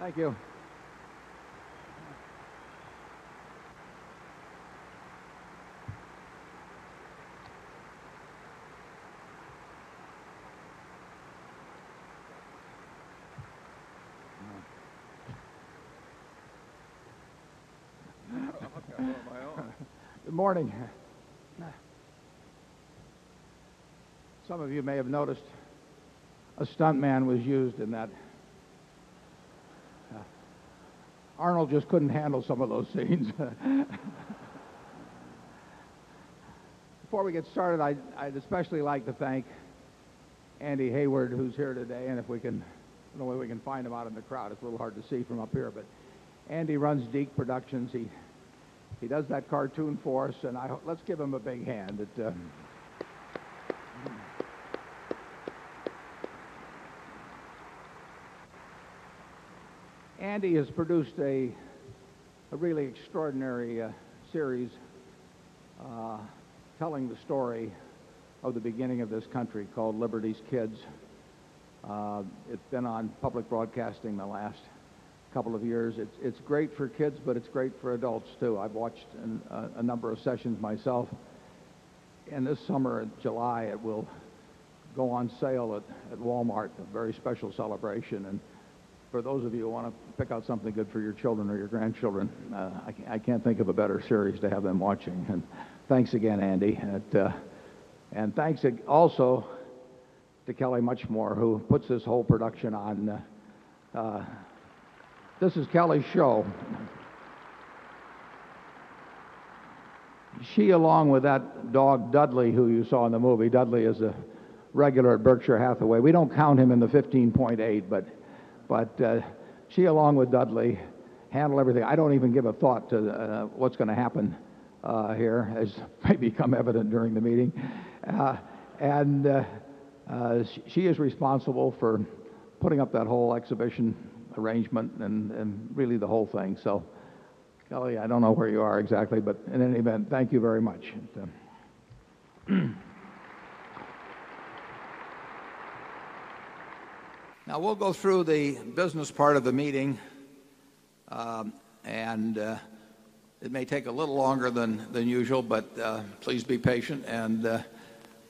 Thank you. Good morning. Some of you may have noticed a stuntman was used in that. Arnold just couldn't handle some of those scenes. Before we get started, I'd I'd especially like to thank Andy Hayward, who's here today, and if we can in a way we can find him out in the crowd. It's a little hard to see from up here, but Andy runs Deac Productions. He He does that cartoon for us, and I hope let's give him a big hand. Andy has produced a really extraordinary series telling the story of the beginning of this country called Liberty's Kids. It's been on public broadcasting the last couple of years. It's it's great for kids, but it's great for adults too. I've watched a number of sessions myself. And this summer, in July, it will go on sale at Walmart, a very special celebration. And for those of you who want to pick out something good for your children or your grandchildren, I can't think of a better series to have them watching. And thanks again, Andy. And thanks also to Kelly Muchmore, who puts this whole production on. This is Kelly's show. She, along with that dog, Dudley, who you saw in the movie Dudley is a regular at Berkshire Hathaway. We don't count him in the 15.8, but she along with Dudley handle everything. I don't even give a thought to what's going to happen here as may become evident during the meeting. And she is responsible for putting up that whole exhibition arrangement and really the whole thing. So Kelly, I don't know where you are exactly, but in any event, thank you very much. Now we'll go through the business part of the meeting. And it may take a little longer than usual, but please be patient. And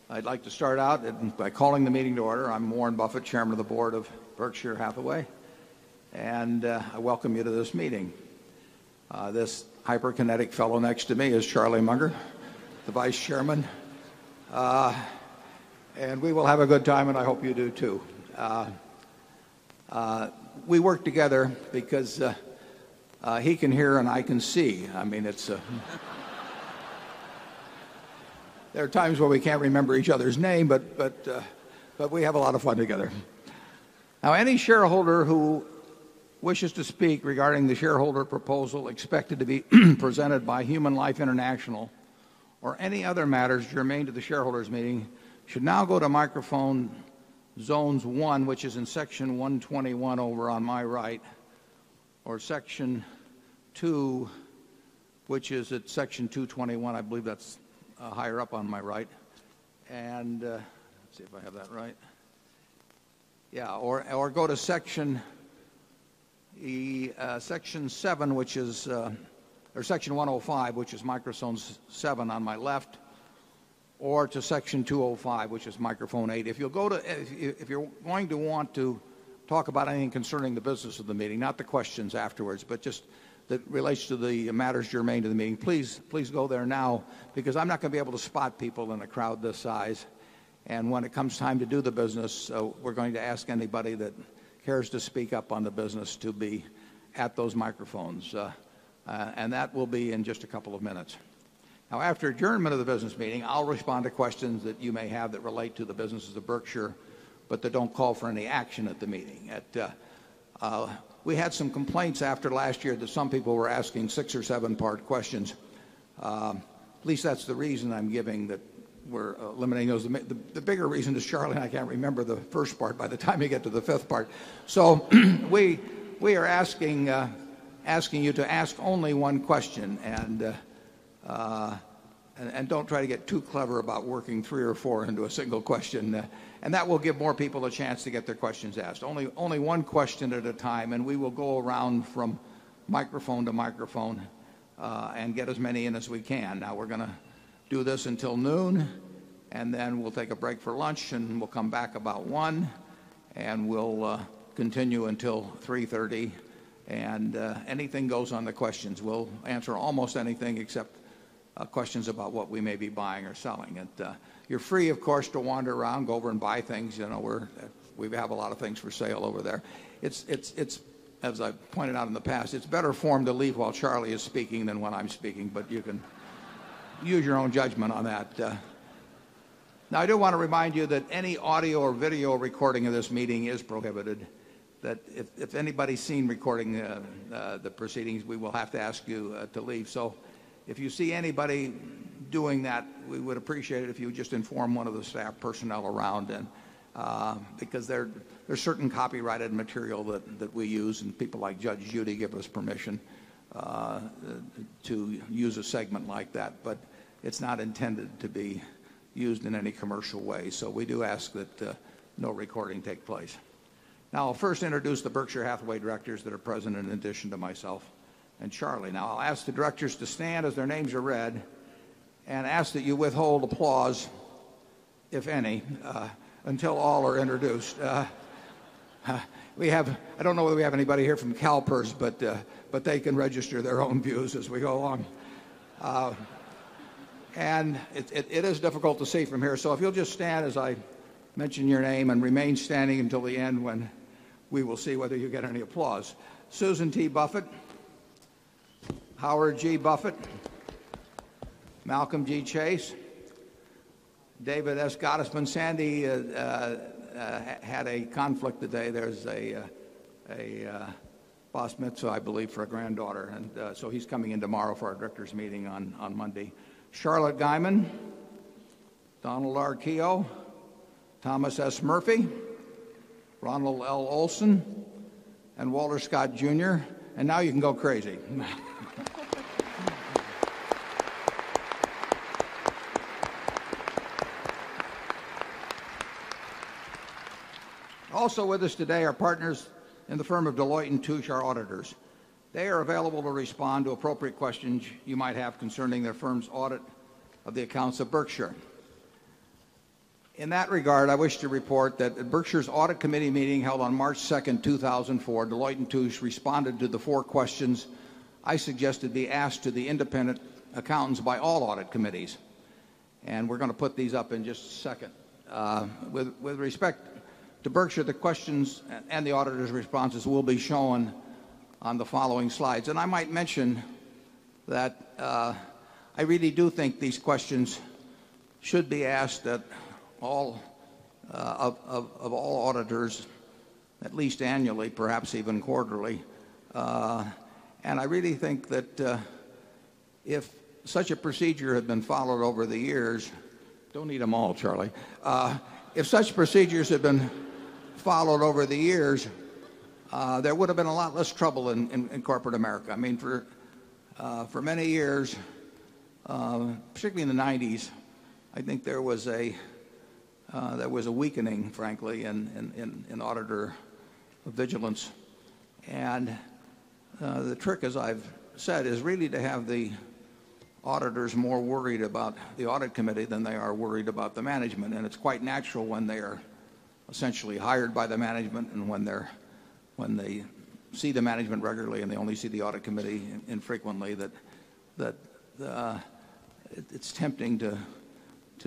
I'd like to start out by calling the meeting to order. I'm Warren Buffett, Chairman of the Board of Berkshire Hathaway. And I welcome you to this meeting. This hyperkinetic fellow next to me is Charlie Munger, the Vice Chairman. And we will have a good time, and I hope you do too. We work together because he can hear and I can see. I mean, it's a there are times when we can't remember each other's name, but we have a lot of fun together. Now any shareholder who wishes to speak regarding the shareholder proposal expected to be presented by Human Life International or any other matters germane to the shareholders' meeting should now go to microphone zones 1, which is in Section 121 over on my right or Section 2, which is at section 221. I believe that's, higher up on my right. And, let's see if I have that Yeah. Or or go to section 7, which is, or section 105, which is Microstone 7 on my left or to Section 205, which is Microphone 8. If you're going to want to talk about anything concerning the business of the meeting, not the questions afterwards, but just that relates to the matters germane to the meeting, please go there now because I'm not going to be able to spot people in a crowd this size. And when it comes time to do the business, we're going to ask anybody that cares to speak up on the business to be at those microphones. And that will be in just a couple of minutes. Now after adjournment of the business meeting, I'll respond to questions that you may have that relate to the businesses of Berkshire, but that don't call for any action at the meeting. We had some complaints after last year that some people were asking 6 or 7 part questions. At least that's the reason I'm giving that we're eliminating those. The bigger reason is Charlotte. I can't remember the first part by the time you get to the 5th part. So we are asking you to ask only one question and don't try to get too clever about working 3 or 4 into a single question. That will give more people a chance to get their questions asked. Only one question at a time, and we will go around from microphone to microphone and get as many in as we can. Now we're going to do this until noon, and then we'll take a break for lunch, and we'll come back about 1 and we'll continue until 3:30. And anything goes on to questions. We'll answer almost anything except questions about what we may be buying or selling. And you're free, of course, to wander around, go over and buy things. We have a lot of things for sale over there. It's as I pointed out in the past, it's better form to leave while Charlie is speaking than when I'm speaking, but you can use your own judgment on that. Now I do want to remind you that any audio or video recording of this meeting is prohibited, that if anybody's seen recording the proceedings, we will have to ask you to leave. So if you see anybody doing that, we would appreciate it if you would just inform 1 of the staff personnel around them, because there are certain copyrighted material that we use and people like Judge Judy give us permission to use a segment like that. But it's not intended to be used in any commercial way. So we do ask that no recording take place. Now I'll first introduce the Berkshire Hathaway directors that are present in addition to myself and Charlie. Now I'll ask the directors to stand as their names are read and ask that you withhold applause, if any, until all are introduced. We have I don't know whether we have anybody here from CalPERS, but they can register their own views as we go along. And it it is difficult to see from here. So if you'll just stand as I mention your name and remain standing until the end when we will see whether you get any applause. Susan T. Buffett, Howard G. Buffett, Malcolm G. Chase, David S. Gottesman. Sandy had a conflict today. There's a boss mitzvah, I believe, for a granddaughter. And, so he's coming in tomorrow for our directors' meeting on on Monday. Charlotte Diamond, Donald R. Kehoe, Thomas S. Murphy, Ronald L. Olson, and Walter Scott Junior. And now you can go crazy. Also with us today are partners in the firm of Deloitte and Touche, our auditors. They are available to respond to appropriate questions you might have concerning their firm's audit of the accounts of Berkshire. In that regard, I wish to report that at Berkshire's audit committee meeting held on March 2, 2004, Deloitte and Touche responded to the 4 questions I suggested be asked to the independent accountants by all audit committees, and we're going to put these up in just a second. With respect to Berkshire, the questions and the auditors' responses will be shown on the following slides. And I might mention that I really do think these questions should be asked that all of all auditors, at least annually, perhaps even quarterly. And I really think that, if such a procedure had been followed over the years don't need them all, Charlie if such procedures had been followed over the years, there would have been a lot less trouble in corporate America. I mean, for many years, particularly in the '90s, I think there was a weakening, frankly, in auditor vigilance. And the trick, as I've said, is really to have the auditors more worried about the audit committee than they are worried about the management. And it's quite natural when they are essentially hired by the management and when they see the management regularly and they only see the audit committee infrequently that it's tempting to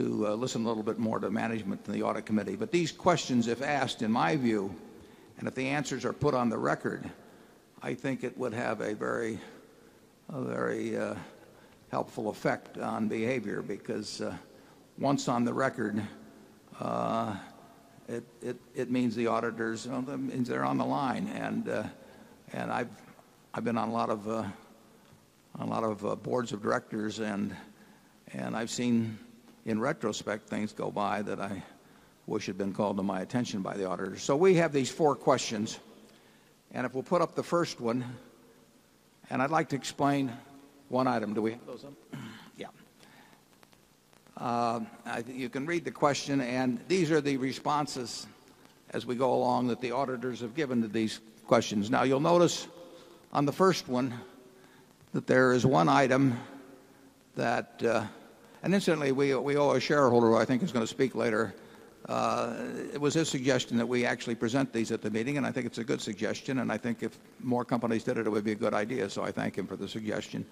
listen a little bit more to management than the audit committee. But these questions, if asked, in my view, and if the answers are put on the record, I think it would have a very, very helpful effect on behavior because once on the record, it means the auditors means they're on the line. And I have been on a lot of boards of directors, and I have seen, in retrospect, things go by that I wish had been called to my attention by the auditors. So we have these four questions, and if we'll put up the first one, and I'd like to explain one item. Do we have those? Yeah. You can read the question, and these are the responses as we go along, that the auditors have given to these questions. Now, you'll notice on the first one that there is one item that, and incidentally, we owe a shareholder, who I think is going to speak later, it was his suggestion that we actually present these at the meeting, and I think it's a good suggestion. And I think if more companies did it, it would be a good idea. So I thank him for the suggestion.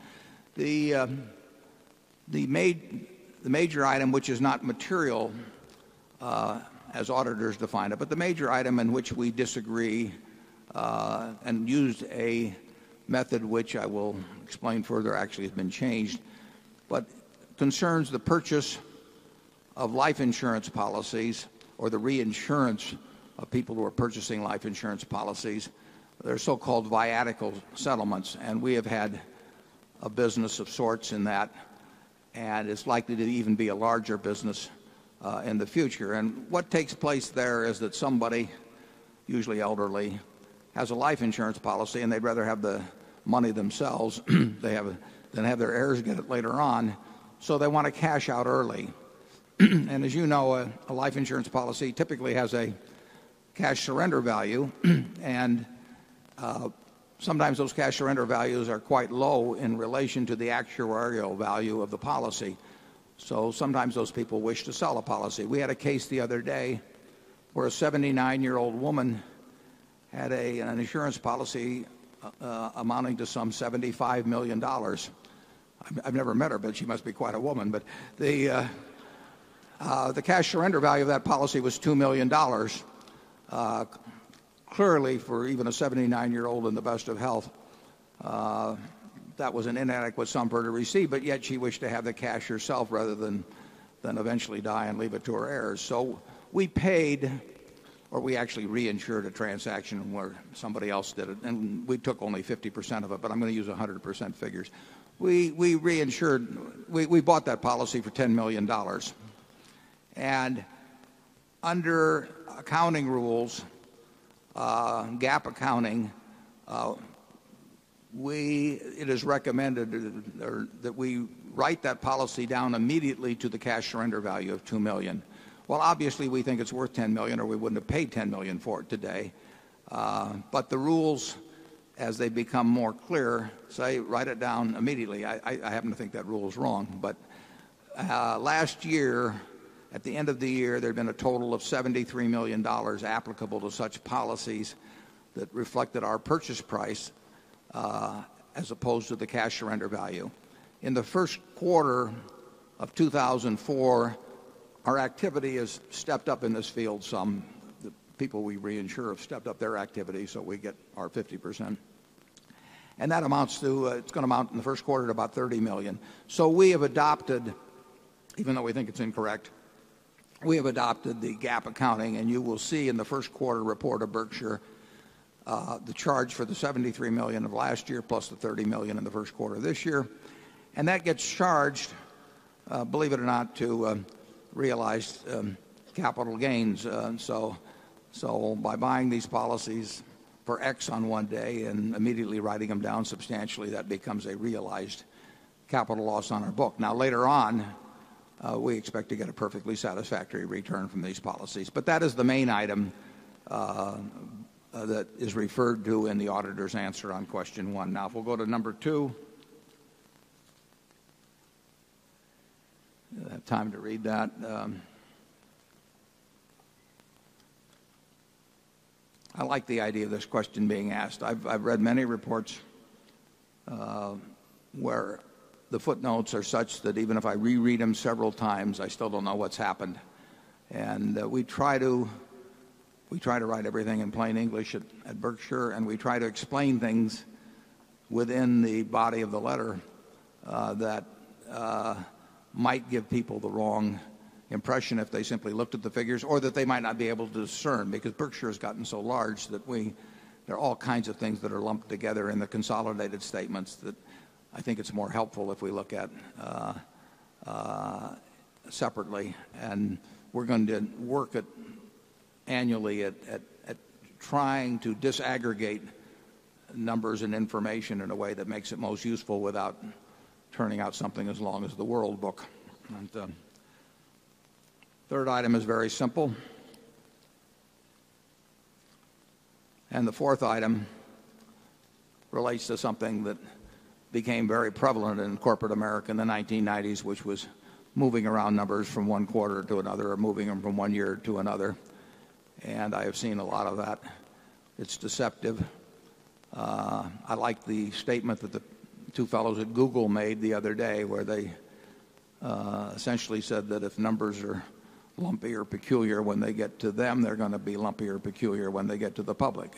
The major item, which is not material, as auditors define it, but the major item in which we disagree and used a method which I will explain further, actually has been changed, but concerns the purchase of life insurance policies or the reinsurance of people who are purchasing life insurance policies. They're so called viatical settlements, and we have had a business of sorts in that. And it's likely to even be a larger business, in the future. And what takes place there is that somebody, usually elderly, has a life insurance policy, and they'd rather have the money themselves than have their heirs get it later on. So they want to cash out early. And as you know, a life insurance policy typically has a cash surrender value. And sometimes those cash surrender values are quite low in relation to the actuarial value of the policy. So So sometimes those people wish to sell a policy. We had a case the other day where a 79 year old woman had an insurance policy amounting to some $75,000,000 I've never met her, but she must be quite a woman. But the cash surrender value of that policy was $2,000,000 Clearly, for even a 79 year old in the best of health, that was an inadequate sum for her to receive. But yet, she wished to have the cash herself rather than eventually die and leave it to her heirs. So we paid or we actually reinsured a transaction where somebody else did it, and we took only 50% of it, but I'm going to use 100% figures. We reinsured we bought that policy for $10,000,000 And under accounting rules, GAAP accounting, we it is recommended that we write that policy down immediately to the cash surrender value of $2,000,000 Well, obviously, we think it's worth $10,000,000 or we wouldn't have paid $10,000,000 for it today. But the rules, as they become more clear, say write it down immediately, I happen to think that rule is wrong. But last year, at the end of the year, there had been a total of $73,000,000 applicable to such policies that reflected our purchase price, as opposed to the cash surrender value. In the Q1 of 2004, our activity has stepped up in this field. Some people we reinsure have stepped up their activity, so we get our 50%. And that amounts to it's going to amount in the Q1 to about $30,000,000 So we have adopted even though we think it's incorrect we have adopted the GAAP accounting. And you will see in the Q1 report of Berkshire, the charge for the $73,000,000 of last year plus the $30,000,000 in the Q1 of this year. And that gets charged, believe it or not, to realize capital gains. So by buying these policies for X on one day and immediately writing them down substantially, that becomes a realized capital loss on our book. Now later on, we expect to get a perfectly satisfactory return from these policies. But that is the main item that is referred to in the auditor's answer on question 1. Now if we'll go to number 2. I don't have time to read that. I like the idea of this question being asked. I've read many reports where the footnotes are such that even if I reread them several times, I still don't know what's happened. And we try to we try to write everything in plain English at at Berkshire, and we try to explain things within the body of the letter, that might give people the wrong impression if they simply looked at the figures or that they might not be able to discern because Berkshire has gotten so large that we there are all kinds of things that are lumped together in the consolidated statements that I think it's more helpful if we look at separately. And we're going to work at annually at trying to disaggregate numbers and information in a way that makes it most useful without turning out something as long as the World Book. And the 3rd item is very simple. And the 4th item relates to something that became very prevalent in corporate America in the 1990s, which was moving around numbers from 1 quarter to another or moving them from 1 year to another. And I have seen a lot of that. It's deceptive. I like the statement that the 2 fellows at Google made the other day where they essentially said that if numbers are lumpy or peculiar when they get to them, they're going to be lumpy or peculiar when they get to the public.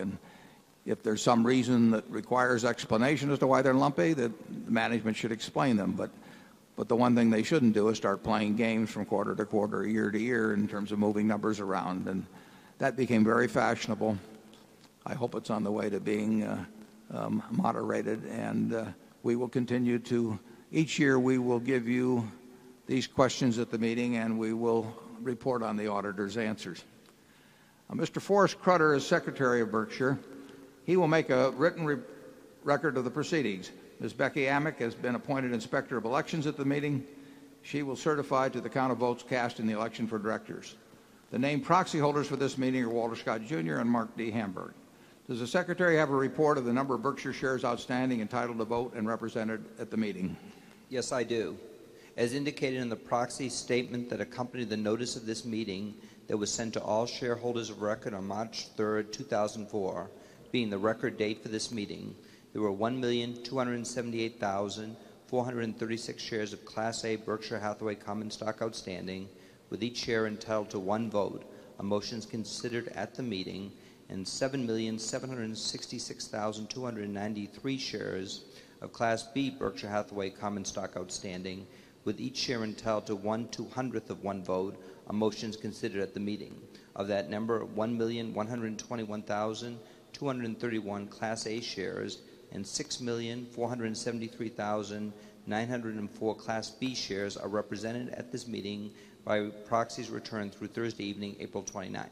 And if there's some reason that requires explanation as to why they're lumpy, then management should explain them. But the one thing they shouldn't do is start playing games from quarter to quarter, year to year in terms of moving numbers around. And that became very fashionable. I hope it's on the way to being moderated. And we will continue to each year, we will give you these questions at the meeting, and we will report on the auditors' answers. Mister Forrest Crutter is secretary of Berkshire. He will make a written record of the proceedings. Miss Becky Amick has been appointed inspector of elections at the meeting. She will certify to the count of votes cast in the election for directors. The named proxy holders for this meeting are Walter Scott Junior and Mark D. Hamburg. Does the secretary have a report of the number of Berkshire shares outstanding entitled to vote and represented at the meeting? Yes, I do. As indicated in the proxy statement that accompanied the notice of this meeting that was sent to all shareholders of record on March 3, 2004, being the record date for this meeting, there were 1,278,436 shares of Class A Berkshire Hathaway common stock outstanding, with each share entitled to one vote, a motion is considered at the meeting and 7,766,293 shares of Class B Berkshire Hathaway common stock outstanding, with each share in total to 1 200th of 1 vote, a motion is considered at the meeting. Of that number, 1,121,231 Class A Shares and 6,473,000 904 Class B Shares are represented at this meeting by proxies returned through Thursday evening, April 29.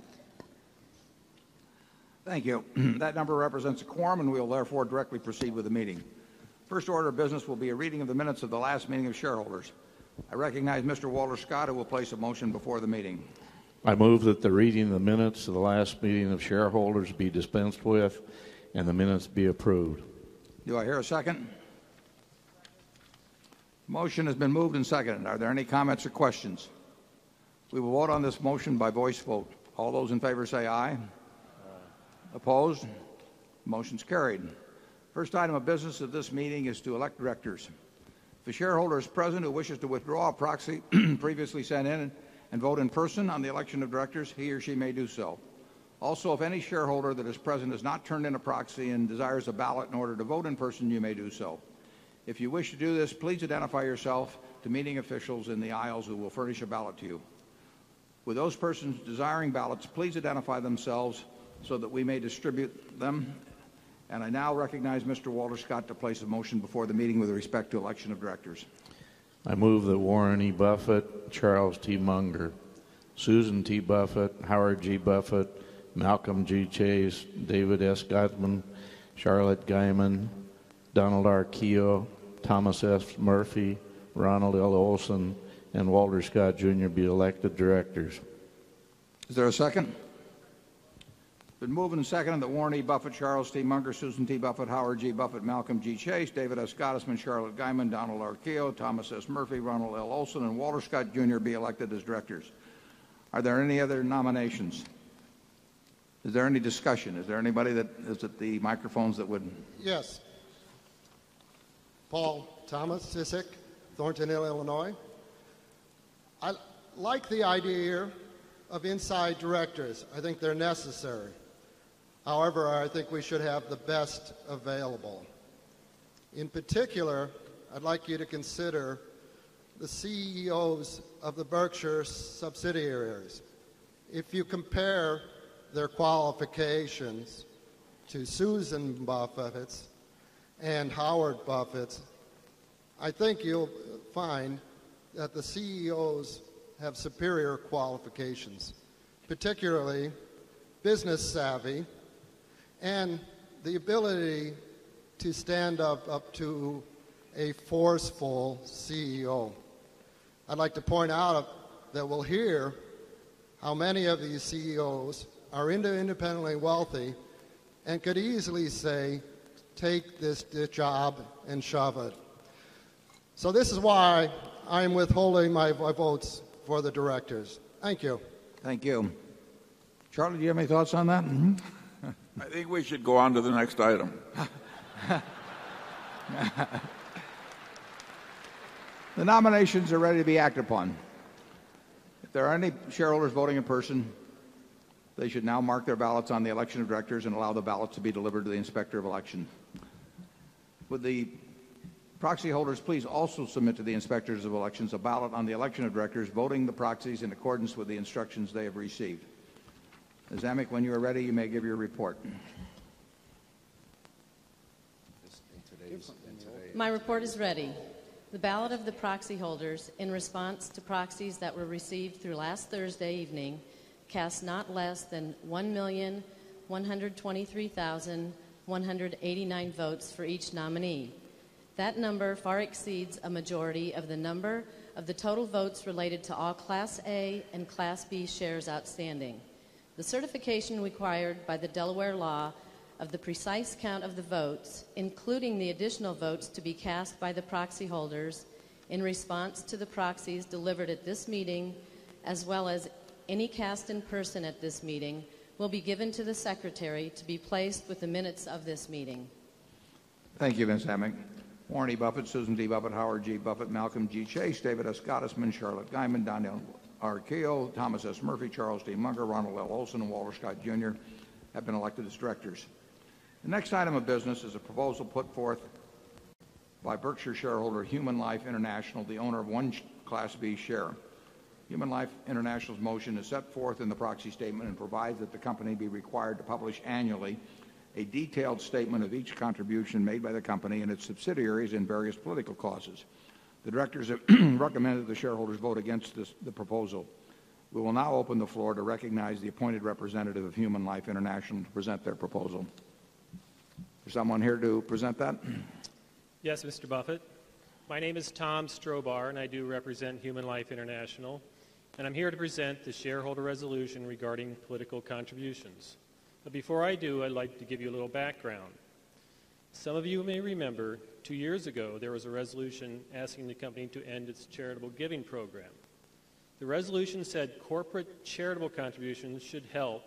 Thank you. That number represents a quorum, and we will therefore directly proceed with the meeting. First order of business will be a reading of the minutes of the last meeting of shareholders. I recognize Mr. Walter Scott, who will place a motion before the meeting. I move that the reading of the minutes of the last meeting of shareholders be dispensed with and the minutes be approved. Do I hear a second? Motion has been moved and seconded. Are there any comments or questions? We will vote on this motion by voice vote. All those in favor, say aye. Aye. Opposed? Motion's carried. First item of business of this meeting is to elect directors. The shareholders present who wishes to withdraw a proxy previously sent in and vote in person on the election of directors, he or she may do so. Also, if any shareholder that is present has not turned in a proxy and desires a ballot in order to vote in person, you may do so. If you wish to do this, please identify yourself to meeting officials in the aisles who will furnish a ballot to you. With those persons desiring ballots, please identify themselves so that we may distribute them. And I now recognize mister Walter Scott to place a motion before the meeting with respect to election of directors. I move that Warren E. Buffet, Charles T. Munger, Susan T. Buffet, Howard G. Buffet, Malcolm G. Chase, David S. Gottman, Charlotte Guymon, Donald R. Keogh, Thomas S. Murphy, Ronald L. Olson and Walter Scott Junior be elected directors. Is there a second? We've been moving second on the Warren E. Buffett, Charles, Steve Munger, Susan T. Buffett, Howard G. Buffett, Malcolm G. Chase, David S. Gottesman, Charlotte Guyman, Donald Arkeo, Thomas S. Murphy, Ronald L. Olson, and Walter Scott Junior be elected as directors. Are there any other nominations? Is there any discussion? Is there anybody that is at the microphones that wouldn't? Yes. Paul Thomas Cisick, Thornton Hill, Illinois. I like the idea here of inside directors. I think they're necessary. However, I think we should have the best available. In particular, I'd like you to consider the CEOs of the Berkshire subsidiaries. If you compare their qualifications to Susan Buffet and Howard Buffet, I think you'll find that the CEOs have superior qualifications, particularly business savvy and the ability to stand up to a forceful CEO. I'd like to point out that we'll hear how many of these CEOs are independently wealthy and could easily say, take this job and shove it. So this is why I am withholding my votes for the directors. Thank you. Thank you. Charlie, do you have any thoughts on that? I think we should go on to the next item. The nominations are ready to be acted upon. If there are any shareholders voting in person, they should now mark their ballots on the election of directors and allow the ballots to be delivered to the Inspector of Election. Would the proxy holders please also submit to the inspectors of elections a ballot on the election of directors voting the proxies in accordance with the instructions they have received. Ms. Amik, when you are ready, you may give your report. My report is ready. The ballot of the proxy holders in response to proxies that were received through last Thursday evening cast not less than 1,000,000 123,189 votes for each nominee. That number far exceeds a majority of the number of the total votes related to all Class A and Class B shares outstanding. The certification required by the Delaware law of the precise count of the votes, including the additional votes to be cast by the proxy holders in response to the proxies delivered at this meeting as well as any cast in person at this meeting will be given to the secretary to be placed with the minutes of this meeting. Thank you, Vince Hammack. Warren Buffett, Susan D. Buffett, Howard G. Buffett, Malcolm G. Chase, David S. Gottesman, Charlotte Guyman, Daniel R. K. O, Thomas S. Murphy, Charles D. Munger, Ronald L. Olson and Walter Scott Jr. Have been elected as directors. The next item of business is a proposal put forth by Berkshire shareholder, Human Life International, the owner of 1 class b share. Human Life International's motion is set forth in the proxy statement and provides that the company be required to publish annually a detailed statement of each contribution made by the company and its subsidiaries in various political causes. The directors have recommended the shareholders vote against this, the proposal. We will now open the floor to recognize the appointed representative of Human Life International to present their proposal. Is someone here to present that? Yes, Mr. Buffet. My name is Tom Strobar, and I do represent Human Life International. And I'm here to present the shareholder resolution regarding political contributions. But before I do, I'd like to give you a little background. Some of you may remember 2 years ago, there was a resolution asking the company to end its charitable giving program. The resolution said corporate charitable contributions should help,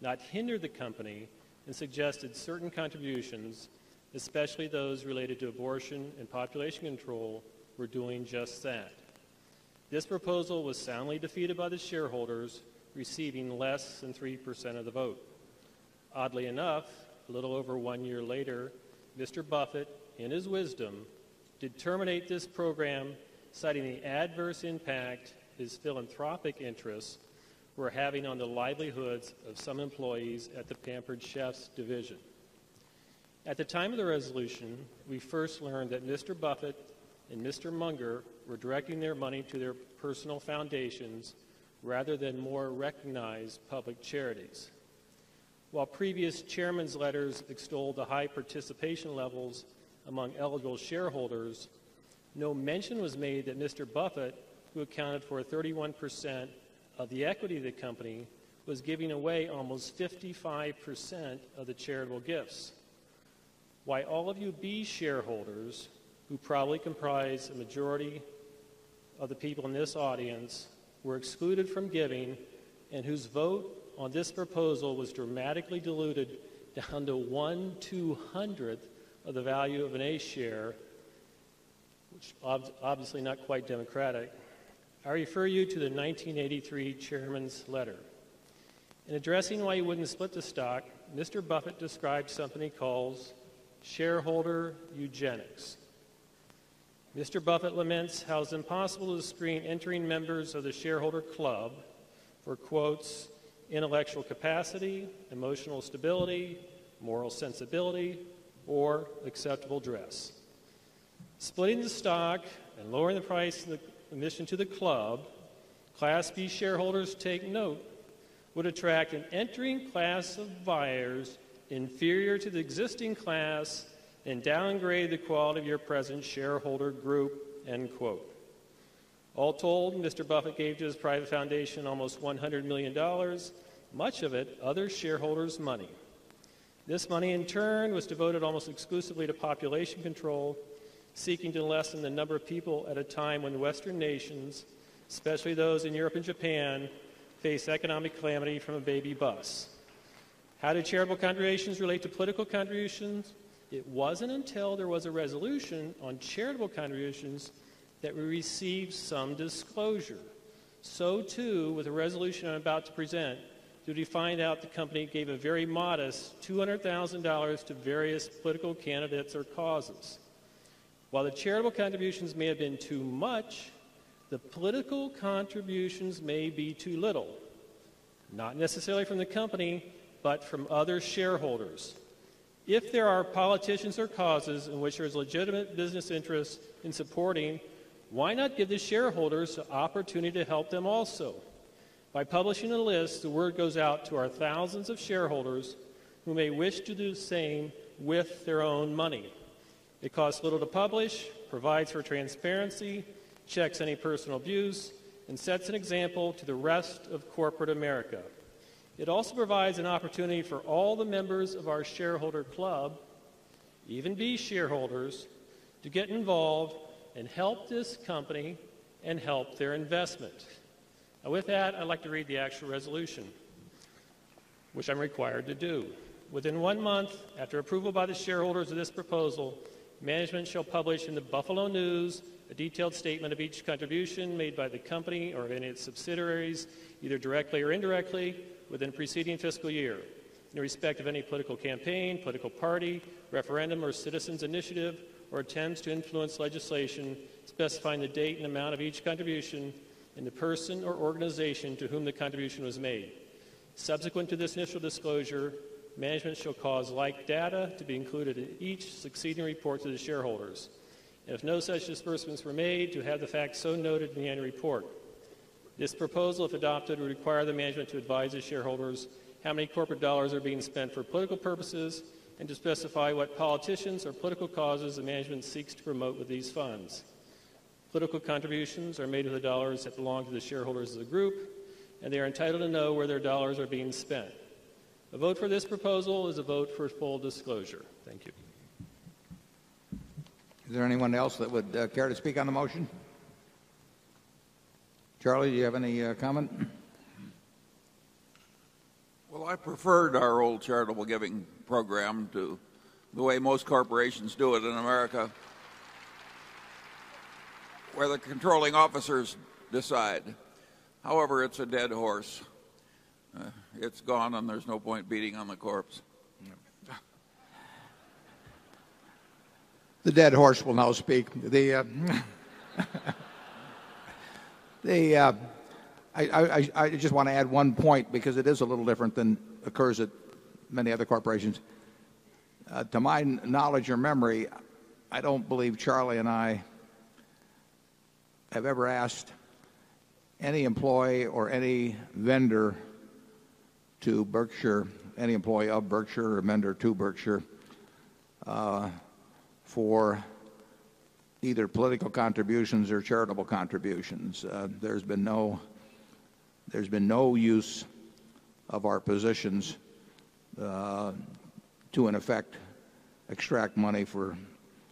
not hinder the company and suggested certain contributions, especially those related to abortion and population control, were doing just that. This proposal was soundly defeated by the shareholders receiving less than 3% of the vote. Oddly enough, a little over 1 year later, mister Buffet, in his wisdom, did terminate this program, citing the adverse impact his philanthropic interests were having on the livelihoods of some employees at the Pampered Chef's division. At the time of the resolution, we first learned that mister Buffet and mister Munger were directing their money to their personal foundations rather than more recognized public charities. While previous Chairman's letters extolled the high participation levels among eligible shareholders, no mention was made that Mr. Buffet, who accounted for 31% of the equity of the company, was giving away almost 55% of the charitable gifts. Why all of you B shareholders who probably comprise a majority of the people in this audience were excluded from giving and whose vote on this proposal was dramatically diluted to 100 200th of the value of an A share, which is obviously not quite democratic, I refer you to the 1983 and letter. In addressing why you wouldn't split the stock, Mr. Buffett described something he calls shareholder Eugenics. Mr. Buffet laments how it's impossible to screen entering members of the shareholder club for quotes, intellectual capacity, emotional stability, moral sensibility or acceptable dress. Splitting the stock and lowering the price of the commission to the club, Class B shareholders take note would attract an entering class of buyers inferior to the existing class and downgrade the quality of your present shareholder group, end All told, Mr. Buffet gave to his private foundation almost $100,000,000 much of it other shareholders' money. This money in turn was devoted almost exclusively to population control, seeking to lessen the number of people at a time when Western nations, especially those in Europe and Japan, face economic calamity from a baby bus. How do charitable contributions relate to political So too with the resolution I'm about to present, did we find out the company gave a very modest $200,000 to various political candidates or causes. While the charitable contributions may have been too much, the political contributions may be too little, not necessarily from the company, but from other shareholders. If there are politicians or causes in which there is legitimate business interest in supporting, why not give the shareholders the opportunity to help them also? By publishing a list, the word goes out to our thousands of shareholders who may wish to do the same with their own money. It costs little to publish, provides for transparency, checks any personal abuse, and sets an example to the rest of corporate America. It also provides an opportunity for all the members of our shareholder club, even these shareholders to get involved and help this company and help their investment. And with that, I'd like to read the actual resolution, which I'm required to do. Within 1 month, after approval by the shareholders of this proposal, management shall publish in the Buffalo News a detailed statement of each contribution made by the company or of any of its subsidiaries, either directly or indirectly, within preceding fiscal year, in respect of any political campaign, political party, referendum, or citizens' initiative, or attempts to influence legislation specifying the date and amount of each contribution and the person or organization to whom the contribution was made. Subsequent to this initial disclosure, management shall cause like data to be included in each succeeding report to the shareholders. If no such disbursements were made, to have the facts so noted in the annual report. This proposal, if adopted, would require the management to advise the shareholders how many corporate dollars are being spent for political purposes and to specify what politicians or political causes the management seeks to promote with these funds. Political contributions are made to the dollars that belong to the shareholders of the group and they entitled to know where their dollars are being spent. A vote for this proposal is a vote for full disclosure. Thank you. Is there anyone else that would care to speak on the motion? Charlie, do you have any comment? Well, I preferred our old charitable giving program to the way most corporations do it in America, where the controlling officers decide. However, it's a dead horse. It's gone and there's no point beating on the corpse. The dead horse will now speak. The, I I I just want to add one point because it is a little different than occurs at many other corporations. To my knowledge or memory, I don't believe Charlie and I have ever asked any employee or any vendor to Berkshire, any employee of Berkshire or a vendor to Berkshire, for either political contributions or charitable contributions. There's been no use of our positions to, in effect, extract money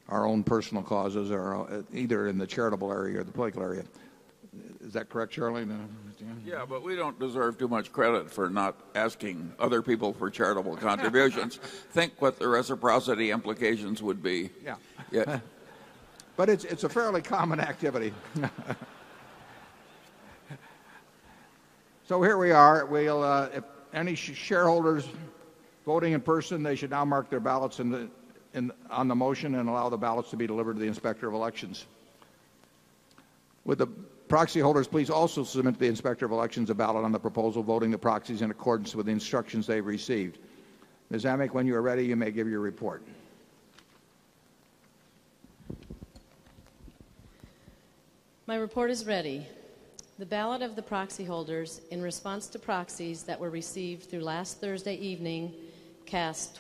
for our own personal causes or either in the charitable area or the political area. Is that correct, Charlie? Yes, but we don't deserve too much credit for not asking other people for charitable contributions. Think what the reciprocity implications would be. Yeah. But it's a fairly common activity. So here we are. We'll, if any shareholders voting in person, they should now mark their ballots in the in on the motion and allow the ballots to be delivered to the Inspector of Elections. Would the proxy holders please also submit to the Inspector of Elections a ballot on the proposal voting the proxies in accordance with the instructions they've received. Ms. Hammack, when you are ready, you may give your report. My report is ready. The ballot of the proxy holders in response to proxies that were received through last Thursday evening cast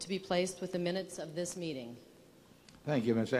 to be placed with the minutes of this meeting. Thank you, Ms.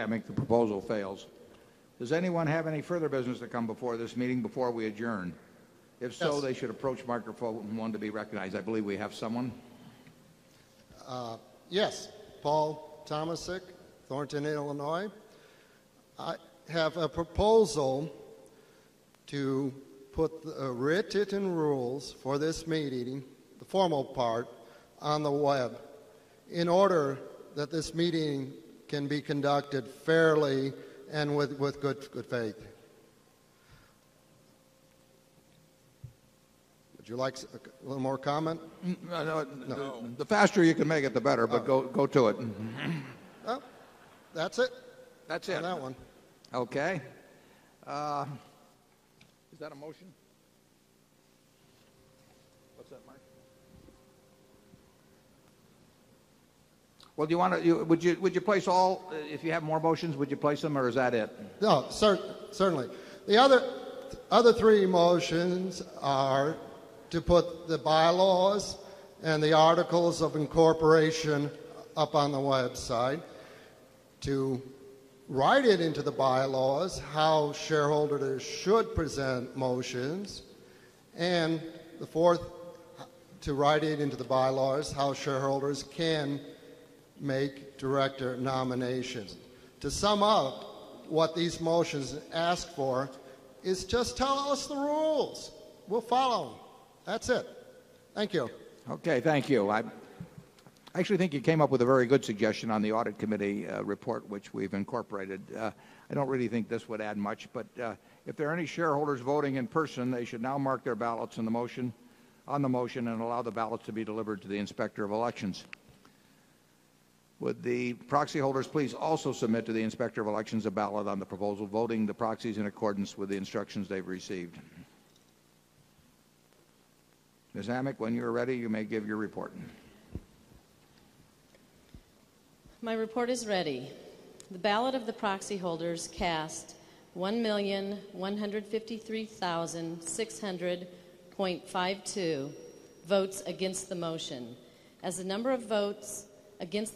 Amick.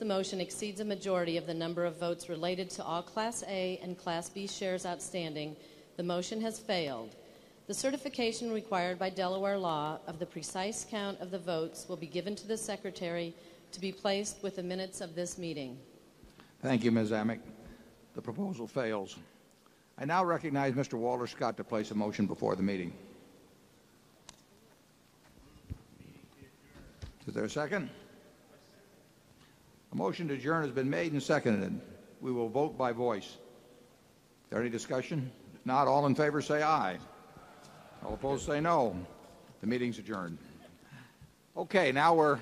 The proposal fails. I now recognize mister Walter Scott to place a motion before the meeting. Is there a second? A motion to adjourn has been made and seconded. We will vote by voice. Any discussion? If not, all in favor, say aye. All opposed, say no. The meeting's adjourned. Okay. Now we're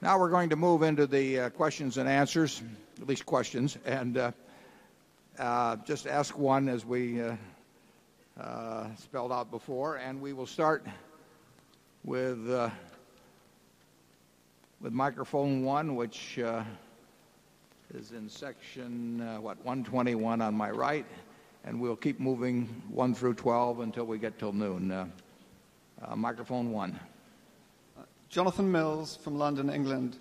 now we're going to move into the questions and answers, at least questions. And, just ask 1, as we spelled out before. And we will start microphone 1, which is in section, what, 121 on my right. And we'll keep moving 1 through 12 until we get till noon. Microphone 1. Jonathan Mills from London, England.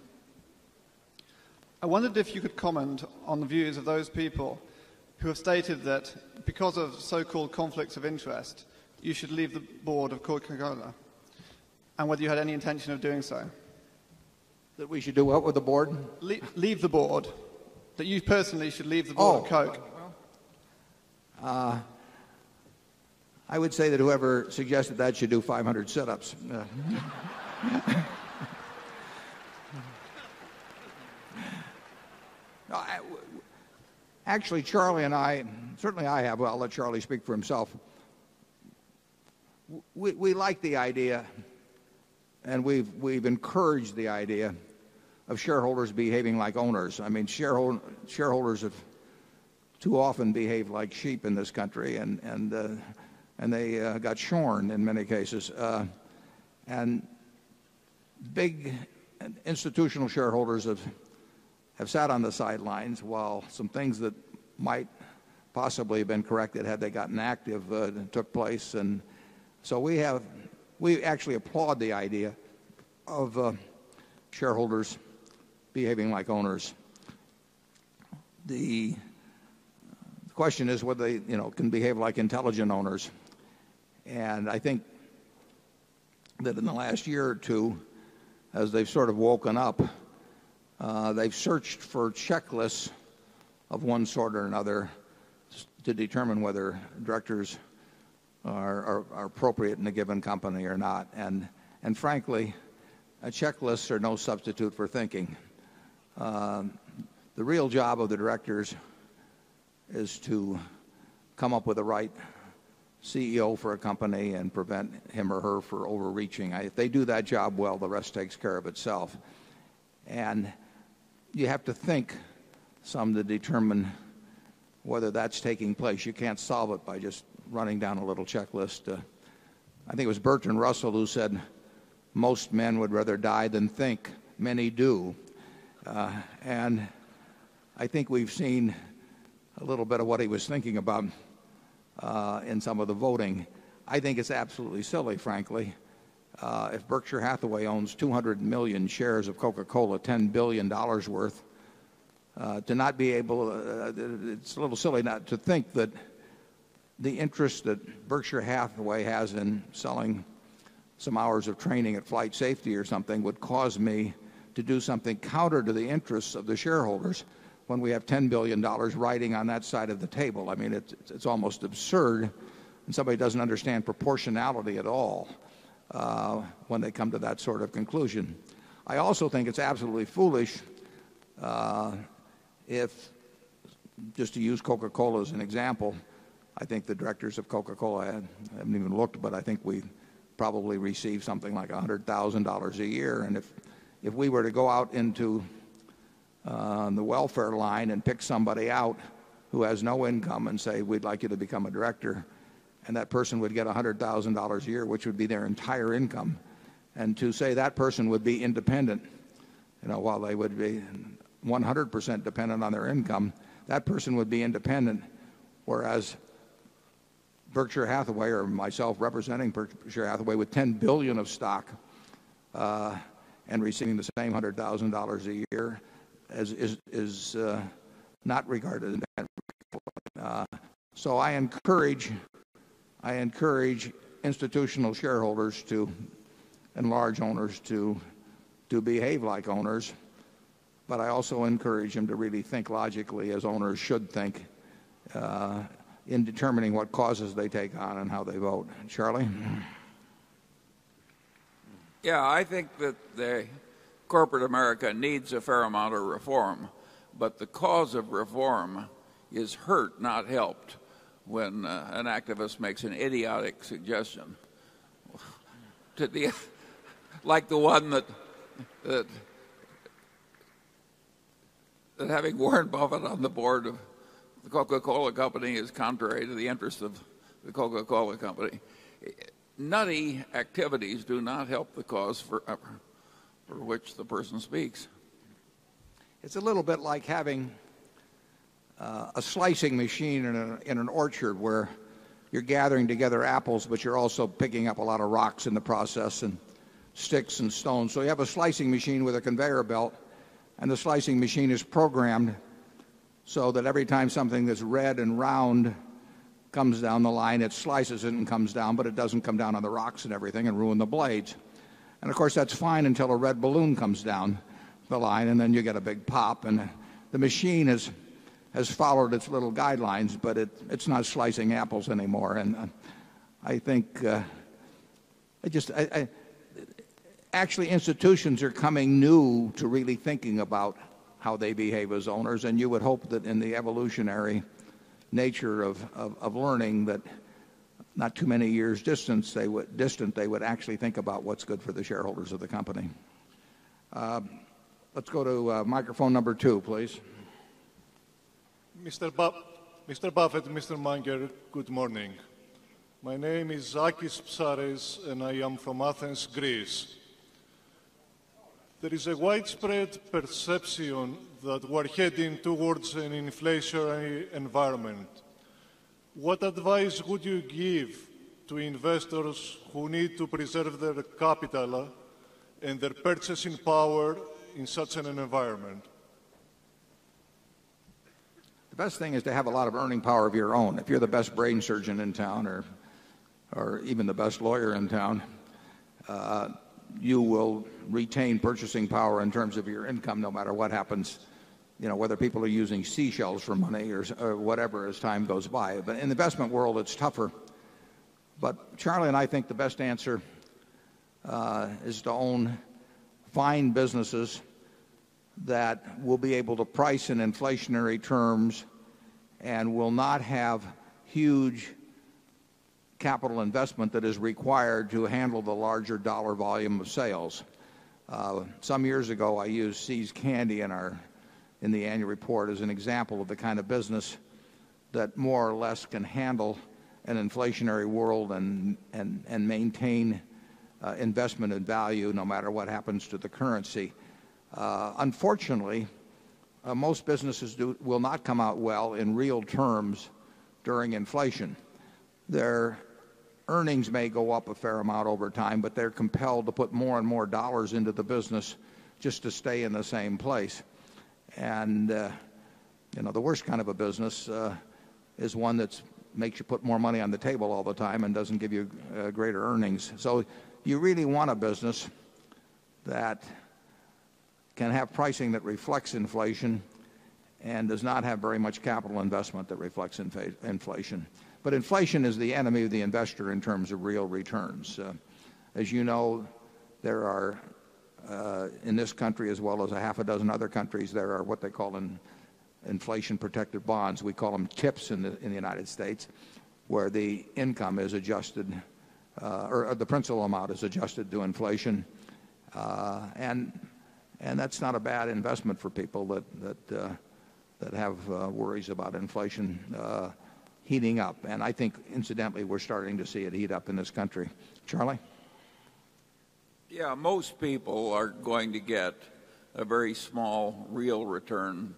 I wondered if you could comment on the views of those people who have stated that because of so called conflicts of interest, you should leave the board of Coca Cola and whether you had any intention of doing so. That we should do what with the board? Leave the board, That you personally should leave the board Coke? I would say that whoever suggested that should do 500 setups. Actually, Charlie and I, certainly, I have well, I'll let Charlie speak for himself. We like the idea, and we've encouraged the idea of shareholders behaving like owners. I mean, shareholders have too often behaved like sheep in this country, and and, and they, got shorn in many cases. And big institutional shareholders have sat on the sidelines while some things that might possibly have been corrected had they gotten active took place. And so we have we actually applaud the idea of shareholders behaving like owners. The question is whether they, you know, can behave like intelligent owners. And I think that in the last year or 2, as they've sort of woken up, they've searched for checklists of one sort or another to determine whether directors are appropriate in a given company or not. And frankly, checklists are no substitute for thinking. The real job of the directors is to come up with the right CEO for a company and prevent him or her for overreaching. If they do that job well, the rest takes care of itself. And you have to think some to determine whether that's taking place. You can't solve it by just running down a little checklist. I think it was Bertrand Russell who said most men would rather die than think. Many do. And I think we've seen a little bit of what he was thinking about in some of the voting. I think it's absolutely silly, frankly, if Berkshire Hathaway owns 200,000,000 shares of Coca Cola, dollars 10,000,000,000 worth, To not be able, it's a little silly not to think that the interest that Berkshire Hathaway has in selling some hours of training at flight safety or something would cause me to do something counter to the interests of the shareholders when we have $10,000,000,000 riding on that side of the table. I mean, it's almost absurd, and somebody doesn't understand proportionality at all, when they come to that sort of conclusion. I also think it's absolutely foolish, if, just to use Coca Cola as an example, I think the directors of Coca Cola haven't even looked, but I think we probably receive something like $100,000 a year. And if we were to go out into the welfare line and pick somebody out who has no income and say, we'd like you to become a director, and that person would get $100,000 a year, which would be their entire income. And to say that person would be independent, while they would be 100% dependent on their income, that person would be independent, Whereas Berkshire Hathaway or myself representing Berkshire Hathaway with $10,000,000,000 of stock and receiving the same $100,000 a year is not regarded as an asset. Natural. So I encourage institutional shareholders to and large owners to behave like owners, but I also encourage them to really think logically as owners should think in determining what causes they take on and how they vote. Charlie? Yeah. I think that corporate America needs a fair amount of reform, but the cause of reform is hurt, not helped when an activist makes an idiotic suggestion. To be like the one that that having Warren Buffett on the board of the Coca Cola Company is contrary to the interest of the Coca Cola Company. Nutty activities do not help the cause for which the person speaks. It's a little bit like having a slicing machine in an in an orchard where you're gathering together apples, but you're also picking up a lot of rocks in the process and sticks and stones. So you have a slicing machine with a conveyor belt. And the slicing machine is programmed so that every time something that's red and round comes down the line, it slices it and comes down, but it doesn't come down on the rocks and everything and ruin the blades. And of course, that's fine until a red balloon comes down the line and then you get a big pop. And the machine has followed its little guidelines, but it's not slicing apples anymore. And I think, I just I I actually, institutions are coming new to really thinking about how they behave as owners. And you would hope that in the evolutionary nature of learning that not too many years distant, they would think about what's good for the shareholders of the company. Let's go to microphone number 2, please. Mister Buffett and Mr. Munger, good morning. My name is Akis Psarris, and I am from Athens, Greece. There is a widespread perception that we're heading towards an inflationary environment. What advice would you give to investors who need to preserve their capital and their purchasing power in such an environment? The best thing is to have a lot of earning power of your own. If you're the best brain surgeon in town or or even the best lawyer in town, you will retain purchasing power in terms of your income no matter what happens, whether people are using seashells for money or whatever as time goes by. But in the investment world, it's tougher. But Charlie and I think the best answer, is to own fine businesses that will be able to price in inflationary terms and will not have huge capital investment that is required to handle the larger dollar volume of sales. Some years ago, I used See's Candy in our in the annual report as an example of the kind of business that more or less can handle an inflationary world and maintain investment and value no matter what happens to the currency. Unfortunately, most businesses do will not come out well in real terms during inflation. Their earnings may go up a fair amount over time, but they're compelled to put more and more dollars into the business just to stay in the same place. And the worst kind of a business is one that makes you put more money on the table all the time and doesn't give you greater earnings. So you really want a business that can have pricing that reflects inflation and does not have very much capital investment that reflects inflation. But inflation is the enemy of the investor in terms of real returns. As you know, there are in this country as well as a half a dozen other countries, there are what they call inflation protective bonds. We call them chips in the United States where the income is adjusted or the principal amount is adjusted to inflation. And that's not a bad investment for people that have worries about inflation heating up. And I think, incidentally, we're starting to see it heat up in this country. Charlie? Yeah. Most people are going to get a very small real return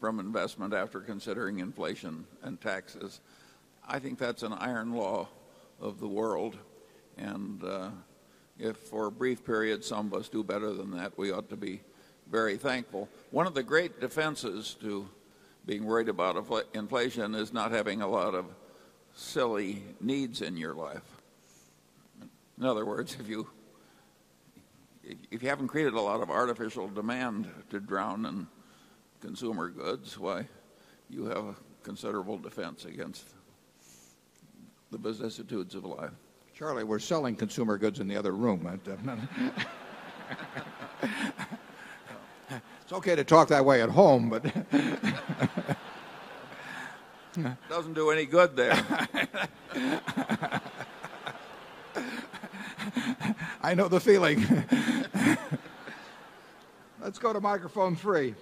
from investment after considering inflation and taxes. I think that's an iron law of the world. And if for a brief period some of us do better than that, we ought to be very thankful. One of the great defenses to being worried about inflation is not having a lot of silly needs in your life. In other words, if you if you haven't created a lot of artificial demand to drown in consumer goods, why, you have a considerable defense against the businessitudes of life. Charlie, we're selling consumer goods in the other room. It's okay to talk that way at home, but it doesn't do any good there. I know the feeling. Let's go to microphone 3.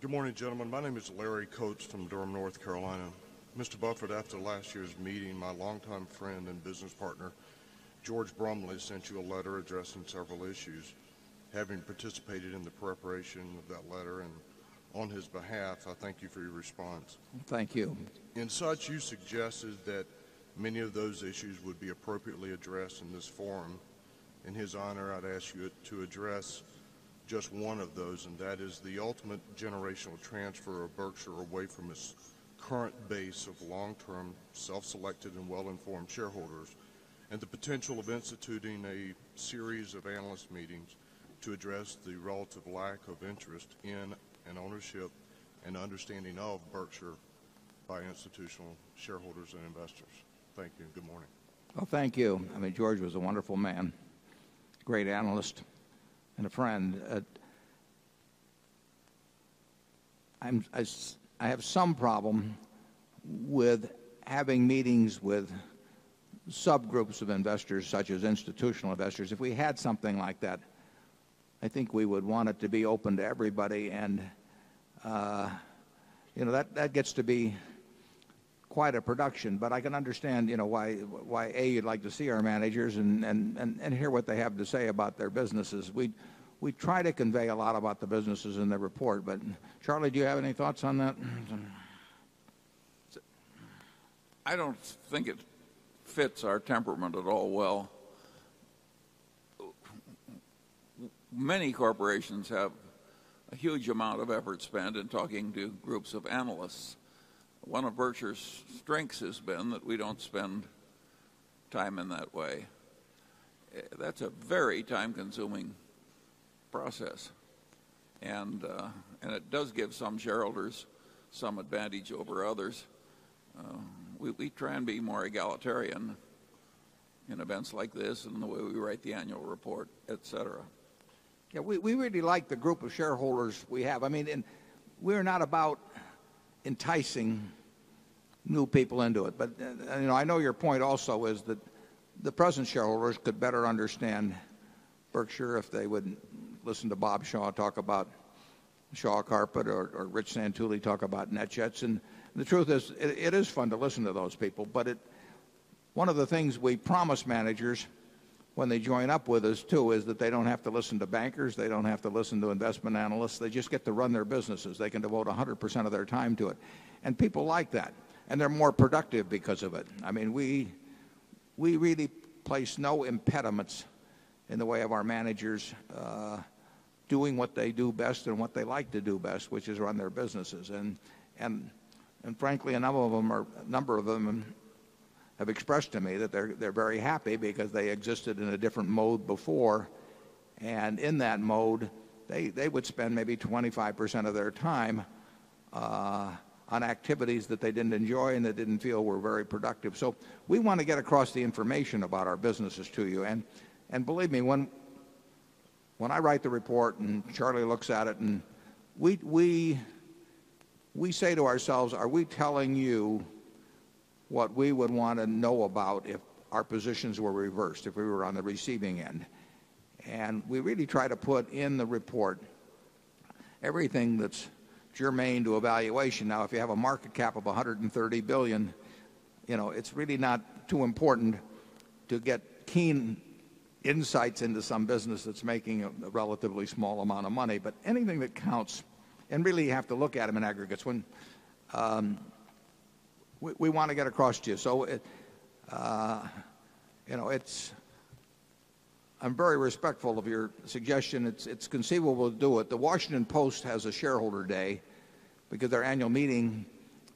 Good morning, gentlemen. My name is Larry Coats from Durham, North Carolina. Mr. Bufford, after last year's meeting, my longtime friend and business partner, George Brumley, sent you a letter addressing several issues. Having participated in the preparation of that letter and on his behalf, I thank you for your response. Thank you. In such, you suggested that many of those issues would informed shareholders and the potential of instituting a series of analyst meetings to address the relative lack of interest in and ownership and understanding of Berkshire by institutional shareholders and investors. Well, thank you. I mean, George was a wonderful man, great analyst and a friend. I have some problem with having meetings with subgroups of investors such as institutional investors. If we had something like that, I think we would want it to be open to everybody and that gets to be quite a production, but I can understand why, A, you'd like to see our managers and hear what they have to say about their businesses. We try to convey a lot about the businesses in the report, but Charlie, do you have any thoughts on that? I don't think it fits our temperament at all well. Many corporations have a huge amount of effort spent in talking to groups of analysts. One of VirTra's strengths has been that we don't spend time in that way. That's a very time consuming process And it does give some shareholders some advantage over others. We try and be more egalitarian in events like this and the way we write the annual report, etcetera. Yes. We really like the group of shareholders we have. I mean, we're not about enticing new people into it. But I know your point also is that the present shareholders could better understand Berkshire if they wouldn't listen to Bob Shaw talk about Shaw Carpet or Rich Santulli talk about NetJets. And the truth is, it is fun to listen to those people. But one of the things we promise managers when they join up with us, too, is that they don't have listen to bankers. They don't have to listen to investment analysts. They just get to run their businesses. They can devote 100% of their time to it. And people like that. And they're more productive because of it. I mean, we really place no impediments in the way of our managers doing what they do best and what they like to do best, which is run their businesses. And frankly, a number of them have expressed to me that they're very happy because they existed in a different mode before. And in that mode, they would spend maybe 25% of their time on activities that they didn't enjoy and they didn't feel were very productive. So we want to get across the information about our businesses to you. And believe me, when I write the report and Charlie looks at it, we we we say to ourselves, are we telling you what we would want to know about if our positions were reversed, if we were on the receiving end. And we really try to put in the report everything that's germane to evaluation. Now if you have a market cap of $130,000,000,000 it's really not too important to get keen insights into some business that's making a relatively small amount of money. But anything that counts and really you have to look at them in aggregates. We want to get across to you. It's I'm very respectful of your suggestion. It's conceivable to do it. The Washington Post has a Shareholder Day because their annual meeting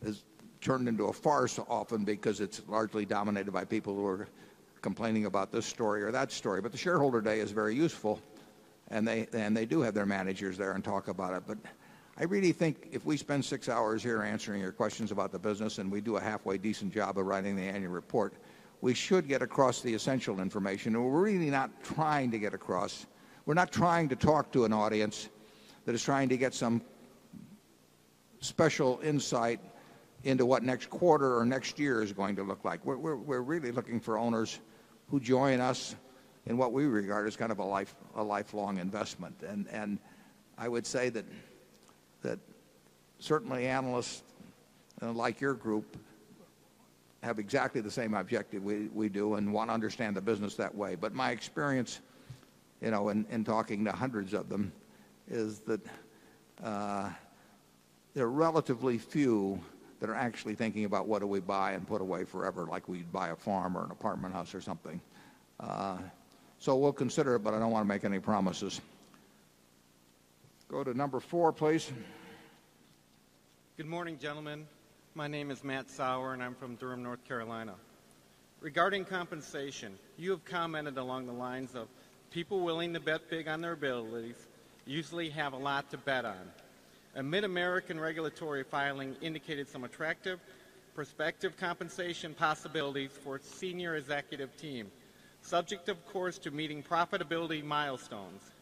has turned into a farce often because it's largely dominated by people who are complaining about this story or that story. But the Shareholder Day is very useful, and they do have their managers there and talk about it. But I really think if we spend 6 hours here answering your questions about the business and we do a halfway decent job of writing the annual report, we should get across the essential information. We're really not trying to get across. We're not trying to talk to an audience that is trying to get some special insight into what next quarter or next year is going to look like. We're really looking for owners who join us in what we regard as kind of a lifelong investment. And I would say that certainly analysts, like your group, have exactly the same objective we do and want to understand the business that way. But my experience in talking to 100 of them is that there are relatively few that are actually thinking about what do we buy and put away forever, like we buy a farm or an apartment house or something. So we'll consider it, but I don't want to make any promises. Go to number 4, please. Good morning, gentlemen. My name is Matt Sauer, and I'm from Durham, North Carolina. Regarding compensation, you have commented along the lines of people willing to bet big on their abilities usually have a lot to bet on. A mid American regulatory filing indicated some attractive, prospective compensation possibilities for its senior executive team, subject of course to meeting profitability milestones.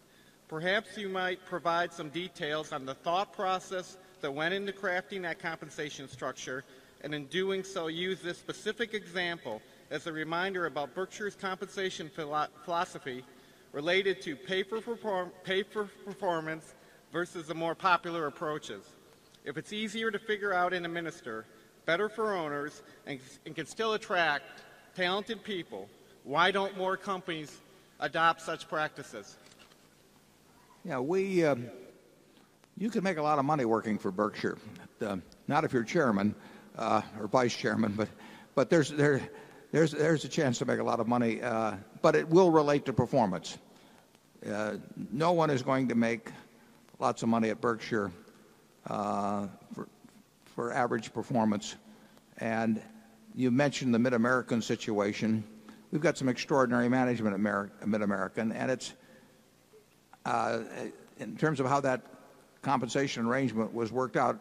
Perhaps you might provide some details on the thought process that went into crafting that compensation structure and, in doing so, use this specific example as a reminder about Berkshire's compensation philosophy related to pay for performance versus the more popular approaches. If it's easier to figure out in a minister, better for owners, and and can still attract talented people, why don't more companies adopt such practices? Yeah. We, you can make a lot of money working for Berkshire. Not if you're chairman or vice chairman, but there's a chance to make a lot of money. But it will relate to performance. No one is going to make lots of money at Berkshire for average performance. And you mentioned the Mid American situation. We've got some extraordinary management at Mid American. And it's, in terms of how that compensation arrangement was worked out,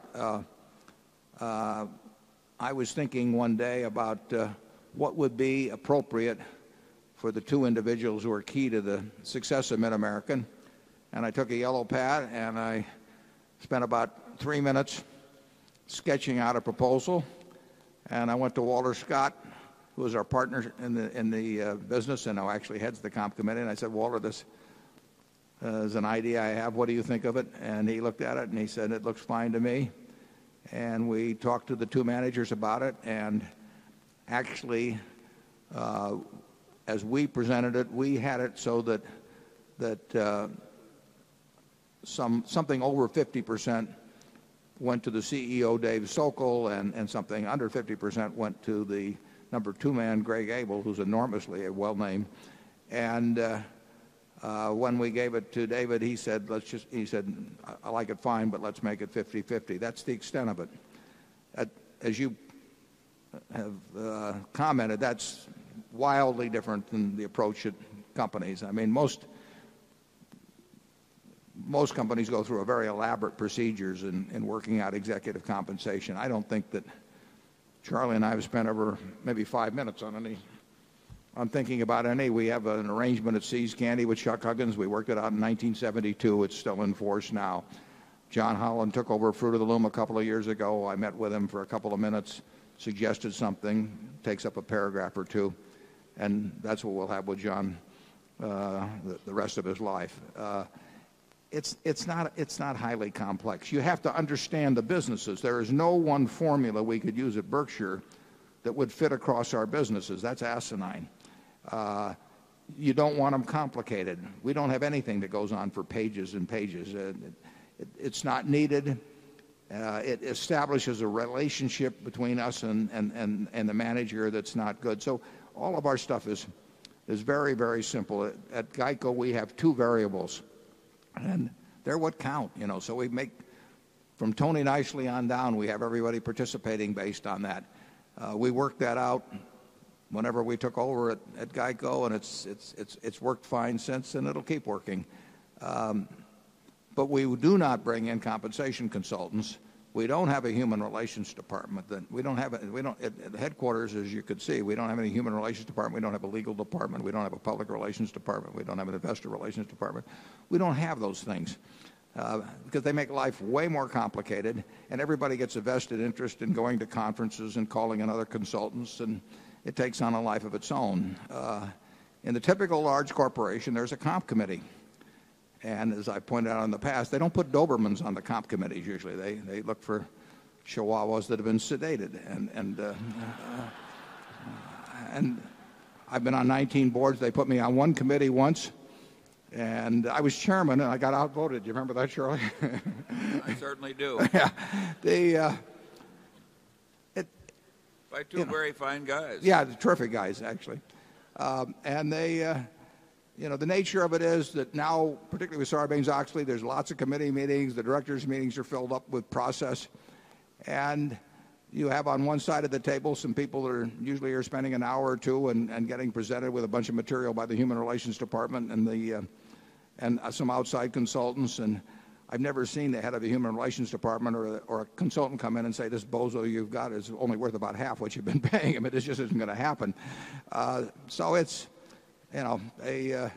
I was thinking one day about, what would be appropriate for the 2 individuals who were key to the success of Mid American. And I took a yellow pad, and I spent about 3 minutes sketching out a proposal. And I went to Walter Scott, who was our partner in the business and now actually heads the comp committee. And I said, Walter, this is an idea I have. What do you think of it? And he looked at it and he said, it looks fine to me. And we talked to the 2 managers about it. And actually, as we presented it, we had it so that something over 50% went to the CEO, Dave Sokol, and something under 50% went to the number 2 man, Greg Abel, who's enormously well named. And when we gave it to David, he said, let's just he said, I like it fine, but let's make it fifty-fifty. That's the extent of it. As you have commented, that's wildly different than the approach at companies. I mean, most companies go through a very elaborate procedures in working out executive compensation. I don't think that Charlie and I have spent over maybe 5 minutes on thinking about any. We have an arrangement of See's Candy with Chuck Huggins. We worked it out in 1972. It's still in force now. John Holland took over Fruit of the Loom a couple of years ago. I met with him for a couple of minutes, suggested something, takes up a paragraph or 2, and that's what we'll have with John the rest of his life. It's not highly complex. You have to understand the businesses. There is no one formula we could use at Berkshire that would fit across our businesses. That's asinine. You don't want them complicated. We don't have anything that goes on for pages and pages. It's not needed. It establishes a relationship between us and the manager that's not good. So all of our stuff is very, very simple. At GEICO, we have 2 variables, and they're what count. So we make from Tony Nicely on down, we have everybody participating based on that. We worked that out whenever we took over at GEICO, and it's worked fine since, and it'll keep working. But we do not bring in compensation consultants. We don't have a human relations department. We don't have a at the headquarters, as you could see, we don't have any human relations department. We don't have a legal department. We don't have a public relations department. We don't have an investor relations department. We don't have those things, because they make life way more complicated, and everybody gets a vested interest in going to conferences and calling in other consultants, and it takes on a life of its own. In the typical large corporation, there's a comp committee. And as I pointed out in the past, they don't put Dobermans on the comp committees usually. They look for chihuahuas that have been sedated. And I've been on 19 boards. They put me on one committee once. And I was chairman and I got outvoted. Do you remember that, Shirley? I certainly do. Yes. By 2 very fine guys. Yes, terrific guys actually. And the nature of it is that now with Sarbanes Oxley, there's lots of committee meetings. The directors' meetings are filled up with process. And you have on one side of the table some people are usually are spending an hour or 2 and getting presented with a bunch of material by the Human Relations Department and some outside consultants. And I've never seen the head of the Human Relations department or a consultant come in and say, this bozo you've got is only worth about half what you've been paying. I mean, this just isn't going to happen. So it's a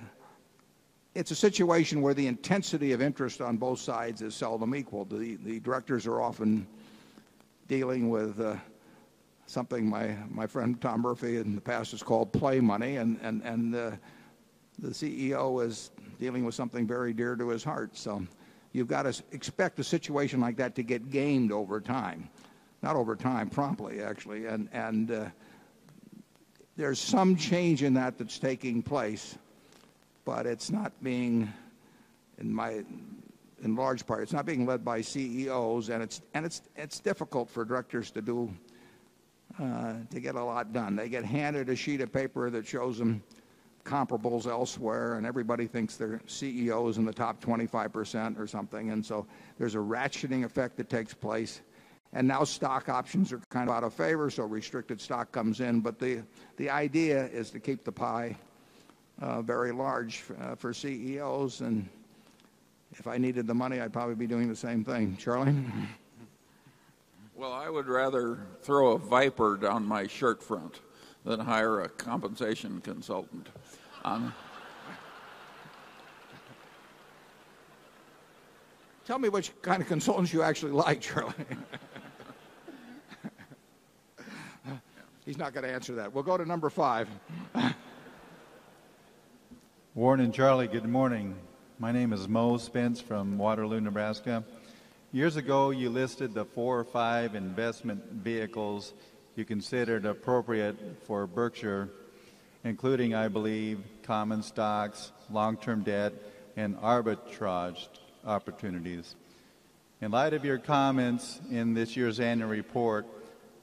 situation where the intensity of interest on both sides is seldom equal. The directors are often dealing with something my friend Tom Murphy in the past has called play money, and the CEO is dealing with something very dear to his heart. So you've got to expect a situation like that to get gained over time, not over time, promptly actually. And there's some change in that that's taking place, but it's not being in large part, it's not being led by CEOs, and it's difficult for directors to do to get a lot done. They get handed a sheet of paper that shows them comparables elsewhere, and everybody thinks their CEO is in the top 25% or something. And so there's a ratcheting effect that takes place. And now stock options are kind of out of favor, so restricted stock comes in. But the idea is to keep the pie very large for CEOs. And if I needed the money, I'd probably be doing the same thing. Charlie? I would rather throw a viper down my shirt front than hire a compensation consultant. Tell me which kind of consultants you actually like, Charlie. He's not going to answer that. We'll go to number 5. Warren and Charlie, good morning. My name is Moe Spence from Waterloo, Nebraska. Years ago, you listed the 4 or 5 investment vehicles you considered appropriate for Berkshire, including, I believe, common stocks, long term debt and arbitrage opportunities. In light of your comments in this year's annual report,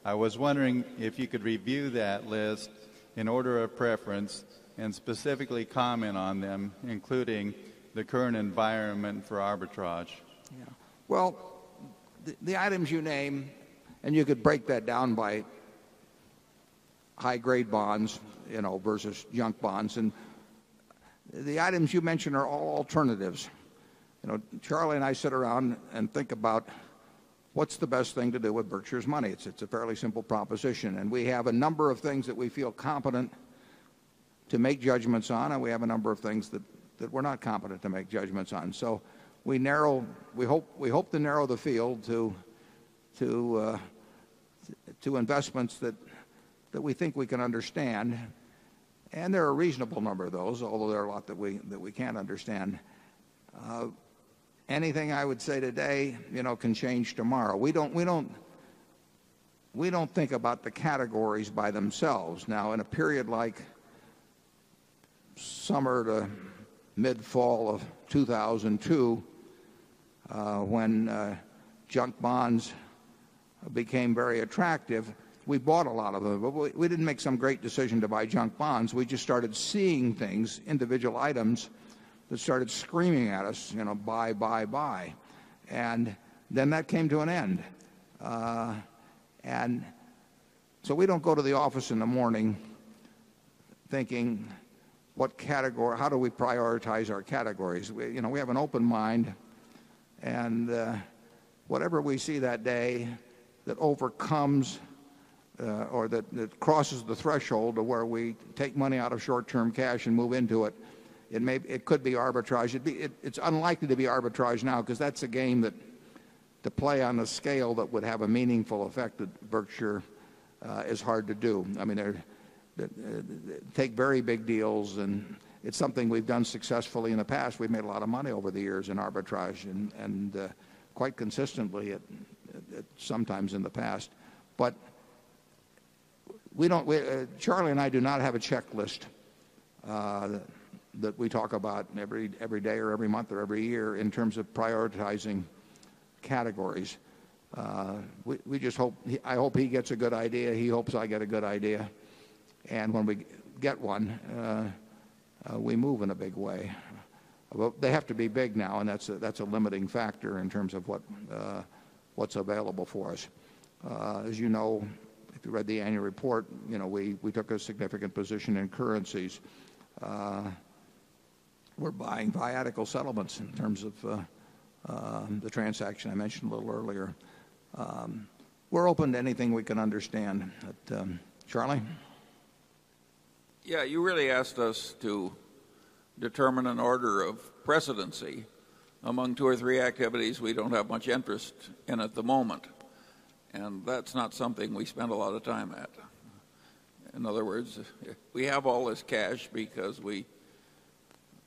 I was wondering if you could review that list in order of preference and specifically comment on them, including the current environment for arbitrage? Well, the items you name and you could break that down by high grade bonds versus junk bonds and the items you mentioned are all alternatives. Charlie and I sit around and think about what's the best thing to do with Berkshire's money. It's a fairly simple proposition. And we have a number of things that we feel competent to make judgments on, and we have a number of things that we're not competent to make judgments on. So we narrow we hope to narrow the field to investments that we think we can understand. And there are a reasonable number of those, although there are a lot that we can't understand. Anything I would say today can change tomorrow. We don't think about the categories by themselves. Now in a period like summer to mid fall of 2002, when junk bonds became very attractive, we bought a lot of them. We didn't make some great decision to buy junk bonds. We just started seeing things, individual items that started screaming at us, buy, buy, buy. And then that came to an end. And so we don't go to the office in the morning thinking what category how do we prioritize our categories. We have an open mind, and whatever we see that day that overcomes or that crosses the threshold to where we take money out of short term cash and move into it, it may it could be arbitrage. It'd be it's unlikely to be arbitrage now because that's a game that to play on a scale that would have a meaningful effect that Berkshire is hard to do. I mean, they take very big deals, and it's something we've done successfully in the past. We've made a lot of money over the years in arbitrage. That that we talk about every day or every month or every year in terms of prioritizing categories. We just hope I hope he gets a good idea. He hopes I get a good idea. And when we get one, we move in a big way. They have to be big now, and that's a limiting factor in terms of what's available for us. As you know, if you read the annual report, we took a significant position in currencies. We're buying viatical settlements in terms of the transaction I mentioned a little earlier. We're open to anything we can understand. But Charlie? Yeah. You really asked us to determine an order of presidency among 2 or 3 activities we don't have much interest in at the moment. And that's not something we spend a lot of time at. In other words, we have all this cash because we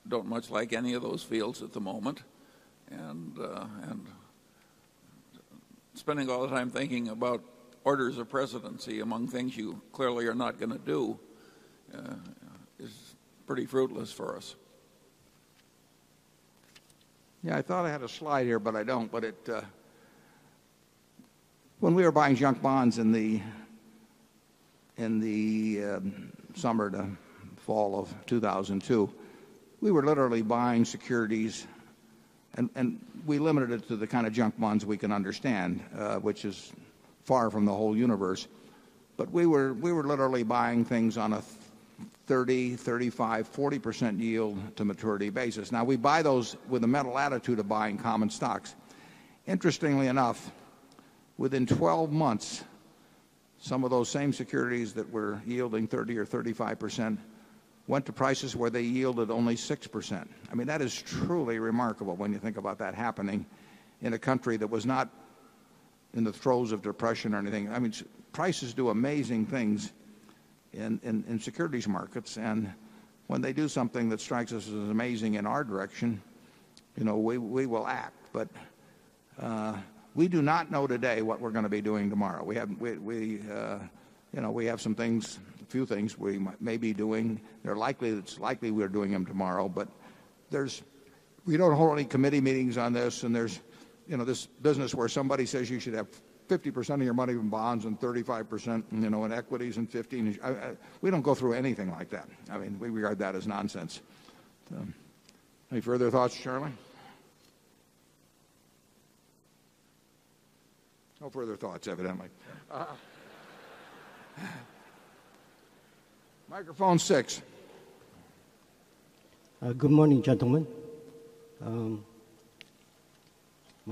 don't much like any of those fields at the moment. And pretty fruitless for us. Yes, I thought I had a slide here, but I don't. But when we were buying junk bonds in the summer to fall of 2002, we were literally buying securities, and we limited it to the kind of junk bonds we can understand, which is far from the whole universe. But we were literally buying things on a 30%, 35%, 40% yield to maturity basis. Now we buy those with a mental attitude of buying common stocks. Interestingly enough, within 12 months, some of those same securities that were yielding 30% or 35% went to prices where they yielded only 6%. I mean, that is truly remarkable when you think about that happening in a country that was not in the throes of depression or anything. I mean, prices do amazing things in securities markets. And when they do something that strikes us as amazing in our direction, we will act. But we do not know today what we're going to be doing tomorrow. We have some things, a few things we may be doing. They're likely it's likely we're doing them tomorrow, but there's we don't hold any committee meetings on this and there's this business where somebody says you should have 50% of your money in bonds and 35% in equities and 15%. We don't go through anything like that. I mean, we regard that as nonsense. Any further thoughts, Charlie? No further thoughts evidently. Microphone 6. Good morning, gentlemen. My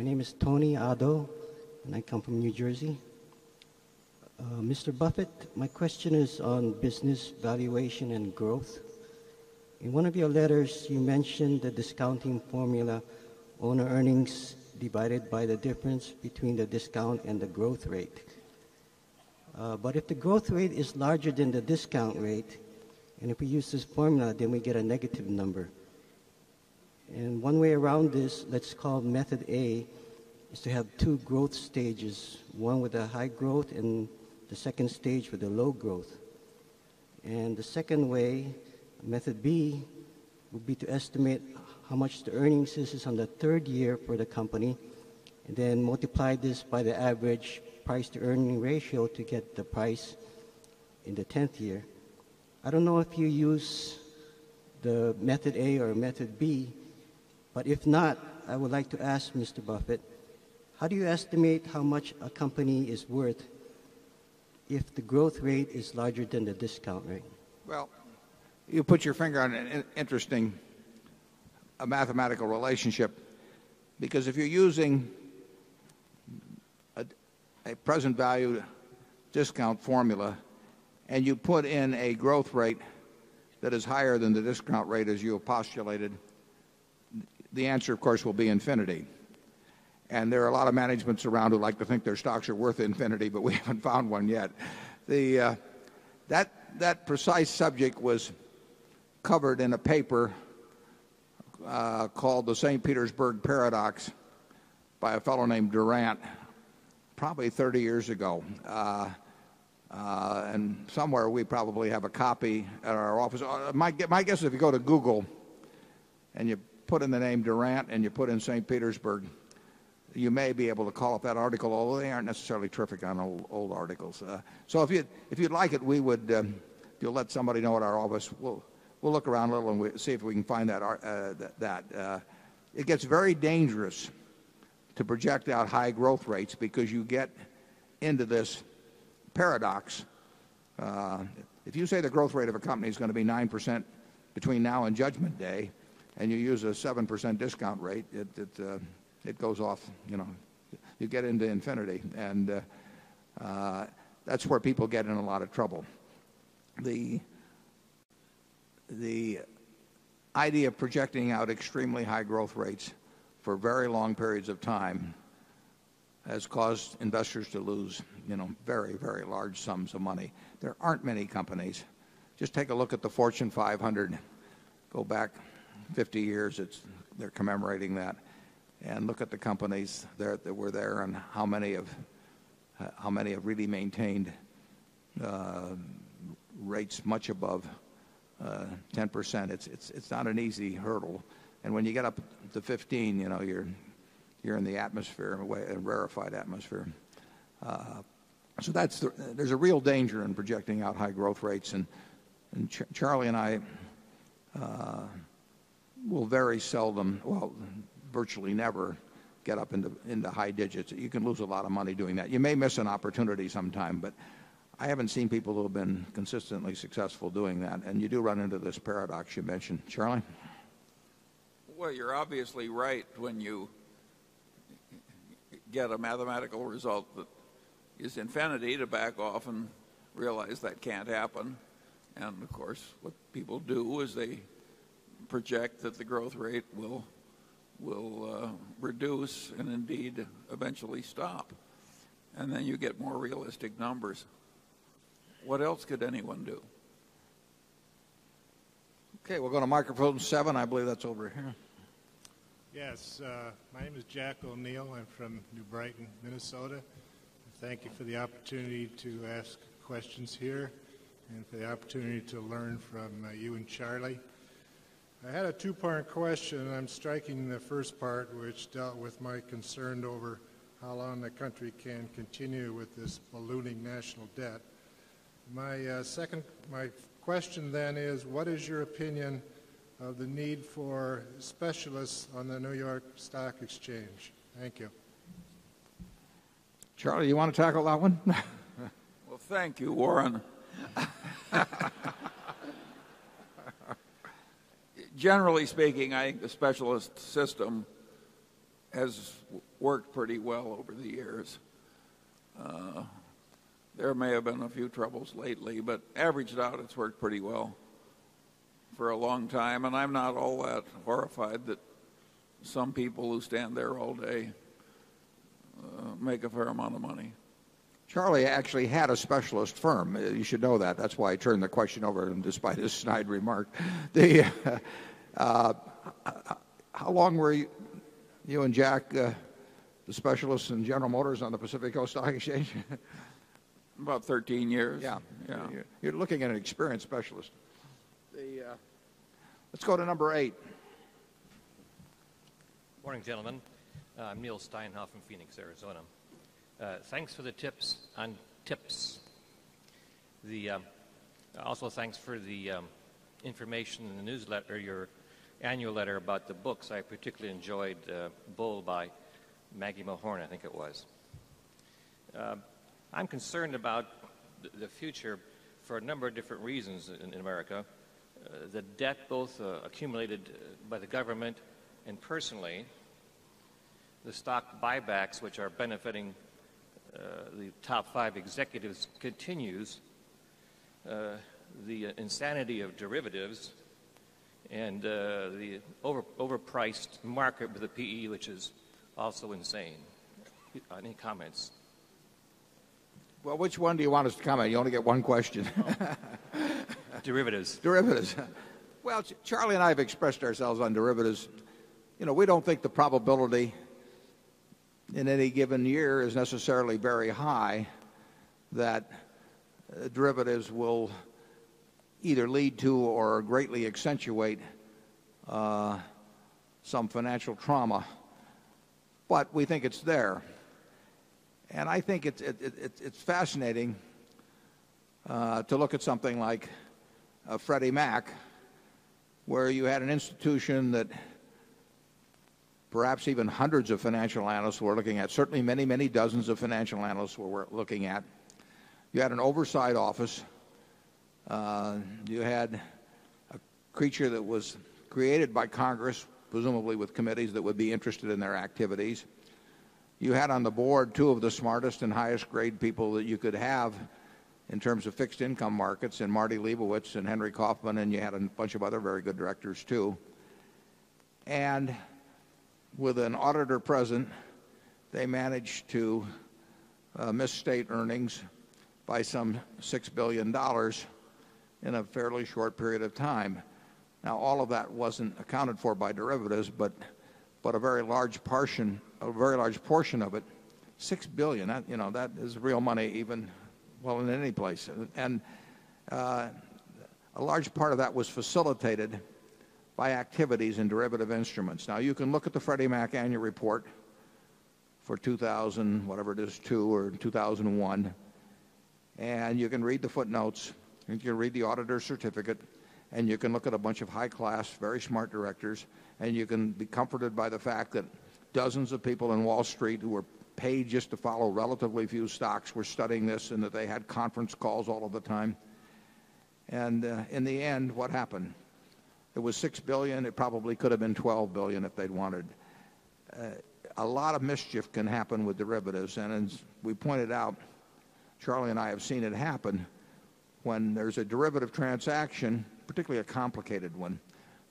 name is Tony Ado, and I come from New Jersey. Mr. Buffet, my question is on business valuation and growth. In one of your letters, you mentioned the discounting formula owner earnings divided by the difference between the discount and the growth rate. But if the growth rate is larger than the discount rate and if we use this formula, then we get a negative number. And one way around this, let's call it method A, is to have 2 growth stages, 1 with the high growth and the 2nd stage with the low growth. And the second way, method B, would be to estimate how much the earnings is on the 3rd year for the company and then multiply this by the average price to earning ratio to get the price in the 10th year. I don't know if you use the method A or method B, But if not, I would like to ask Mr. Buffet, how do you estimate how much a company is worth if the growth rate is larger than the discount rate? Well, you put your finger on an interesting mathematical relationship because if you're using a present value discount formula and you put in a growth rate that is higher than the discount rate, as you postulated, the answer, of course, will be infinity. And there are a lot of managements around who like to think their stocks are worth infinity, but we haven't found one yet. That precise subject was covered in a paper called the St. Petersburg Paradox by a fellow named Durant probably 30 years ago. And somewhere we probably have a copy our office. My guess is if you go to Google and you put in the name Durant and you put in St. Petersburg, you may be able to call up that article, although they aren't necessarily terrific on old articles. So if you'd like it, we would you'll let somebody know at our office. We'll look around a little and see if we can find that, that. It gets very dangerous to project out high growth rates because you get into this paradox. If you say the growth rate of a company is going to be 9% between now and judgment day and you use a 7% discount rate, it goes off. You get into infinity and that's where people get in a lot of trouble. The idea of projecting out extremely high growth rates for very long periods of time has caused investors to lose very, very large sums of money. There aren't many companies. Just take a look at the Fortune 500, go back 50 years, they are commemorating that and look at the companies that were there and how many have really maintained rates much above 10%. It's not an easy hurdle. And when you get up to 15%, you're in the atmosphere in a way, a rarefied atmosphere. So that's there's a real danger in projecting out high growth rates. And Charlie and I will very seldom, well, virtually never get up into high digits. You can lose a lot of money doing that. You may miss an opportunity sometime, but I haven't seen people who have been consistently successful doing that. And you do run into this paradox you mentioned. Charlie? Well, you're obviously right when you get a mathematical result that is infinity to back off and realize that can't happen. Indeed eventually stop. And then you get more realistic numbers. What else could anyone do? Okay, we're going to microphone 7. I believe that's over here. Yes. My name is Jack O'Neill. I'm from New Brighton, Minnesota. Thank you for the opportunity to ask questions here and for the opportunity to learn from you and Charlie. I had a 2 part question. I'm striking the first part, which dealt with my concern over how long the country can continue with this ballooning national debt. My, second my question then is, what is your opinion of the need for specialists on the New York Stock Exchange? Thank you. Charlie, you want to tackle that one? Well, thank you, Warren. Generally speaking, I think the specialist system has worked pretty well over the years. There may have been a few troubles lately, but averaged out, it's worked pretty well for a long time. And I'm not all that horrified that some people who stand there all day, make a fair amount of money. Charlie actually had a specialist firm. You should know that. That's why I turned the question over to him despite his snide remark. How long were you and Jack, the specialists in General Motors on the Pacific Coast Stock Exchange? About 13 years. Yes. You're looking at an experienced specialist. Let's go to number 8. Morning, gentlemen. I'm Neil Steinhoff from Phoenix, Arizona. Thanks for the tips on tips. Also, thanks for the information in the newsletter, your annual letter about the books. I particularly enjoyed Bull by Maggie Mulholland, I think it was. I'm concerned about the future for a number of different reasons in America. The debt both accumulated by the government and personally, the stock buybacks which are benefiting executives, continues the insanity of derivatives and the overpriced market with the PE, which is also insane. Any comments? Well, which one do you want us to comment? You only get one question. Derivatives. Derivatives. Well, Charlie and I have expressed ourselves on derivatives. You know, we don't think the probability in any given year is necessarily very high that derivatives will either lead to or greatly accentuate, some financial trauma. But we think it's there. And I think it's it's it's fascinating, to look at something like Freddie Mac, where you had an institution that perhaps even 100 financial analysts were looking at, certainly many, many dozens of financial analysts were looking at. You had an oversight office. You had a creature that was created by Congress, presumably with committees that would be interested in their activities. You had on the board 2 of the smartest and highest grade people that you could have in terms of fixed income markets, and Marty Leibowitz and Henry Kaufman, and you had a bunch of other very good directors, too. And with an auditor present, they managed to, misstate earnings by some $6,000,000,000 in a fairly short period of time. Now all of that wasn't accounted for by derivatives, but a very large portion of it, dollars 6,000,000,000 that is real money even, well, in any place. And a large part of that was facilitated by activities in derivative instruments. Now you can look at the Freddie Mac annual report for 2,000 whatever it is, 2,000 or 2,001, And you can read the footnotes, and you can read the auditor's certificate, and you can look at a bunch of high class, very smart directors, and you can be comforted by the fact that dozens of people in Wall Street who were paid just to follow relatively few stocks were studying this and that they had conference calls all of the time. And in the end, what happened? It was $6,000,000,000 It probably could have been $12,000,000,000 if they'd wanted. A lot of mischief can happen with derivatives. And as we pointed out, Charlie and I have seen it happen, when there's a derivative transaction, particularly a complicated one,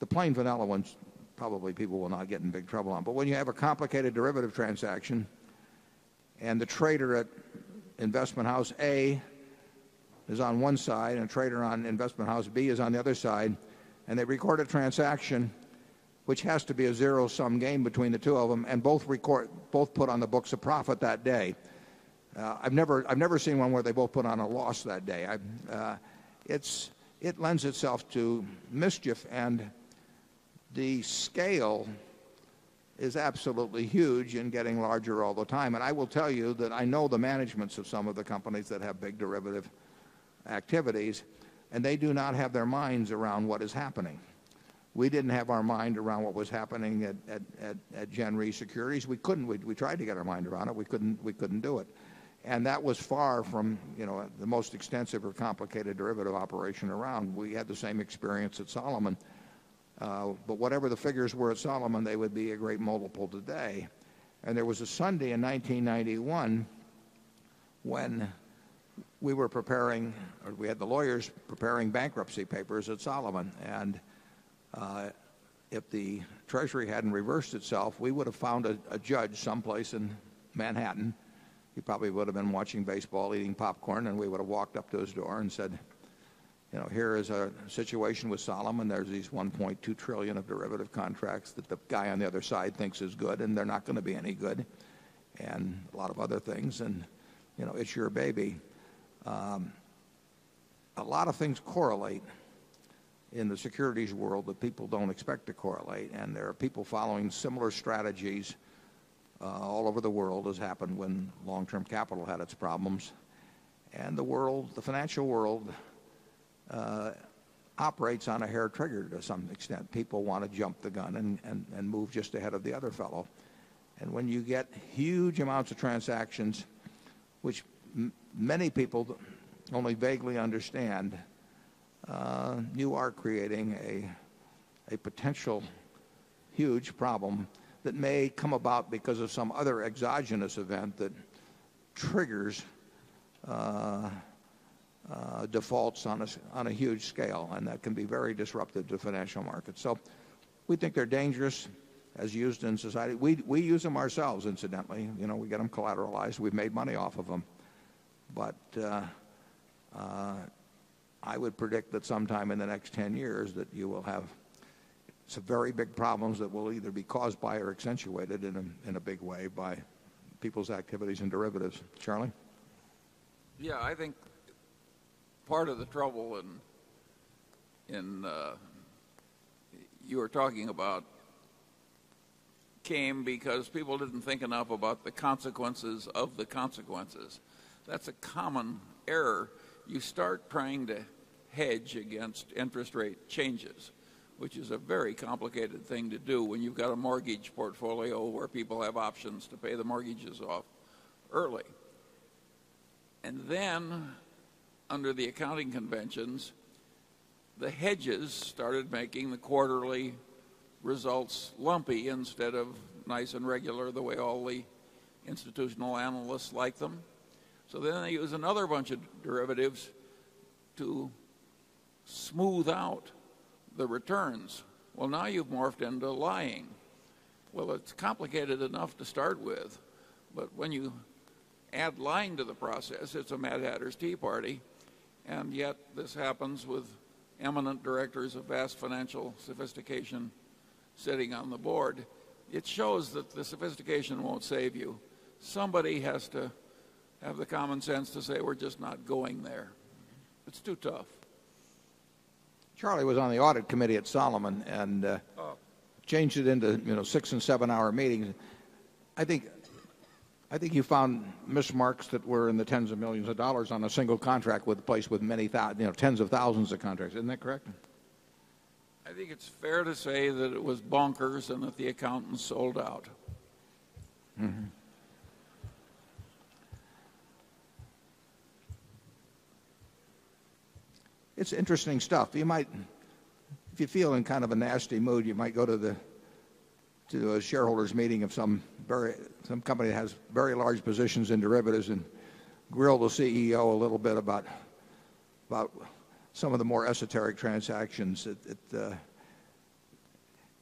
the plain vanilla ones, probably people will not get in big trouble on, but when you have a complicated derivative transaction and the trader at Investment House A is on one side and trader on Investment House B is on the other side, And they record a transaction, which has to be a zero sum game between the 2 of them, and both record both put on the books a profit that day. I've never I've never seen one where they both put on a loss that day. I've, it's it lends itself to mischief and the scale is absolutely huge in getting larger all the time. And I will tell you that I know the managements of some of the companies that have big derivative activities, and they do not have their minds around what is happening. We didn't have our mind around what was happening at Gen Re Securities. We couldn't. We tried to get our mind around it. We couldn't do it. And that was far from the most extensive or complicated derivative operation around. We had the same experience at Solomon. But whatever the figures were at Solomon, they would be a great multiple today. And there was a Sunday in 1991 when we were preparing or we had the lawyers preparing bankruptcy papers at Solomon. And if the Treasury hadn't reversed itself, we would have found a judge someplace in Manhattan. He probably would have been watching baseball, eating popcorn, and we would have walked up to his door and said, here is a situation with Sollum and there's these $1,200,000,000,000 of derivative contracts that the guy on the other side thinks is good and they're not going to be any good and a lot of other things and it's your baby. A lot of things correlate in the securities world that people don't expect to correlate and there are people following similar strategies all over the world as happened when long term capital the gun and move just ahead of the other fellow. And when you get huge amounts of transactions, which many people only vaguely understand, you are creating a potential huge problem that may come about because of some other exogenous event that triggers defaults on a huge scale, and that can be very disruptive to financial markets. So we think they're dangerous as used in society. We use them ourselves, incidentally. We get them collateralized. We've made money off of them. But I would predict that sometime in the next 10 years that you will have some very big problems that will either be caused by or accentuated in a big way by people's activities and derivatives. Charlie? Yes. I think part of the trouble in you were talking about came because people didn't think enough about the consequences of the consequences. That's a common error. You start trying to hedge against interest rate changes, which is a very complicated thing to do when you've got a mortgage portfolio where people have options to pay the mortgages off early. And then under the accounting conventions, the hedges started making the quarterly results lumpy instead of nice and regular the way all the institutional analysts like them. So then I use another bunch of derivatives to smooth out the returns. Well, now you've morphed into lying. Well, it's complicated enough to start with, but when you add lying to the process, it's a Mad Hatter's Tea Party and yet this happens with eminent directors of vast financial sophistication sitting on the board, It shows that the sophistication won't save you. Somebody has to have the common sense to say we're just not going there. It's too tough. Charlie was on the audit committee at Salomon and changed it into, you know, 6 7 hour meetings. I think you found missed marks that were in the tens of 1,000,000 of dollars on a single contract with a place with many tens of 1,000 of contracts, isn't that correct? I think it's fair to say that it was bonkers and that the accountants sold out. It's interesting stuff. You might if you feel in kind of a nasty mood, you might go to the shareholders meeting of some company that has very large positions in derivatives and grill the CEO a little bit about some of the more esoteric transactions that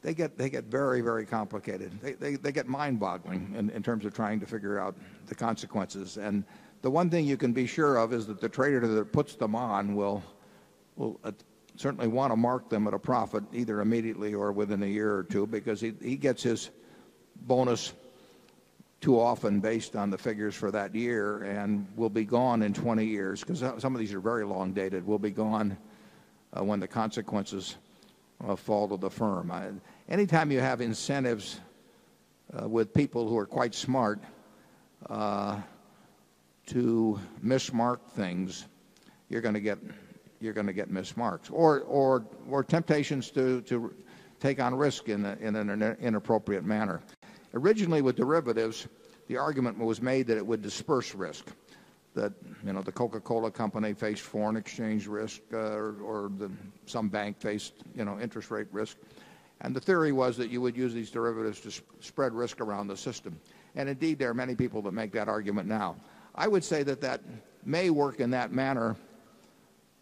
they get very, very complicated. They get mind boggling in terms of trying to figure out the consequences. And the one thing you can be sure of is that the trader that puts them on will certainly want to mark them at a profit either immediately or within a year or 2 because he gets his bonus too often based on the figures for that year and will be gone in 20 years because some of these are very long dated. We'll be gone when the consequences fall to the firm. Anytime you have incentives with people who are quite smart to miss mark things, you're going to get missmarks or temptations to take on risk in an inappropriate manner. Originally with derivatives, the argument was made that it would disperse risk, that the Coca Cola Company faced foreign exchange risk or some bank faced interest rate risk. And the theory was that you would use these derivatives to spread risk around the system. And indeed, there are many people that make that argument now. I would say that that may work in that manner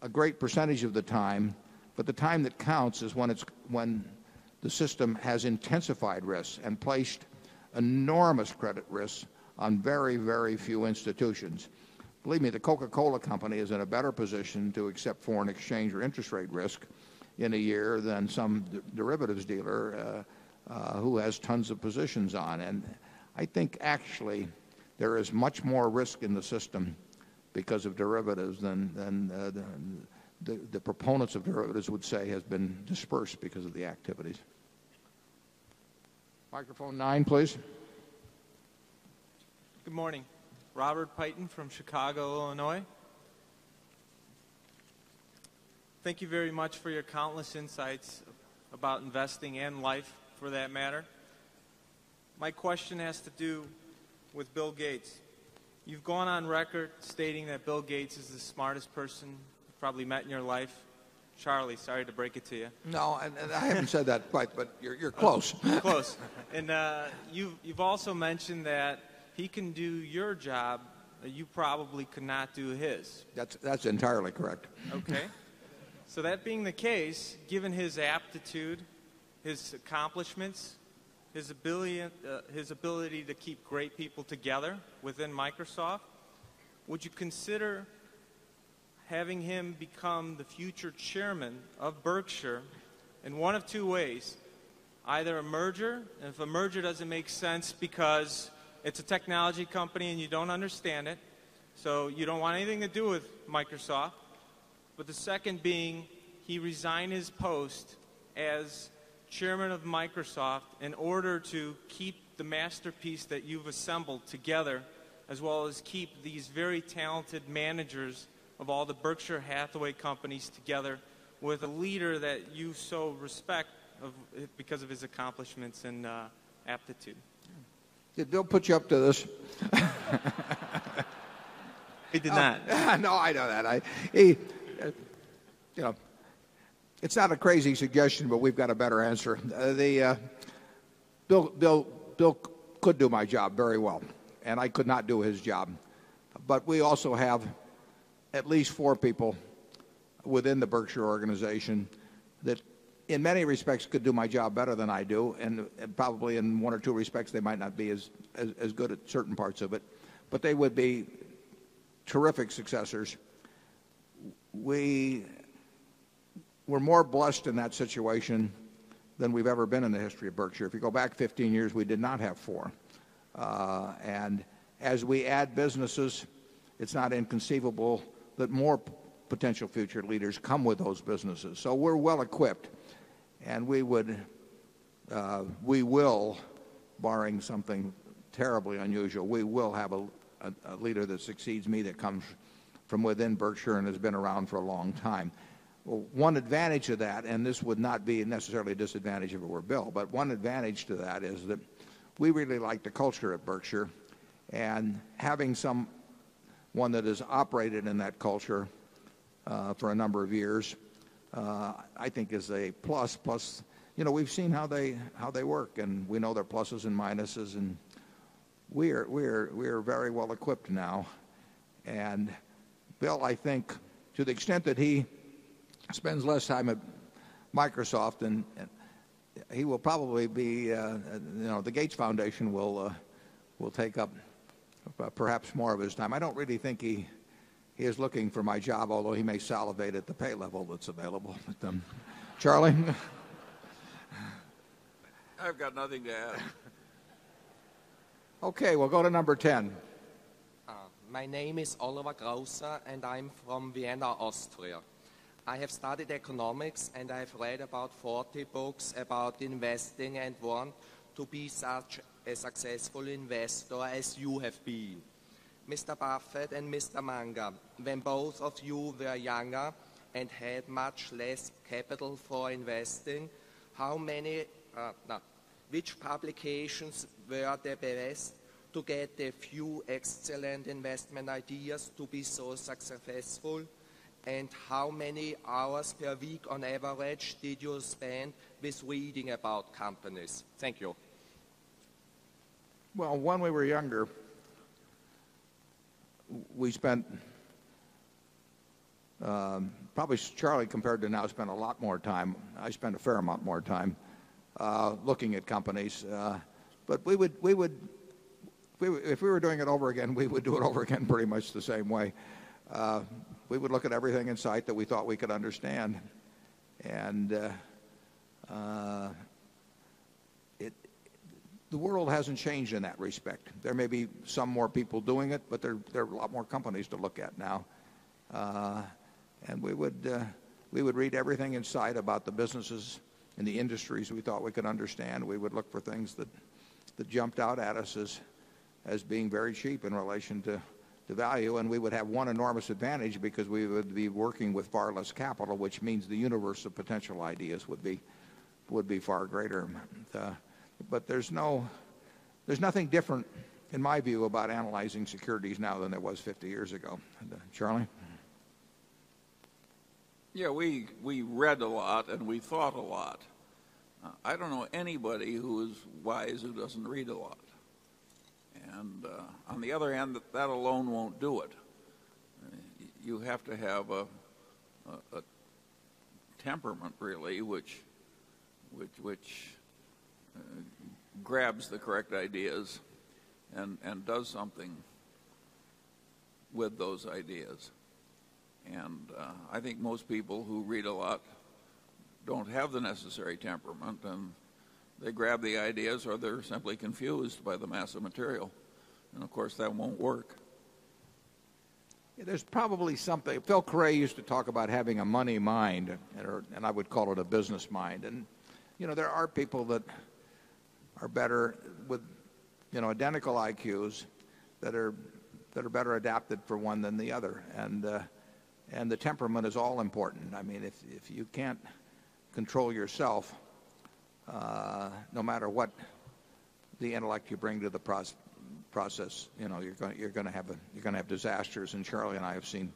a great percentage of the time, but the time that counts is when it's when the system has intensified risk and placed enormous credit risk on very, very few institutions. Believe me, the Coca Cola Company is in a better position to accept foreign exchange or interest rate risk in a year than some derivatives dealer who has tons of positions on. And I think actually there is much more risk in the system because of derivatives than the proponents of derivatives would say has been dispersed because of the activities. Good morning. Robert Pyton from Chicago, Illinois. Thank you very much for your countless insights about investing and life for that matter. My question has to do with Bill Gates. You've gone on record stating that Bill Gates is the smartest person you've probably met in your life. Charlie, sorry to break it to you. No. And I haven't said that quite, but you're close. Close. And you've also mentioned that he can do your job, you probably could not do his. That's entirely correct. Okay. So that being the case, given his aptitude, his accomplishments, his ability to keep great people together within Microsoft, Would you consider having him become the future Chairman of Berkshire in 1 of 2 ways, either a merger, and if the merger doesn't make sense because it's a technology company and you don't understand it, so you don't want anything to do with Microsoft, But the second being, he resigned his post as Chairman of Microsoft in order to keep the masterpiece that you've assembled together as well as keep these very talented managers of all the Berkshire Hathaway Companies together with a leader that you so respect because of his accomplishments and aptitude? Did Bill put you up to this? He did not. No, I know that. It's not a crazy suggestion, but we've got a better answer. The Bill could do my job very well, and I could not do his job. But we also have at least 4 people within the Berkshire Organization that, in many respects, could do my job better than I do. And probably in 1 or 2 respects, they might not be as good at certain parts of it, but they would be terrific successors. We were more blessed in that situation than we've ever been in the history of Berkshire. If you go back 15 years, we did not have 4. And as we add businesses, it's not inconceivable that more potential future leaders come with those businesses. So we're well equipped. And we would, we will, barring something terribly unusual, we will have a leader that succeeds me that comes from within Berkshire and has been around for a long time. One advantage of that, and this would not be necessarily a disadvantage if it were Bill, but one advantage to that is that we really like the culture at Berkshire. And having someone that has operated in that culture for a number of years, I think is a plus. Plus we've seen how they work, and we know their pluses and minuses. And we are very well equipped now. And Bill, I think, to the extent that he spends less time at Microsoft, and he will probably be, you know, the Gates Foundation will take up perhaps more of his time. I don't really think he is looking for my job, although he may salivate at the pay level that's available. But, Charlie? I've got nothing to add. Okay. We'll go to number 10. My name is Oliver and I'm from Vienna, Austria. I have studied economics and I have read about 40 books about investing and want to be such a successful investor as you have been. Mr. Buffet and Mr. Munger, when both of you were younger and had much less capital for investing, how many which publications were the best to get a few excellent investment ideas to be so successful? And how many hours per week on average did you spend with reading about companies? Thank you. Well, when we were younger, we spent probably, Charlie, compared to now, spent a lot more time I spent a fair amount more time looking at companies. But we would if we were doing it over again, we would do it over again pretty much the same way. We would look at everything in sight that we thought we could understand. And the world hasn't changed in that respect. There may be some more people doing it, but there are a lot more companies to look at now. And we would read everything in sight about the businesses and the industries we thought we could understand. We would look for things that jumped out at us as being very cheap in relation to value, and we would have one enormous advantage because we would be working with far less capital, which means the universe of potential ideas would be far greater. But there's no there's nothing different in my view about analyzing securities now than it was 50 years ago. Charlie? Yes, we read a lot and we thought a lot. I don't know anybody who is wise who doesn't read a lot. And on the other hand, that alone won't do it. You have to have a temperament, really, which grabs the correct ideas and does something with those ideas. And I think most people who read a lot don't have the necessary temperament and they grab the ideas or they're simply confused by the mass of material. And of course, that won't work. There's probably something. Phil Cray used to talk about having a money mind, and I would call it a business mind. And, you know, there are people that are better with, you know, identical IQs that are better adapted for one than the other. And the temperament is all important. I mean, if you can't control yourself, no matter what the intellect you bring to the process, you're going to have disasters. And Charlie and I have seen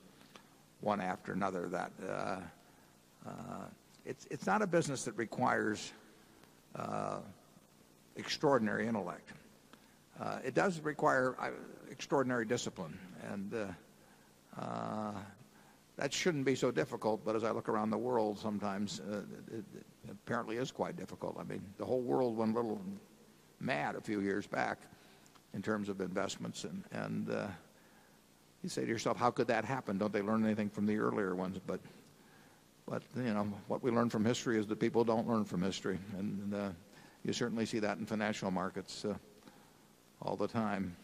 one after another of that. It's not a business that requires extraordinary intellect. It does require extraordinary discipline. And that shouldn't be so difficult, but as I look around the world, sometimes it apparently is quite difficult. I mean, the whole world went a little mad a few years back in terms of investments. And you say to yourself, how could that happen? Don't they learn anything from the earlier ones? But what we learn from history is that people don't learn from history. And you certainly see that in financial markets all the time.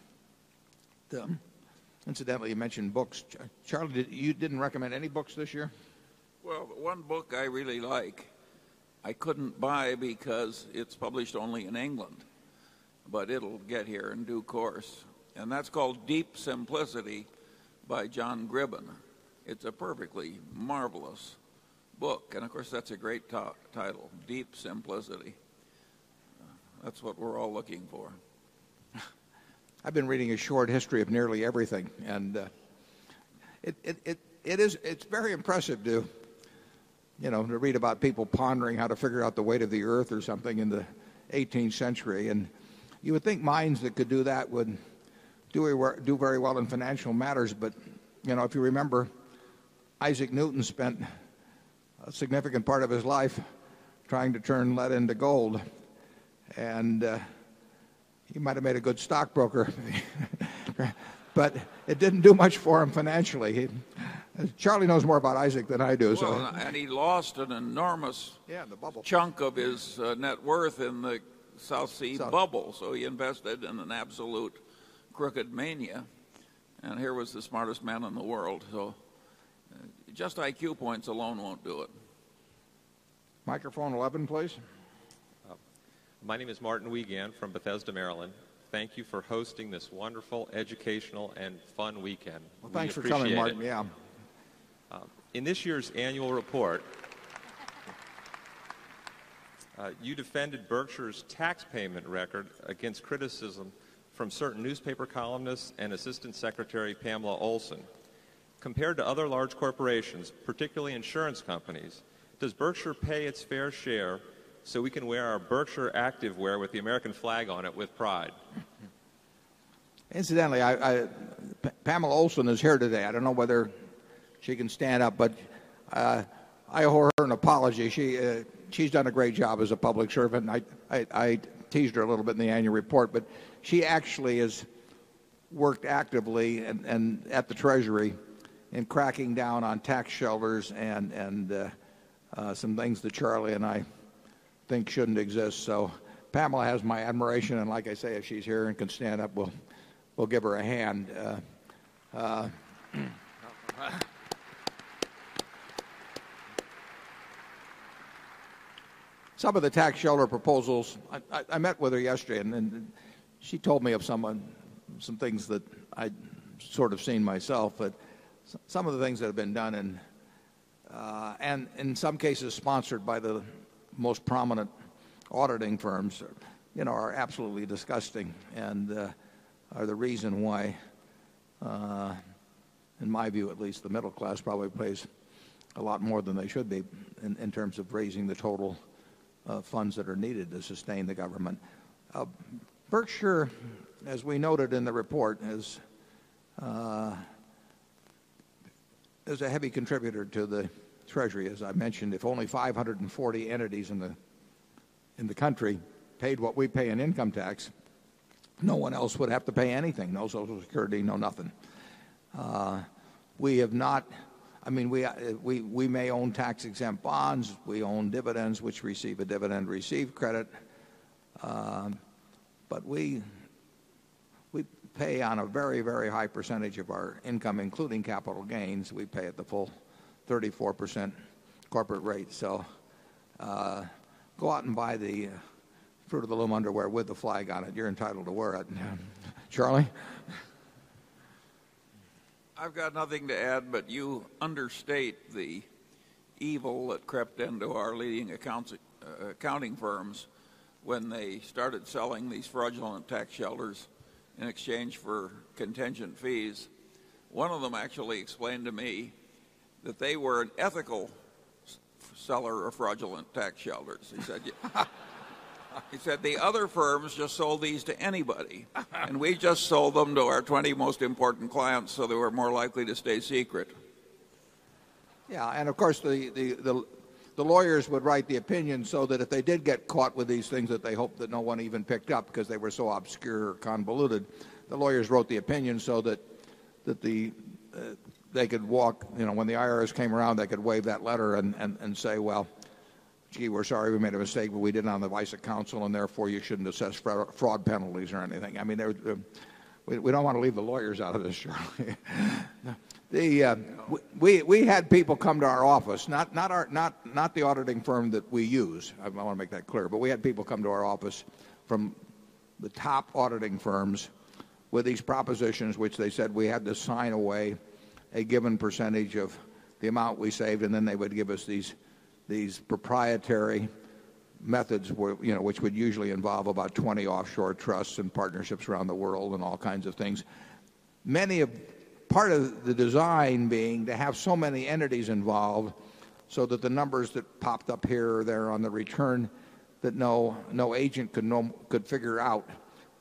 Incidentally, you mentioned books. Charlie, you didn't recommend any books this year? Well, one book I really like, I couldn't buy because it's published only in England, but it'll get here in due course. And that's called Deep Simplicity by John Gribbon. It's a perfectly marvelous book. And of course, that's a great title, Deep Simplicity. That's what we're all looking for. I've been reading a short history of nearly everything. And it it it is it's very impressive to, you know, to read about people pondering how to figure out the weight of the earth or something in the 18th century. And you would think mines that could do that would do very well in financial matters. But if you remember, Isaac Newton spent a significant part of his life trying to turn lead into gold. And, he might have made a good stock broker, But it didn't do much for him financially. Charlie knows more about Isaac than I do. And he lost an enormous chunk of his net worth in the South Sea Bubble. So he invested in an absolute crooked mania. And here was the smartest man in the world. So just IQ points alone won't do it. Microphone 11, please. My name is Martin Wiegand from Bethesda, Maryland. Thank you for hosting this wonderful educational and fun weekend. Well, thanks for telling Martin. Yeah. In this year's annual report, you defended Berkshire's Compared to other large corporations, particularly insurance companies, does Berkshire pay its fair share so we can wear our Berkshire Activewear with the American flag on it with pride? Incidentally, I I Pamela Olson is here today. I don't know whether she can stand up, but, I owe her an apology. She, she's done a great job as a public servant. I I I teased her a little bit in the annual report, but she actually has worked actively and at the treasury in cracking down on tax shelters and some things that Charlie and I think shouldn't exist. So Pamela has my admiration. And like I say, if she's here and can stand up, we'll give her a hand. Some of the tax shareholder proposals I met with her yesterday, and she told me of some things that I'd sort of seen myself, but some of the things that have been done and, and in some cases, sponsored by the most prominent auditing firms, are absolutely disgusting and are the reason why, in my view at least, the middle class probably pays a lot more than they should be in terms of raising the total funds that are needed to sustain the government. Berkshire, as we noted in the report, is a heavy contributor to the Treasury. As I mentioned, if only 540 entities in the country paid what we pay in income tax, no one else would have to pay anything, no social security, no nothing. We have not I mean, we may own tax exempt bonds. We own dividends, which receive a dividend, receive credit. But we pay on a very, very high percentage of our income, including capital gains. We pay at the full 34% corporate rate. So go out and buy the Fruit of the Loom underwear with the flag on it. You're entitled to wear it. Charlie? I've got nothing to add, but you understate the evil that crept into our leading accounting firms when they started selling these fraudulent tax shelters in exchange for contingent fees. 1 of them actually explained to me that they were an ethical seller of fraudulent tax shelters. He said the other firms just sold these to anybody and we just sold them to our 20 most important clients so they were more likely to stay secret. Yeah. And of course, the the the lawyers would write the opinion so that if they did get caught with these things that they hoped that no one even picked up because they were so obscure or convoluted. The lawyers wrote the opinion so that they could walk when the IRS came around, they could waive that letter and say, well, gee, we're sorry we made a mistake, but we did it on the advice of counsel and therefore you shouldn't assess fraud penalties or anything. I mean, we don't want to leave the lawyers out of this, Shirley. We had people come to our office, not the auditing firm that we use, I want to make that clear, but we had people come to our office from the top auditing firms with these propositions, which they said we had to sign away a given percentage of the amount we saved, and then they would give us these proprietary methods, which would usually involve about 20 offshore trusts and partnerships around the world and all kinds of things. Many of part of the design being to have so many entities involved so that the numbers that popped up here or there on the return that no no agent could no could figure out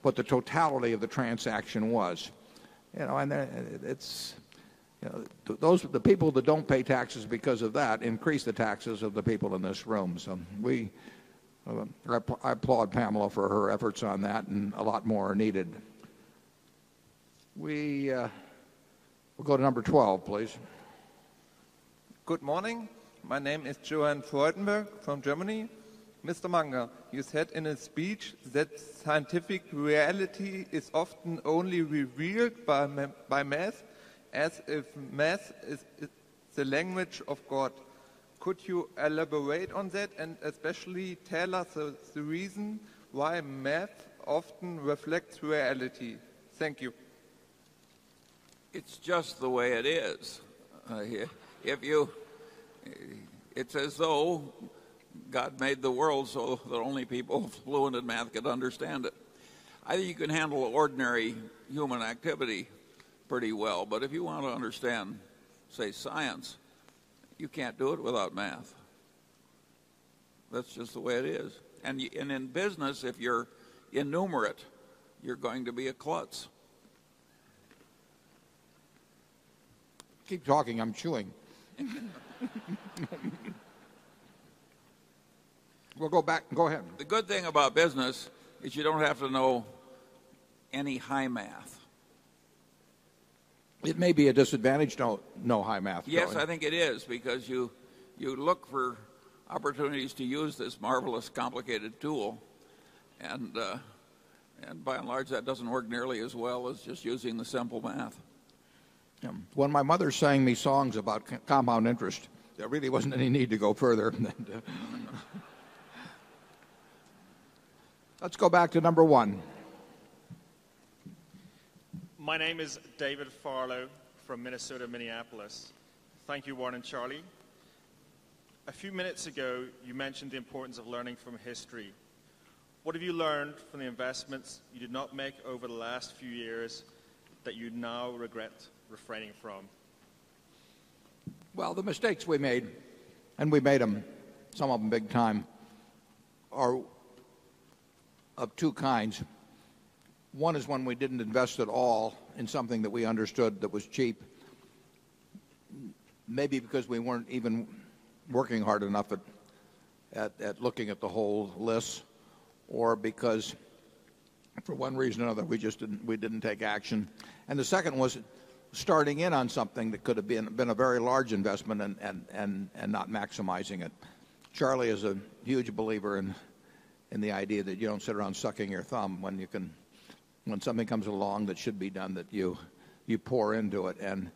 what the totality of the transaction was. And it's, you know, those are the people that don't pay taxes because of that increase the taxes of the people in this room. So we, I applaud Pamela for her efforts on that and a lot more are needed. We will go to number 12, please. Good morning. My name is Johann Freudenberg from Germany. Mr. Munger, you said in a speech that scientific reality is often only revealed by math as if math is the language of God. Could you elaborate on that? And especially tell us the reason why math often reflects reality? Thank you. It's just the way it is. It's as though God made the world so that only people fluent in math could understand it. I think you can handle ordinary human activity pretty well. But if you want to understand, say, science, you can't do it without math. That's just the way it is. And in business, if you're enumerate, you're going to be a klutz. Keep talking, I'm chewing. We'll go back. Go ahead. The good thing about business is you don't have to know any high math. It may be a disadvantage to know high math, Roy. Yes, I think it is because you look for opportunities to use this marvelous complicated tool and by and large that doesn't work nearly as well as just using the simple math. When my mother sang me songs about compound interest, there really wasn't any need to go further. Let's go back to number 1. My name is David Farlow from Minnesota Minneapolis. Thank you, Warren and Charlie. A few minutes ago, you mentioned the importance of learning from history. What have you learned from the investments you did not make over the last few years that you now regret refraining from? Well, the mistakes we made, and we made them, some of them big time are of 2 kinds. One is when we didn't invest at all in something that we understood that was cheap, maybe because we weren't even working hard enough at looking at the whole list or because, for one reason or another, we just didn't take action. And the second was starting in on something that could have been a very large investment and not maximizing it. Charlie is a huge believer in the idea that you don't sit around sucking your thumb when you can when something comes along that should be done that you pour into it. And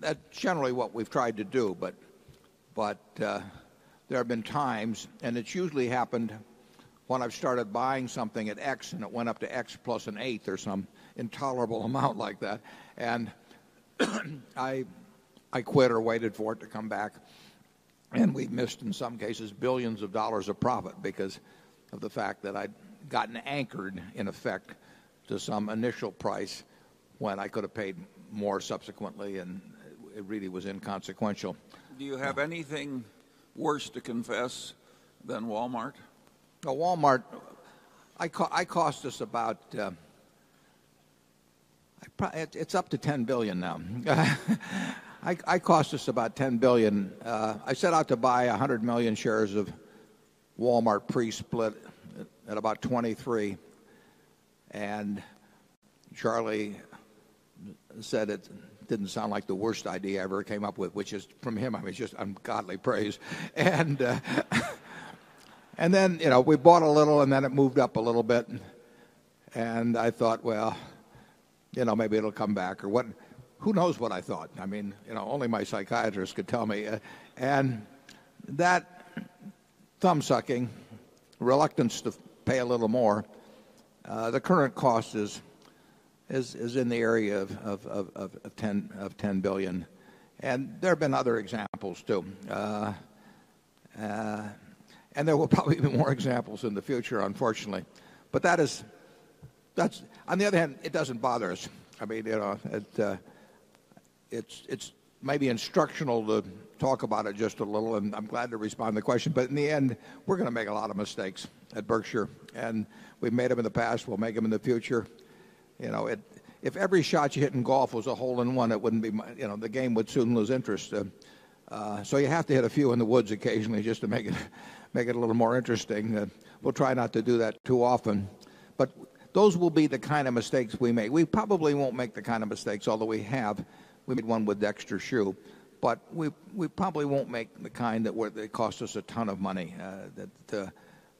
that's generally what we've tried to do. But there have been times, and it's usually happened, when I've started buying something at X and it went up to X plus an eighth or some intolerable amount like that. And I quit or waited for it to come back. And we've missed, in some cases, 1,000,000,000 of dollars of profit because of the fact that I had gotten anchored, in effect, to some initial price when I could have paid more subsequently and it really was inconsequential. Do you have anything worse to confess than Walmart? Walmart, I cost us about it's up to $10,000,000,000 now. I cost us about $10,000,000,000 I set out to buy 100,000,000 shares of Walmart pre split at about 23. And Charlie said it didn't sound like the worst idea ever came up with, which is from him. I mean, just I'm Godly praise. And then we bought a little and then it moved up a little bit. And I thought, well, you know, maybe it'll come back or what. Who knows what I thought? I mean, you know, only my psychiatrist could tell me. And that thumb sucking, reluctance to pay a little more, the current cost is is in the area of of of of of of 10 of 10,000,000,000. And there have been other examples too. And there will probably be more examples in the future, unfortunately. But that is that's on the other hand, it doesn't bother us. I mean, you know, it's maybe instructional to talk about it just a little and I'm glad to respond to the question. But in the end, we're going to make a lot of mistakes at Berkshire. And we've made them in the past, we'll make them in the future. If every shot you hit in golf was a hole in 1, it wouldn't be the game would soon lose interest. So you have to hit a few in the woods occasionally just to make it a little more interesting. We'll try not to do that too often. But those will be the kind of mistakes we make. We probably won't make the kind of mistakes, although we have. We made one with Dexter Shoe. But we probably won't make the kind that where they cost us a ton of money.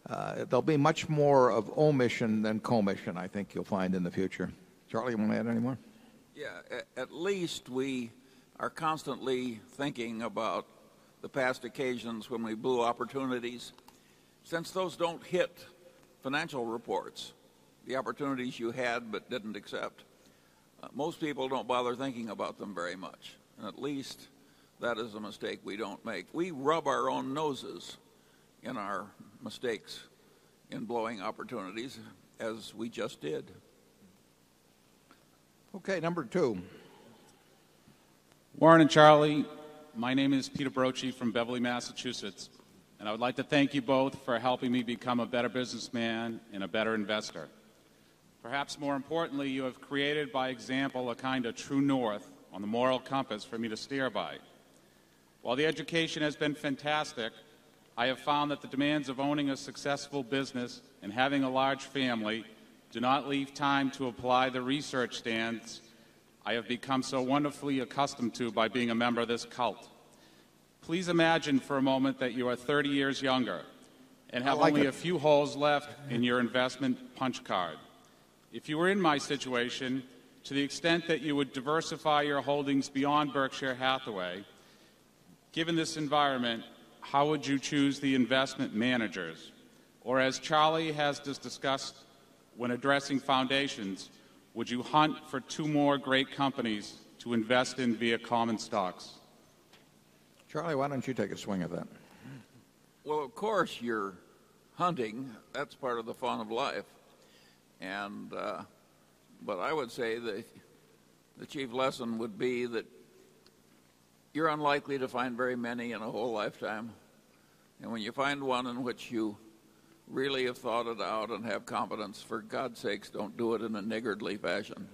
There'll be much more of omission than commission, I think, you'll find in the future. Charlie, you want to add any more? Yes. At least we are constantly thinking about the past occasions when we blew opportunities. Since those don't hit financial reports, the opportunities you had but didn't accept, most people don't bother thinking about them very much. And at least that is a mistake we don't make. We rub our own noses in our mistakes in blowing opportunities as we just did. Okay, number 2. Warren and Charlie, my name is Peter Broci from Beverly, Massachusetts. I would like to thank you both for helping me become a better businessman and a better investor. Perhaps more importantly, you have created by example a kind of true north on the moral compass for me to steer by. While the education has been fantastic, I have found that the demands of owning a successful business and having a large family do not leave time to apply the research stance I have become so wonderfully accustomed to by being a member of this cult. Please imagine for a moment that you are 30 years younger and have only a few holes left in your investment punch card. If how would you choose the investment managers? Or as Charlie has discussed when addressing foundations, would you hunt for 2 more great companies to invest in via common stocks? Charlie, why don't you take a swing at that? Well, of course, you're hunting. That's part of the fun of life. And, but I would say that the chief lesson would be that you're unlikely to find very many in a whole lifetime. And when you find one in which you really have thought it out and have confidence, for God's sakes, don't do it in a niggardly fashion.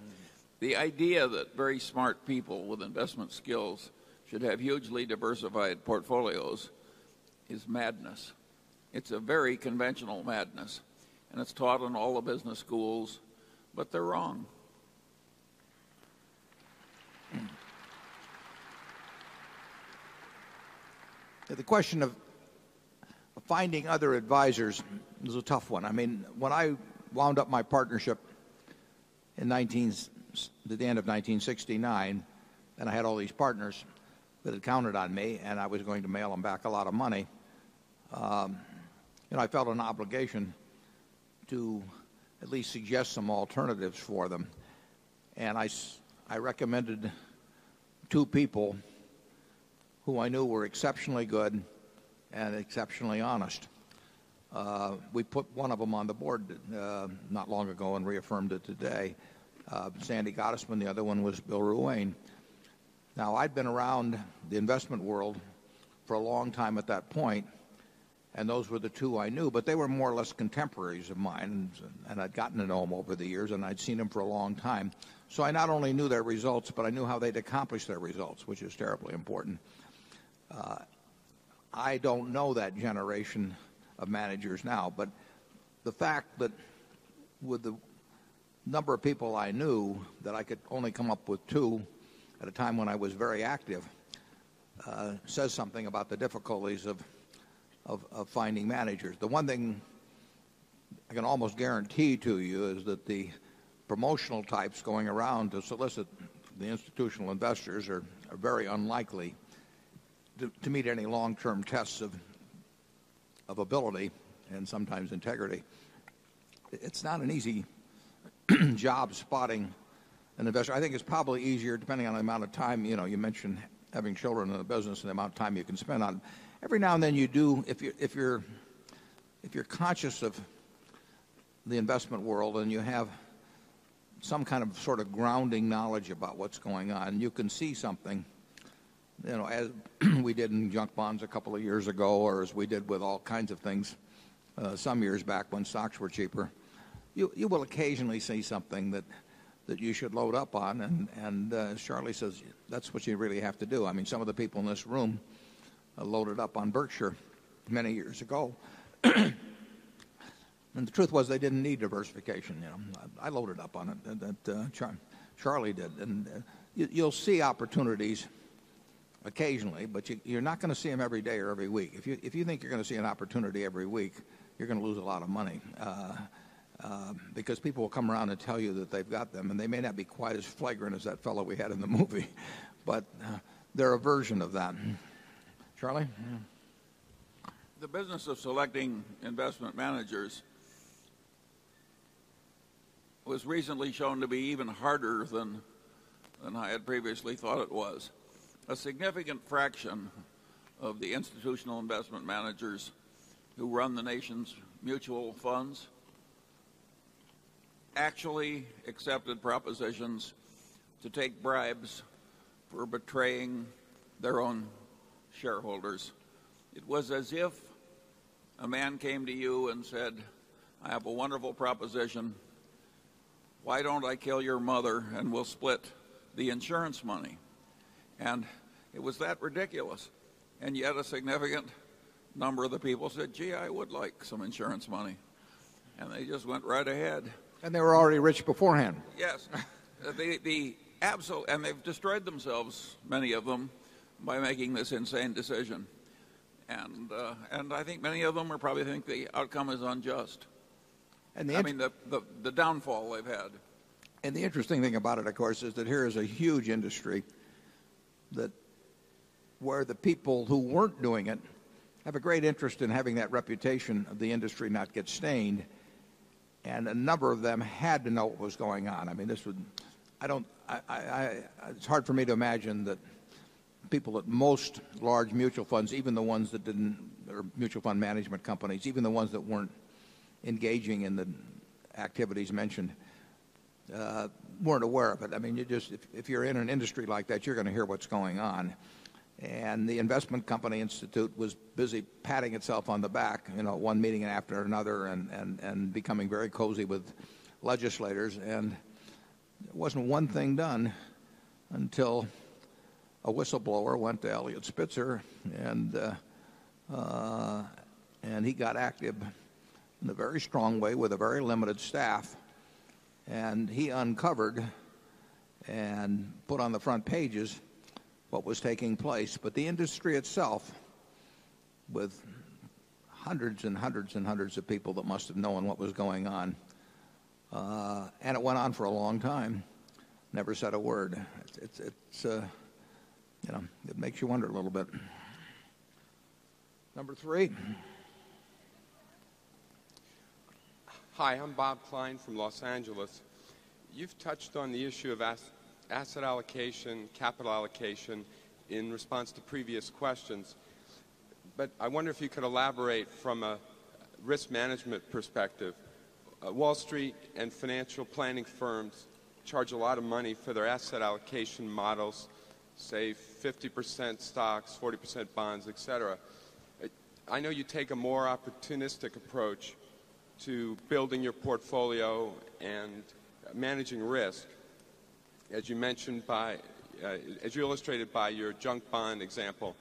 The idea that very smart people with investment skills should have hugely diversified portfolios is madness. It's a very conventional madness and it's taught in all the business schools, but they're wrong. The question of finding other advisors is a tough one. I mean, when I wound up my partnership in 19 the end of 1969, and I had all these partners that had counted on me and I was going to mail them back a lot of money, And I felt an obligation to at least suggest some alternatives for them. And I recommended 2 people who I knew were exceptionally good and exceptionally honest. We put one of them on the Board not long ago and reaffirmed it today, Sandy Gottesman, the other one was Bill Ruane. Now I've been around the investment world for a long time at that point, and those were the 2 I knew, but they were more or less contemporaries of mine. And I've gotten to know them over the years, and I've seen them for a long time. I not only knew their results, but I knew how they'd accomplished their results, which is terribly important. I don't know that generation of managers now, but the fact that with the number of people I knew that I could only come up with 2 at a time when I was very active, says something about the difficulties of finding managers. The one thing I can almost guarantee to you is that the promotional types going around to solicit the institutional investors are very unlikely to meet any long term tests of ability and sometimes integrity. It's not an easy job spotting an investor. I think it's probably easier depending on the amount of time. You mentioned having children in the business and the amount of time you can spend on. Every now and then you do, if you're conscious of the investment world and you have some kind of sort of grounding knowledge about what's going on, you can see something as we did in junk bonds a couple of years ago or as we did with all kinds of things some years back when stocks were cheaper, you will occasionally see something that you should load up on and Charlie says that's what you really have to do. I mean some of the people in this room loaded up on Berkshire many years ago. And the truth was they didn't need diversification. I loaded up on it, Charlie did. And you'll see opportunities occasionally, but you're not going to see them every day or every week. If you think you're going to see an opportunity every week, you are going to lose a lot of money because people will come around and tell you that they have got them and they may not be quite as flagrant as that fellow we had in the movie, but they're a version of that. Charlie? The business of selecting investment managers was recently shown to be even harder than I had previously thought it was. A significant fraction of the institutional investment managers who run the nation's mutual funds actually accepted propositions to take bribes for betraying their own shareholders. It was as if a man came to you and said, I have a wonderful proposition. Why don't I kill your mother and we'll split the insurance money? And it was that ridiculous. And yet a significant number of the people said, gee, I would like some insurance money. And they just went right ahead. And they were already rich beforehand. Yes. And they've destroyed themselves, many of them, by making this insane decision. And I think many of them probably think the outcome is unjust. I mean, the downfall they've had. And the interesting thing about it, of course, is that here is a huge industry that where the people who weren't doing it have a great interest in having that reputation of the industry not get stained. And a number of them had to know what was going on. I mean, this would I don't it's hard for me to imagine that people at most large mutual funds, even the ones that didn't or mutual fund management companies, even the ones that weren't engaging in the activities mentioned, weren't aware of it. I mean, you just if you're in an industry like that, you're going to hear what's going on. And the Investment Company Institute was busy patting itself on the back, one meeting after another and becoming very cozy with legislators. And it wasn't one thing done until a whistleblower went to Elliot Spitzer and he got active in a very strong way with a very limited staff. And he uncovered and put on the front pages what was taking place. But the industry itself, with 100 and 100 and 100 of people that must have known what was going on, and it went on for a long time, Never said a word. It makes you wonder a little bit. Number 3. Hi, I'm Bob Klein from Los Angeles. You've touched on the issue of asset allocation, capital allocation in response to previous questions, but I wonder if you could elaborate from a risk management perspective. Wall Street and financial planning firms charge a lot of money for their asset allocation models, save 50% stocks, 40% bonds, etcetera. I know you take a more opportunistic approach to building your portfolio and managing risk, as you mentioned by, as you illustrated by your junk bond example.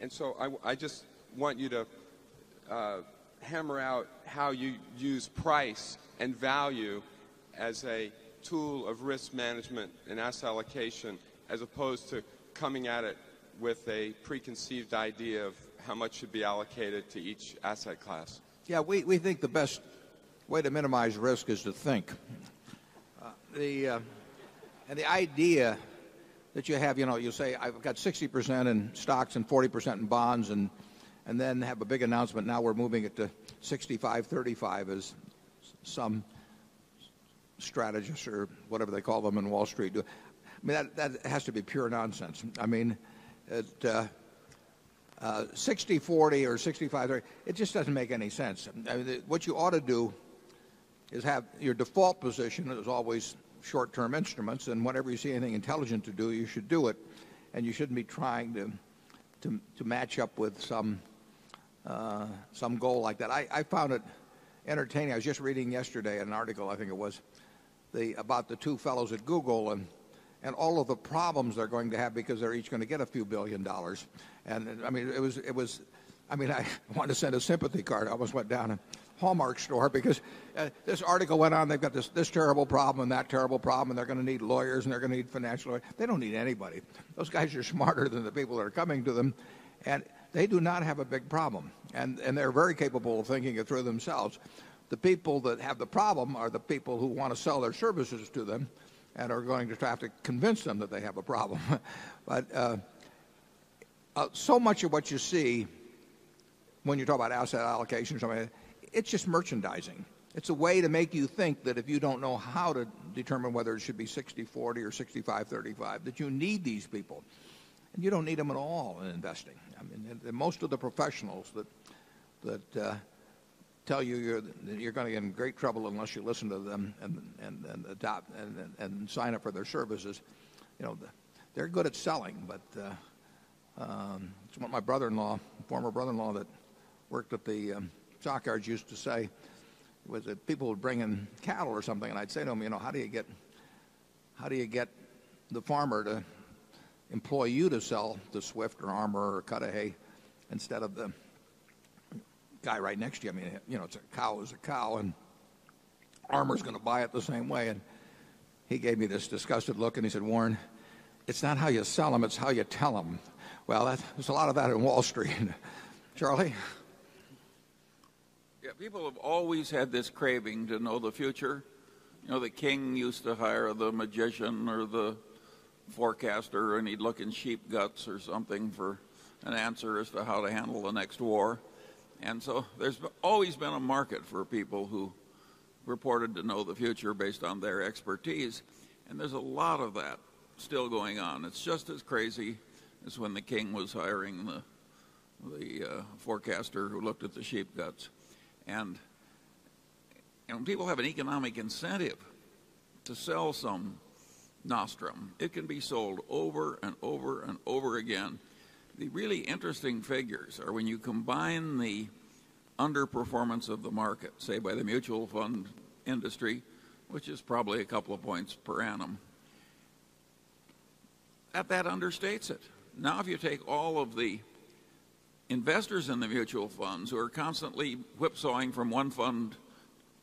And so, I just want you to, hammer out how you use price and value as a tool of risk management and asset allocation as opposed to coming at it with a preconceived idea of how much should be allocated to each asset class? Yes. We think the best way to minimize risk is to think. And the idea that you have, you say, I've got 60% in stocks and 40% in bonds and then have a big announcement. Now we're moving it to 65%, 35% as some strategist or whatever they call them in Wall Street. I mean, that has to be pure nonsense. I mean, sixty-forty or sixty five-thirty, it just doesn't make any sense. What you ought to do is have your default position that is always short term instruments. And whenever you see anything intelligent to do, you should do it. And you shouldn't be trying to match up with some goal like that. I found it entertaining. I was just reading yesterday an article, I think it was, about the 2 fellows at Google and all of the problems they're going to have because they're each going to get a few $1,000,000,000 And I mean, I want to send a sympathy card. I always went down a Hallmark store because this article went on, they've got this terrible problem and that terrible problem, and they're going to need lawyers and they're going to need financial. They don't need anybody. Those guys are smarter than the people that are coming to them and they do not have a big problem and they're very capable of thinking it through themselves. The people that have the problem are the people who want to sell their services to them and are going to have to convince them that they have a problem. But so much of what you see when you talk about asset allocation, it's just merchandising. It's a way to make you think that if you don't know how to determine whether it should be sixtyforty or sixtyfivethirty five that you need these people. And you don't need them at all in investing. I mean, most of the professionals that tell you that you're going to get in great trouble unless you listen to them and sign up for their services, they're good at selling, but it's what my brother-in-law, former brother-in-law that worked at the stockyards used to say was that people would bring in cattle or something. And I'd say to him, you know, how do you get the farmer to Swift or Armour or cut of hay instead of the guy right next to you? I mean, it's a cow who's a cow and armor is going to buy it the same way. And he gave me this disgusted look and he said, Warren, it's not how you sell them, it's how you tell them. Well, there's a lot of that in Wall Street. Charlie? Yes. People have always had this craving to know the future. The King used to hire the magician or the forecaster and he'd look in sheep guts or something for an answer as to how to handle the next war. And so there's always been a market for people who reported to know the future based on their expertise And there's a lot of that still going on. It's just as crazy as when the King was hiring the forecaster who looked at the sheep guts. And people have an economic incentive to sell some Nostrum. It can be sold over and over and over again. The really interesting figures are when you combine the underperformance of the market, say, by the mutual fund industry, which is probably a couple of points per annum, That understates it. Now if you take all of the investors in the mutual funds who are constantly whipsawing from 1 fund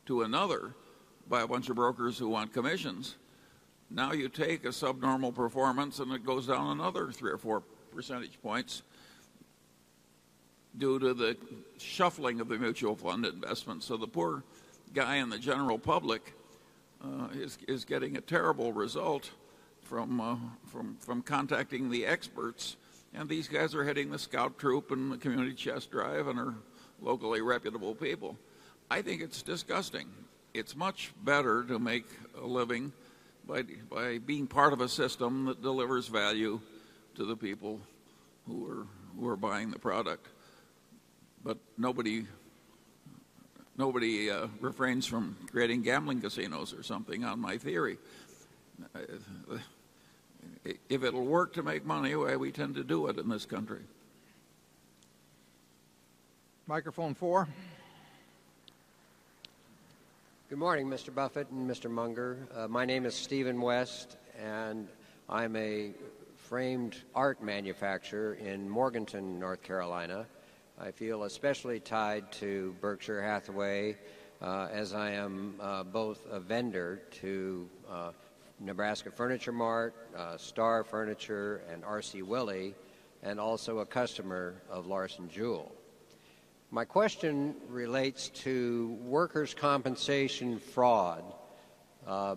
to another by a bunch of brokers who want commissions. Now you take a subnormal performance and it goes down another 3 or 4 percentage points due to the shuffling of the mutual fund investments. So the poor guy in the general public is getting a terrible result from contacting the experts and these guys are heading the scout troop and the community chest drive and are locally reputable people. I think it's disgusting. It's much better to make a living by being part of a system that delivers value to the people who are buying the product. But nobody refrains from creating gambling casinos or something on my theory. If it'll work to make money the way we tend to do it in this country. Microphone 4. Good morning, mister Buffet and mister Munger. My name is Stephen West, and I'm a framed art manufacturer in Morganton, North Carolina. I feel especially tied to Berkshire Hathaway, as I am both a vendor to Nebraska Furniture Mart, Star Furniture and RC Willey, and also a customer of Larson Jewel. My question relates to workers' compensation fraud.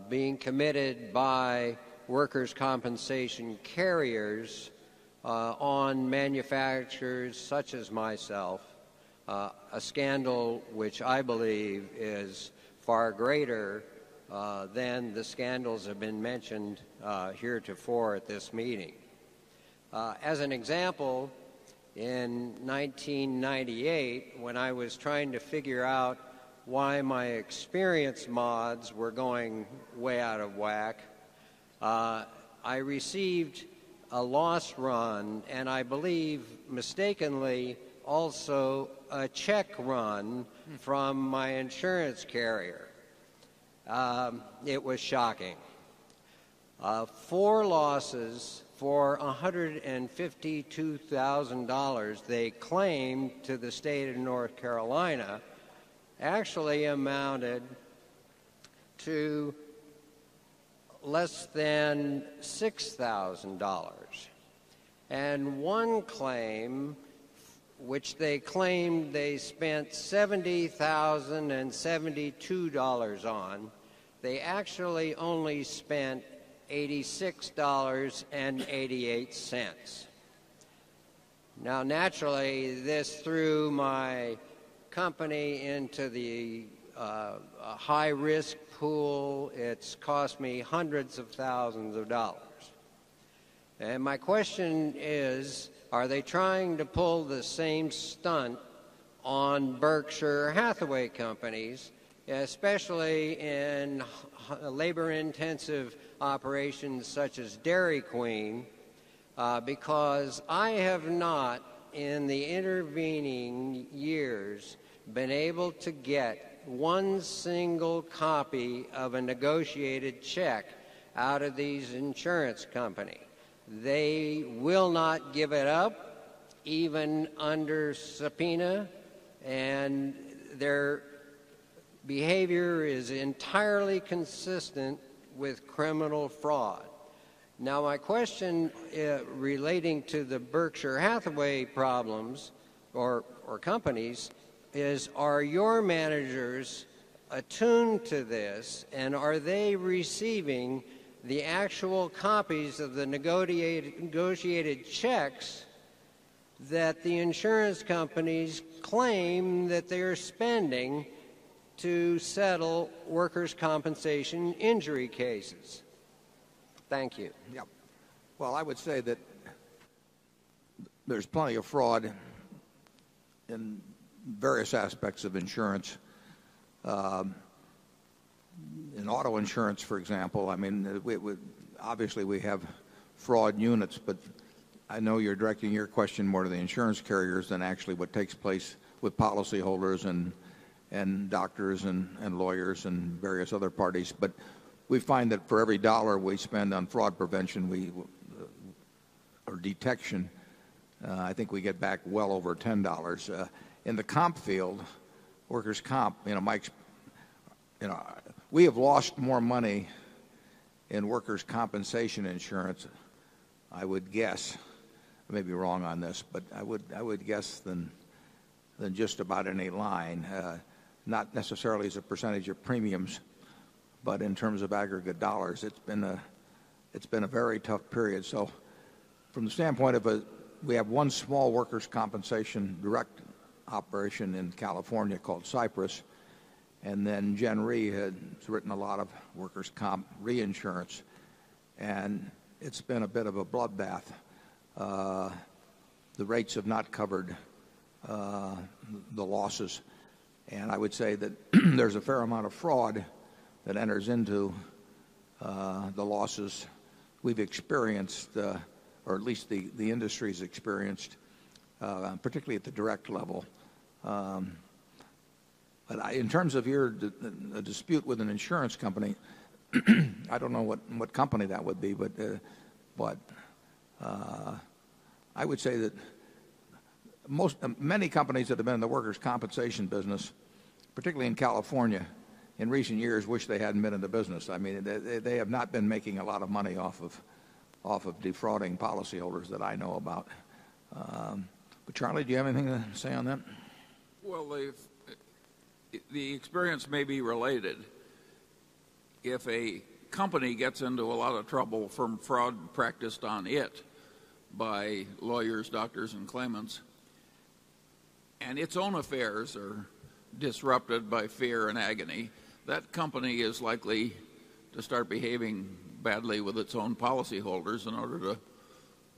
Being committed by workers' compensation carriers, on manufacturers such as myself, a scandal which I believe is far greater, than the scandals have been mentioned heretofore at this meeting. As an example. In 1998 when I was trying to figure out why my experience mods were going way out of whack, I received a loss run, and I believe mistakenly also a check run from my insurance carrier. It was shocking. 4 losses for $152,000 they claimed to the state of North Carolina actually amounted To Less than $6,000 and one claim. Which they claimed they spent $70,072 on, they actually only spent $86.88 Now, naturally, this threw my company into the, high risk pool. It's cost me 100 of 1,000 of dollars. My question is, are they trying to pull the same stunt on Berkshire Hathaway Companies, especially in labor intensive operations such as Dairy Queen, because I have not in the intervening years been able to get one single copy of a negotiated check out of these insurance companies. They will not give it up, even under subpoena, and their behavior is entirely consistent with criminal fraud. Now my question relating to the Berkshire Hathaway problems or or companies is are your managers attuned to this and are they receiving negotiated negotiated checks that the insurance companies claim that they are spending to settle workers' compensation injury cases. Thank you. Yep. Well, I would say that there's plenty of fraud in various aspects of insurance. In auto insurance, for example, I mean, obviously, we have fraud units, but I know you're directing your question more to the insurance carriers than actually what takes place with policyholders and doctors and lawyers and various other parties, but we find that for every dollar we spend on fraud prevention or detection, I think we get back well over $10 In the comp field, workers' comp, Mike we have lost more money in workers' compensation insurance, I would guess. I may be wrong on this, but I would guess than just about any line, not necessarily as a percentage of premiums, but in terms of aggregate dollars. It's been a very tough period. So from the standpoint of a we have one small workers' compensation direct operation in California called Cypress, and then Jen Re had written a lot of workers' comp reinsurance, and it's been a bit of a bloodbath. The rates have not covered the losses. And I would say that there's a fair amount of fraud that enters into the losses we've experienced or at least the industry has experienced, particularly at the direct level. In terms of your dispute with an insurance company, I don't know what company that would be, but I would say that most many companies that have been in the workers' compensation business, particularly in California in recent years, wish they hadn't been in the business. I mean, they have not been making a lot of money off of defrauding policyholders that I know about. But, Charlie, do you have anything to say on that? Well, the experience may be related. If a company gets into a lot of trouble from fraud practiced on it by lawyers, doctors, and claimants, and its own affairs are disrupted by fear and agony, that company is likely to start behaving badly with its own policyholders in order to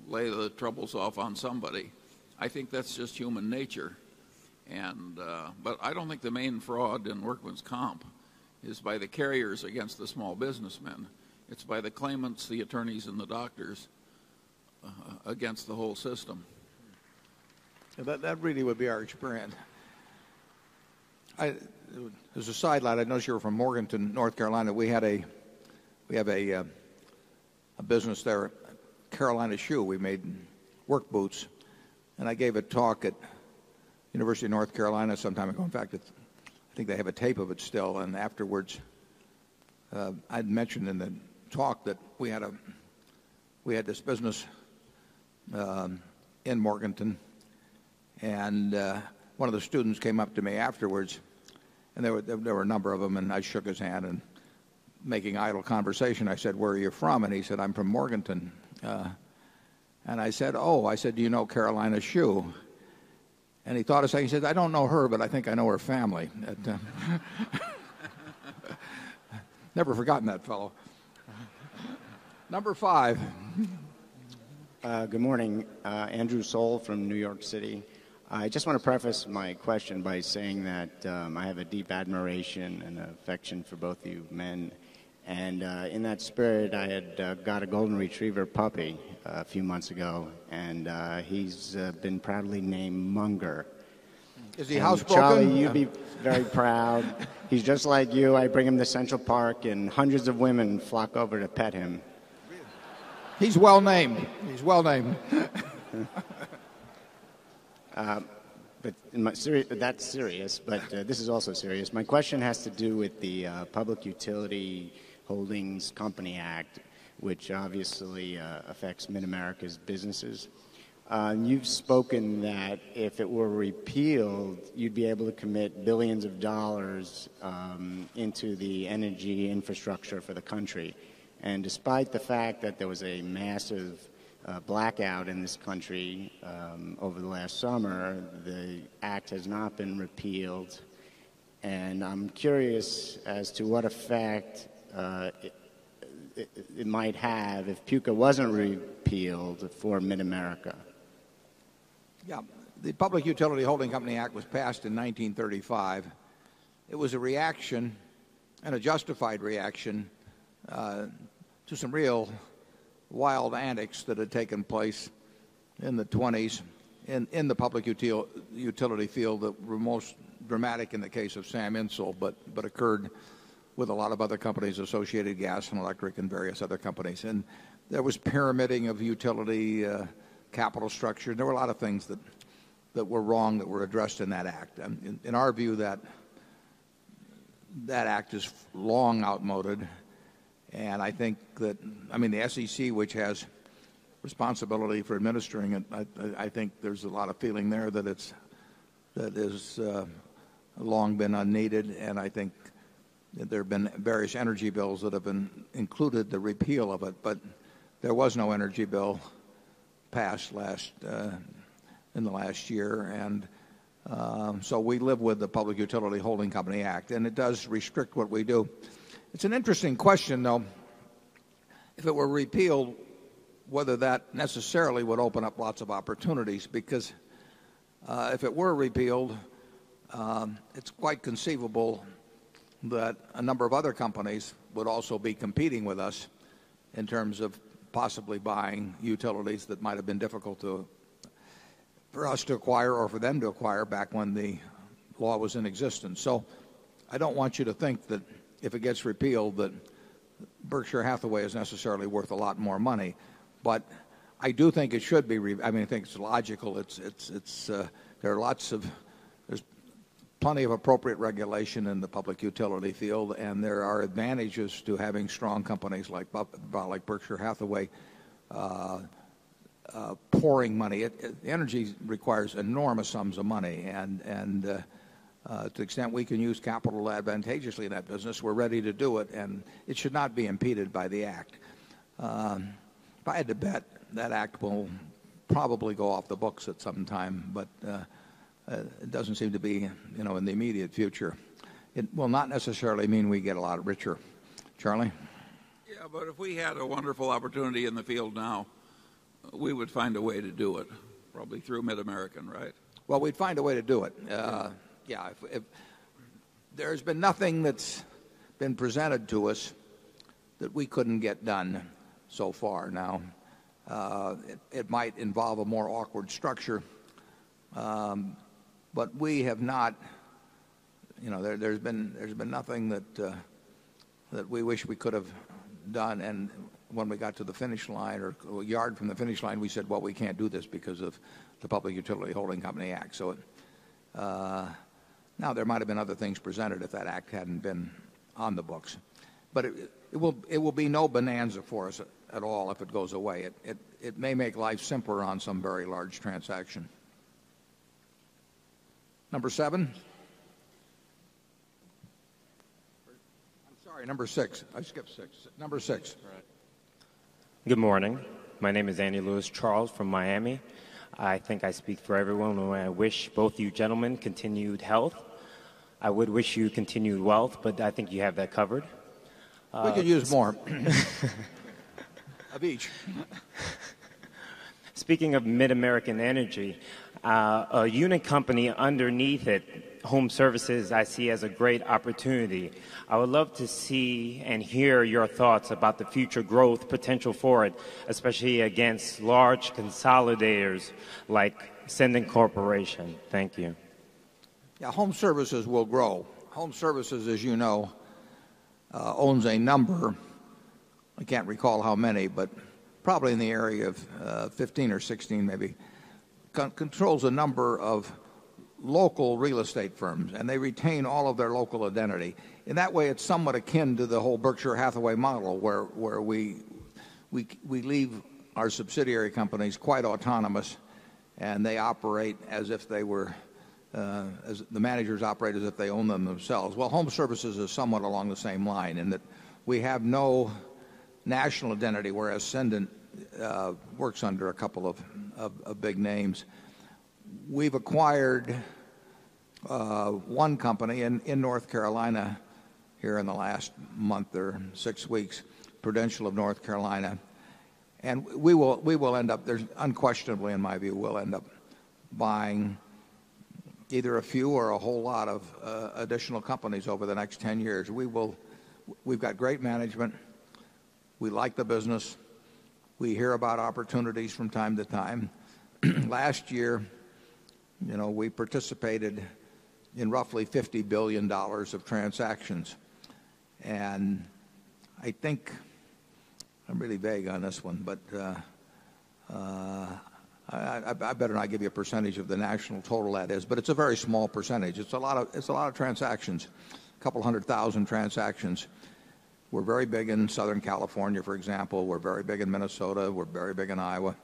lay the troubles off on somebody. I think that's just human nature. But I don't think the main fraud in workman's comp is by the carriers against the small businessmen. It's by the claimants, the attorneys, and the doctors against the whole system. That really would be our experience. As a sideline, I know you're from Morganton, North Carolina. We had a we have a business there, Carolina Shoe. We made work boots. And I gave a talk at University of North Carolina sometime ago. In fact, I think they have a tape of it still. And afterwards, I had mentioned in the talk that we had this business in Morganton, and one of the students came up to me afterwards, and there were a number of them, and I shook his hand and making idle conversation, I said, where are you from? And he said, I'm from Morganton. And I said, oh, I said, do you know Carolina Shue? And he thought of saying, he said, I don't know her, but I think I know her family. Never forgotten that fellow. Number 5. Good morning. Andrew Soule from New York City. I just want to preface my question by saying that, I have a deep admiration and affection for both of you men. And, in that spirit, I had got a golden retriever puppy a few months ago, and, he's been proudly named Munger. Is he house called? Charlie, you'd be very proud. He's just like you. I bring him to Central Park, and hundreds of women flock over to pet him. He's well named. He's well named. But that's serious, but this is also serious. My question has to do with the Public Utility Holdings Company Act, which obviously affects Mid America's businesses. And you've spoken that if it were repealed, you'd be able to commit 1,000,000,000 of dollars into the energy infrastructure for the country. And despite the fact that there was a massive blackout in this country over the last summer, the act has not been repealed, and I'm curious as to what effect it might have if PUCA wasn't repealed for Mid America. Yeah. The Public Utility Holding Company was passed in 1935. It was a reaction and a justified reaction, to some real wild antics that had taken place in the '20s in the public utility field that were most dramatic in the case of SAM Insel, but occurred with a lot of other companies associated with gas and electric and various other companies. And there was permitting of utility capital structure. There were a lot of things that were wrong that were addressed in that act. And in our view, that act is long outmoded. And I think that I mean, the SEC, which has responsibility for administering it, I think there's a lot of feeling there that it's that is long been unneeded. And I think there have been various energy bills that have been included the repeal of it, but there was no energy bill passed last in the last year. And so we live with the Public Utility Holding Company and it does restrict what we do. It's an interesting question, though, if it were repealed, whether that necessarily would open up lots of opportunities because if it were repealed, it's quite conceivable that a number of other companies would also be competing with us in terms of possibly buying utilities that might have been difficult for us to acquire or for them to acquire back when the law was in existence. So I don't want you to think that if it gets repealed that Berkshire Hathaway is necessarily worth a lot more money. But I do think it should be I mean, I think it's logical. It's there are lots of there's plenty of appropriate regulation in the public utility field and there are advantages to having strong companies like Berkshire Hathaway pouring money. Energy requires enormous sums of money. And to the extent we can use capital advantageously that business, we are ready to do it and it should not be impeded by the act. If I had to bet that act will probably go off the books at some time, but it doesn't seem to be in the immediate future. It will not necessarily mean we get a lot richer. Charlie? Yes, but if we had a wonderful opportunity in the field now, we would find a way to do it probably through Mid American, right? Well, we'd find a way to do it. Yes, there's been nothing that's been presented to us that we couldn't get done so far now. It might involve a more awkward structure. But we have not there has been nothing that we wish we could have done. And when we got to the finish line or a yard from the finish line, we said, well, we can't do this because of the Public Utility Holding Company Act. So now there might have been other things presented if that act hadn't been on the books. But it will be no bonanza for us at all if it goes away. It may make life simpler on some very large transaction. Number 7. I'm sorry, number 6. I skipped 6. Number 6. All right. Good morning. My name is Andy Lewis Charles from Miami. I think I speak for everyone. I wish both you gentlemen continued health. I would wish you continued wealth, but I think you have that covered. We could use more of each. Speaking of Mid American Energy, a unit company underneath it, home services, I see as a great opportunity. I would love to see and hear your thoughts about the future growth potential for it, especially against large consolidators like Ascendant Corporation? Thank you. Yeah. Home Services will grow. Home Services, as you know, owns a number. I can't recall how many, but probably in the area of 15 or 16 maybe. Controls a number of local real estate firms, and they retain all of their local identity. In that way, it's somewhat akin to the whole Berkshire Hathaway model where we leave our subsidiary companies quite autonomous and they operate as if they were as the managers operate as if they own them themselves. Well, home services is somewhat along the same line in that we have no national identity, whereas Senden works under a couple of big names. We've acquired one company in North Carolina here in the last month or 6 weeks, Prudential of North Carolina. And we will end up there's unquestionably, in my view, we'll end up buying either a few or a whole lot of additional companies over the next 10 years. We will we've got great management. We like the business. We hear about opportunities from time to time. Last year, we participated in roughly $50,000,000,000 of transactions. And I think I'm really vague on this one, but I better not give you a percentage of the national total that is, but it's a very small percentage. It's a lot of transactions, a couple of 100,000 transactions. We're very big in Southern California, for example. We're very big in Minnesota. We're very big in Iowa,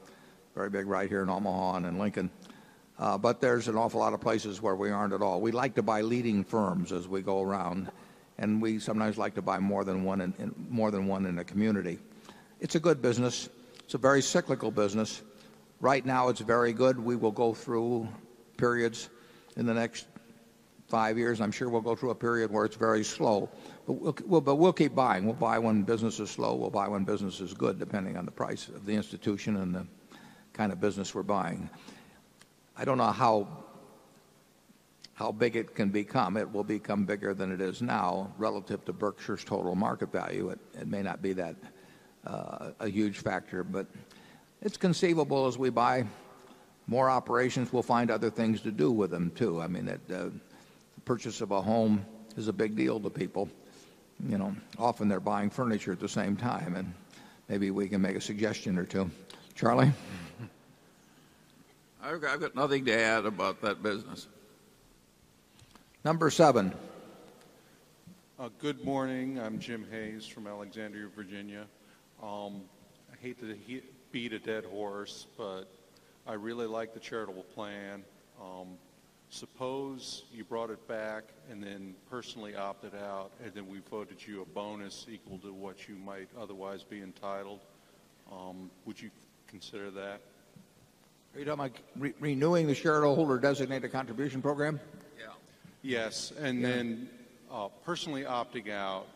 very big right here in Omaha and in Lincoln. But there's an awful lot of places where we aren't at all. We like to buy leading firms as we go around, and we sometimes like to buy more than 1 in the community. It's a good business. It's a very cyclical business. Right now, it's very good. We will go through periods in the next 5 years. I'm sure we'll go through a period where it's very slow. But we'll keep buying. We'll buy when business is slow. We'll buy when business is good depending on the price of the institution and the kind of business we're buying. I don't know how big it can become. It will become bigger than it is now relative to Berkshire's total market value. It may not be that a huge factor, but it's conceivable as we buy more operations, we'll find other things to do with them too. I mean, the purchase of a home is a big deal to people. Often they're buying furniture at the same time and maybe we can make a suggestion or 2. Charlie? I've got nothing to add about that business. Number 7. Good morning. I'm Jim Hayes from Alexandria, Virginia. I hate to beat a dead horse, but I really like the charitable plan. Suppose you brought it back and then personally opted out and then we voted you a bonus equal to what you might otherwise be entitled. Would you consider that? Renewing the shareholder designated contribution program? Yes. And then personally opting out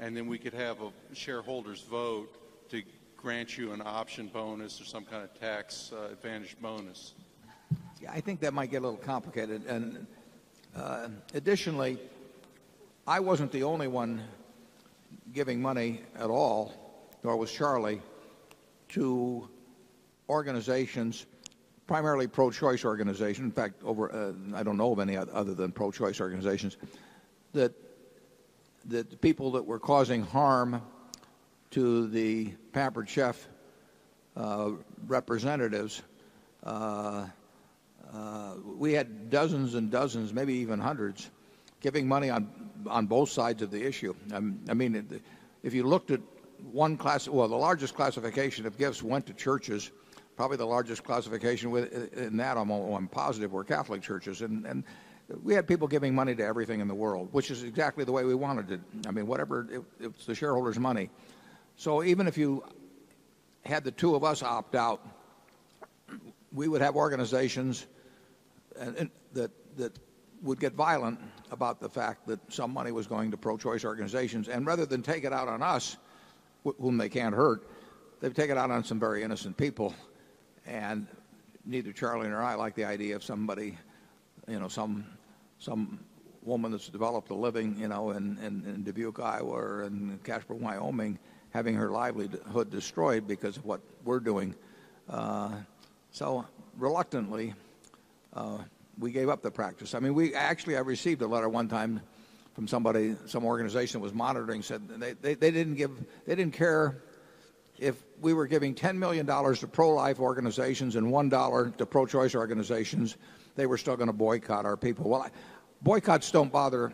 and then we could have a shareholders vote to grant you an option bonus or some kind of tax advantaged bonus? I think that might get a little complicated. And additionally, I wasn't the only one giving money at all, nor was Charlie, to organizations, primarily pro choice organizations. In fact, over, I don't know of any other than pro choice organizations, that that the people that were causing harm to the Pampered Chef, representatives, we had dozens and dozens, maybe even 100, giving money on both sides of the issue. I mean, if you looked at one class well, the largest classification of gifts went to churches, probably the largest classification in that, I'm positive, were Catholic churches. And we had people giving money to everything in the world, which is exactly the way we wanted it. I mean, whatever it's the shareholders' money. So even if you had the 2 of us opt out, we would have organizations that would get violent about the fact that some money was going to pro choice organizations. And rather than take it out on us, whom they can't hurt, they've taken it out on some very innocent people. And neither Charlie nor I like the idea of somebody, some woman that's developed a living in Dubuque, Iowa or in Casper, Wyoming, having her livelihood destroyed because of what we're doing. So reluctantly, we gave up the practice. I mean, we actually have received a letter one time from somebody, some organization was monitoring, said they didn't give they didn't care if we were giving $10,000,000 to pro life organizations and $1 to pro choice organizations. They were still going to boycott our people. Well, boycotts don't bother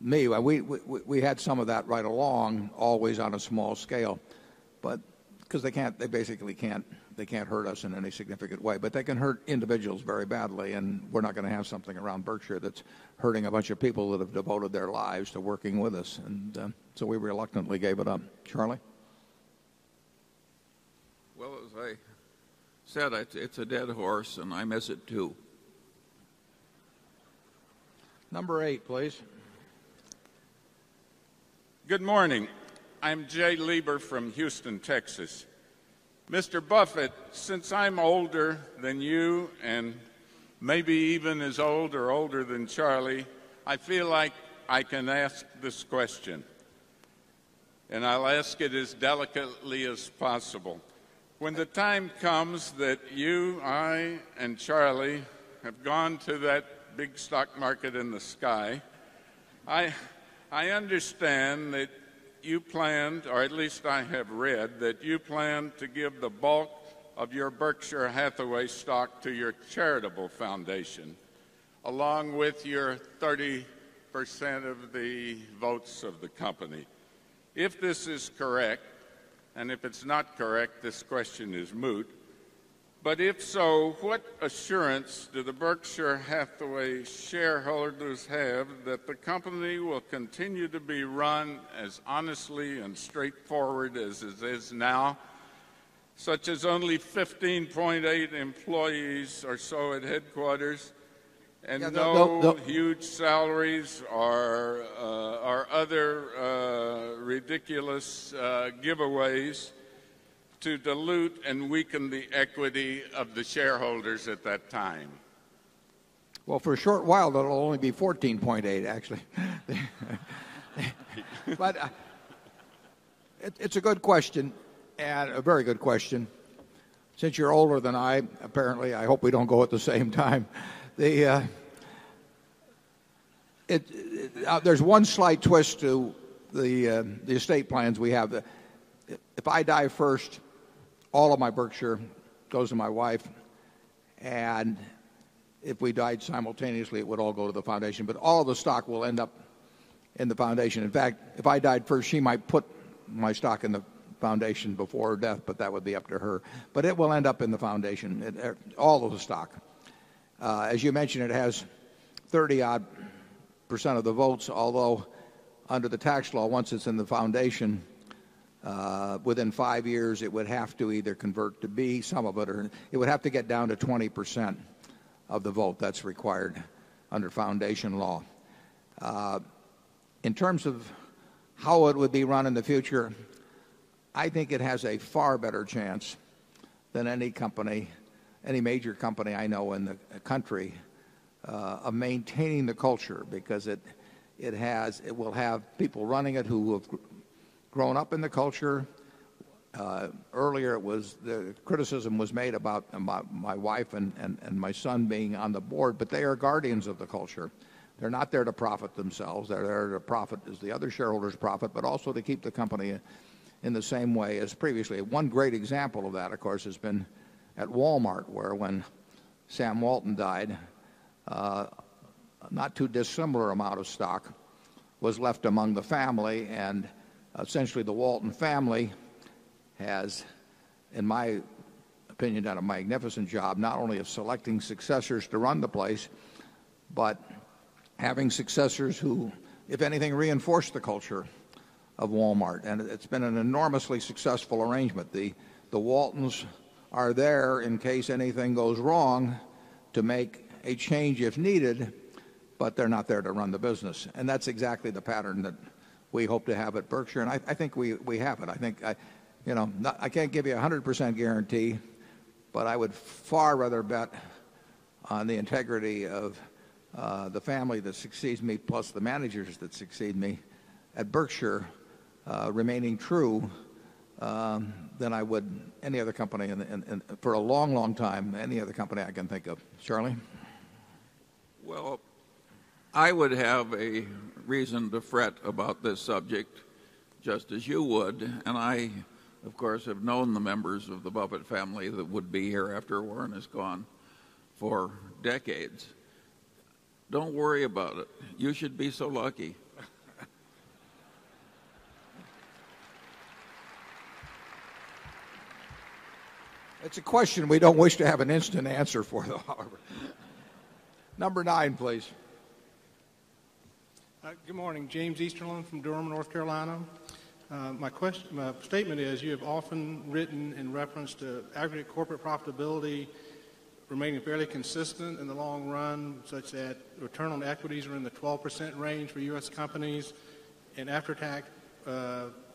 me. We had some of that right along always on a small scale, but because they can't they basically can't they can't hurt us in any significant way. But they can hurt individuals very badly and we're not going to have something around Berkshire that's hurting a bunch of people that have devoted their lives to working with us. And so we reluctantly gave it up. Charlie? Well, as I said, it's a dead horse and I miss it too. Number 8, please. Good morning. I'm Jay Lieber from Houston, Texas. Mister Buffet, since I'm older than you and maybe even as old or older than Charlie, I feel like I can ask this question, and I'll ask it as delicately as possible. When the time comes that you, I, and Charlie have gone to that big stock market in the sky, I understand that you planned, or at least I have read, that you planned to give the bulk of your Berkshire Hathaway stock to your charitable foundation, along with your 30% of the votes of the company. If this is correct, and if it's not correct, this question is moot. But if so, what assurance do the Berkshire Hathaway company will continue to be run as honestly and straightforward as it is now, such as only 15.8 employees or so at headquarters, and no huge salaries or, or other, ridiculous, giveaways to dilute and weaken the equity of the shareholders at that time? Well, for a short while, that'll only be 14.8, actually. But it's a good question, and a very good question. Since you're older than I, apparently, I hope we don't go at the same time. The, it, there's one slight twist to the, the estate plans we have. If I die first, all of my Berkshire goes to my wife. And if we died simultaneously, it would all go to the Foundation. But all of the stock will end up in the Foundation. In fact, if I died first, she might put my stock in the foundation before death, but that would be up to her. But it will end up in the foundation, all of the stock. As you mentioned, it has 30 odd percent of the votes, although under the tax law, once it's in the foundation, within 5 years, it would have to either convert to B. Some of it are it would have to get down to 20% of the vote that's required under foundation law. In terms of how it would be run-in the future, I think it has a far better chance than any company, any major company I know in the country, of maintaining the culture because it has it will have people running it who have grown up in the culture. Earlier, it was the criticism was made about my wife and my son being on the board, but they are guardians of the culture. They're not there to profit themselves. They're there to profit as the other shareholders profit, but also to keep the company in the same way as previously. One great example of that, of course, has been at Walmart, where when Sam Walton died, not too dissimilar amount of stock was left among the family. And essentially, the Walton family has, in my opinion, done a magnificent job not only of selecting successors to run the place, but having successors who, if anything, reinforce the culture of Walmart. And it's been an enormously successful arrangement. The Waltons are there in case anything goes wrong to make a change if needed, but they're not there to run the business. And that's exactly the pattern that we hope to have at Berkshire. And I think we have it. I think I can't give you a 100% guarantee, but I would far rather bet on the integrity of the family that succeeds me plus the managers that succeed me at Berkshire remaining true than I would any other company for a long, long time than any other company I can think of. Charlie? Well, I would have a reason to fret about this subject just as you would. And I, of course, have known the members of the Buffett family that would be here after Warren has gone for decades. Don't worry about it. You should be so lucky. It's a question we don't wish to have an instant answer for, though, Harvard. Number 9, please. Good morning. James Easterlin from Durham, North Carolina. My my statement is you have often written in reference to aggregate corporate profitability remaining fairly consistent in the long run such that return on equities are in the 12% range for U. S. Companies and after tax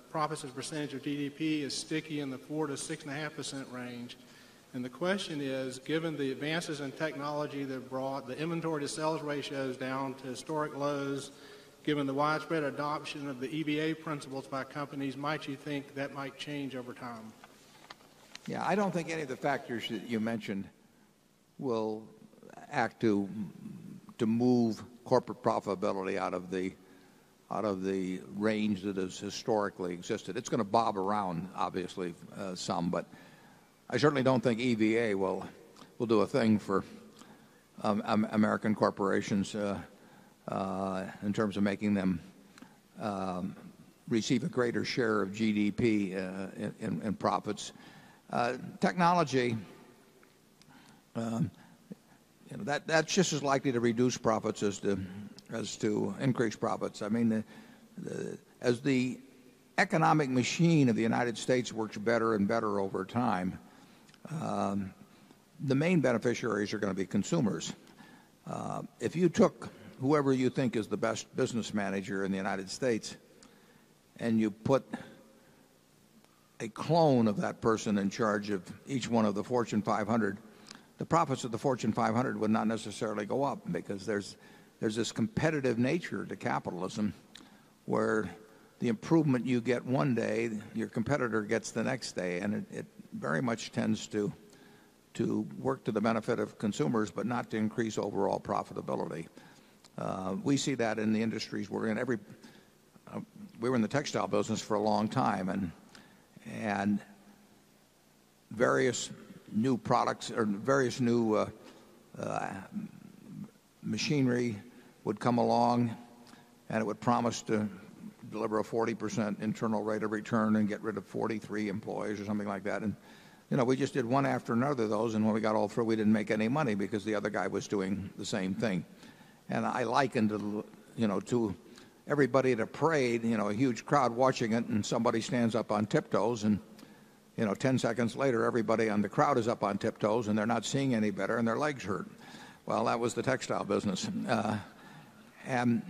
profits as a percentage of GDP is sticky in the 4% to 6.5% range. And the question is, given the advances in technology that brought the inventory to sales ratios down to historic lows, given the widespread adoption of the EBA principles by companies might you think that might change over time? Yes, I don't think any of the factors that you mentioned will act to move corporate profitability out of the range that has historically existed. It's going to bob around, obviously, some, but I certainly don't think EVA will do a thing for American corporations in terms of making them receive a greater share of GDP and profits. Technology, that's just as likely to reduce profits as to increase profits. I mean, as the economic machine of the United States works better and better over time, the main beneficiaries are going to be consumers. If you took whoever you think is the best business manager in the United States and you put a clone of that person in charge of each one of the Fortune 500, the profits of the Fortune 500 would not necessarily go up because there is this competitive nature to capitalism where the improvement you get one day, your competitor gets the next day, and it very much tends to work to the benefit of consumers but not to increase overall profitability. We see that in the industries. We're in every we were in the textile business for a long time and various new products or various new machinery would come along and it would promise to deliver a 40% internal rate of return and get rid of 43 employees or something like that. And we just did one after another of those. And when we got all through, we didn't make any money because the other guy was doing the same thing. And I likened to everybody to pray, a huge crowd watching it and somebody stands up on tiptoes and 10 seconds later everybody on the crowd is up on tiptoes and they're not seeing any better and their legs hurt. Well, that was the textile business. And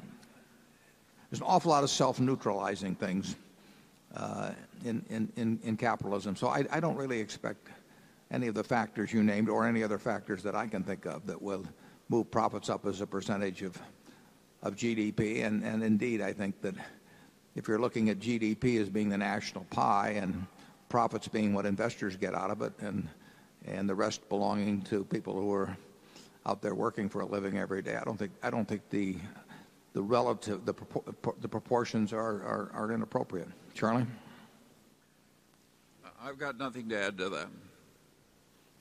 there's an awful lot of self neutralizing things in capitalism. So I don't really expect any of the factors you named or any other factors that I can think of that will move profits up as a percentage of GDP. And indeed, I think that if you're looking at GDP as being the national pie and profits being what investors get out of it and the rest belonging to people who are out there working for a living every day. I don't think the relative, the proportions are inappropriate. Charlie? I've got nothing to add to that.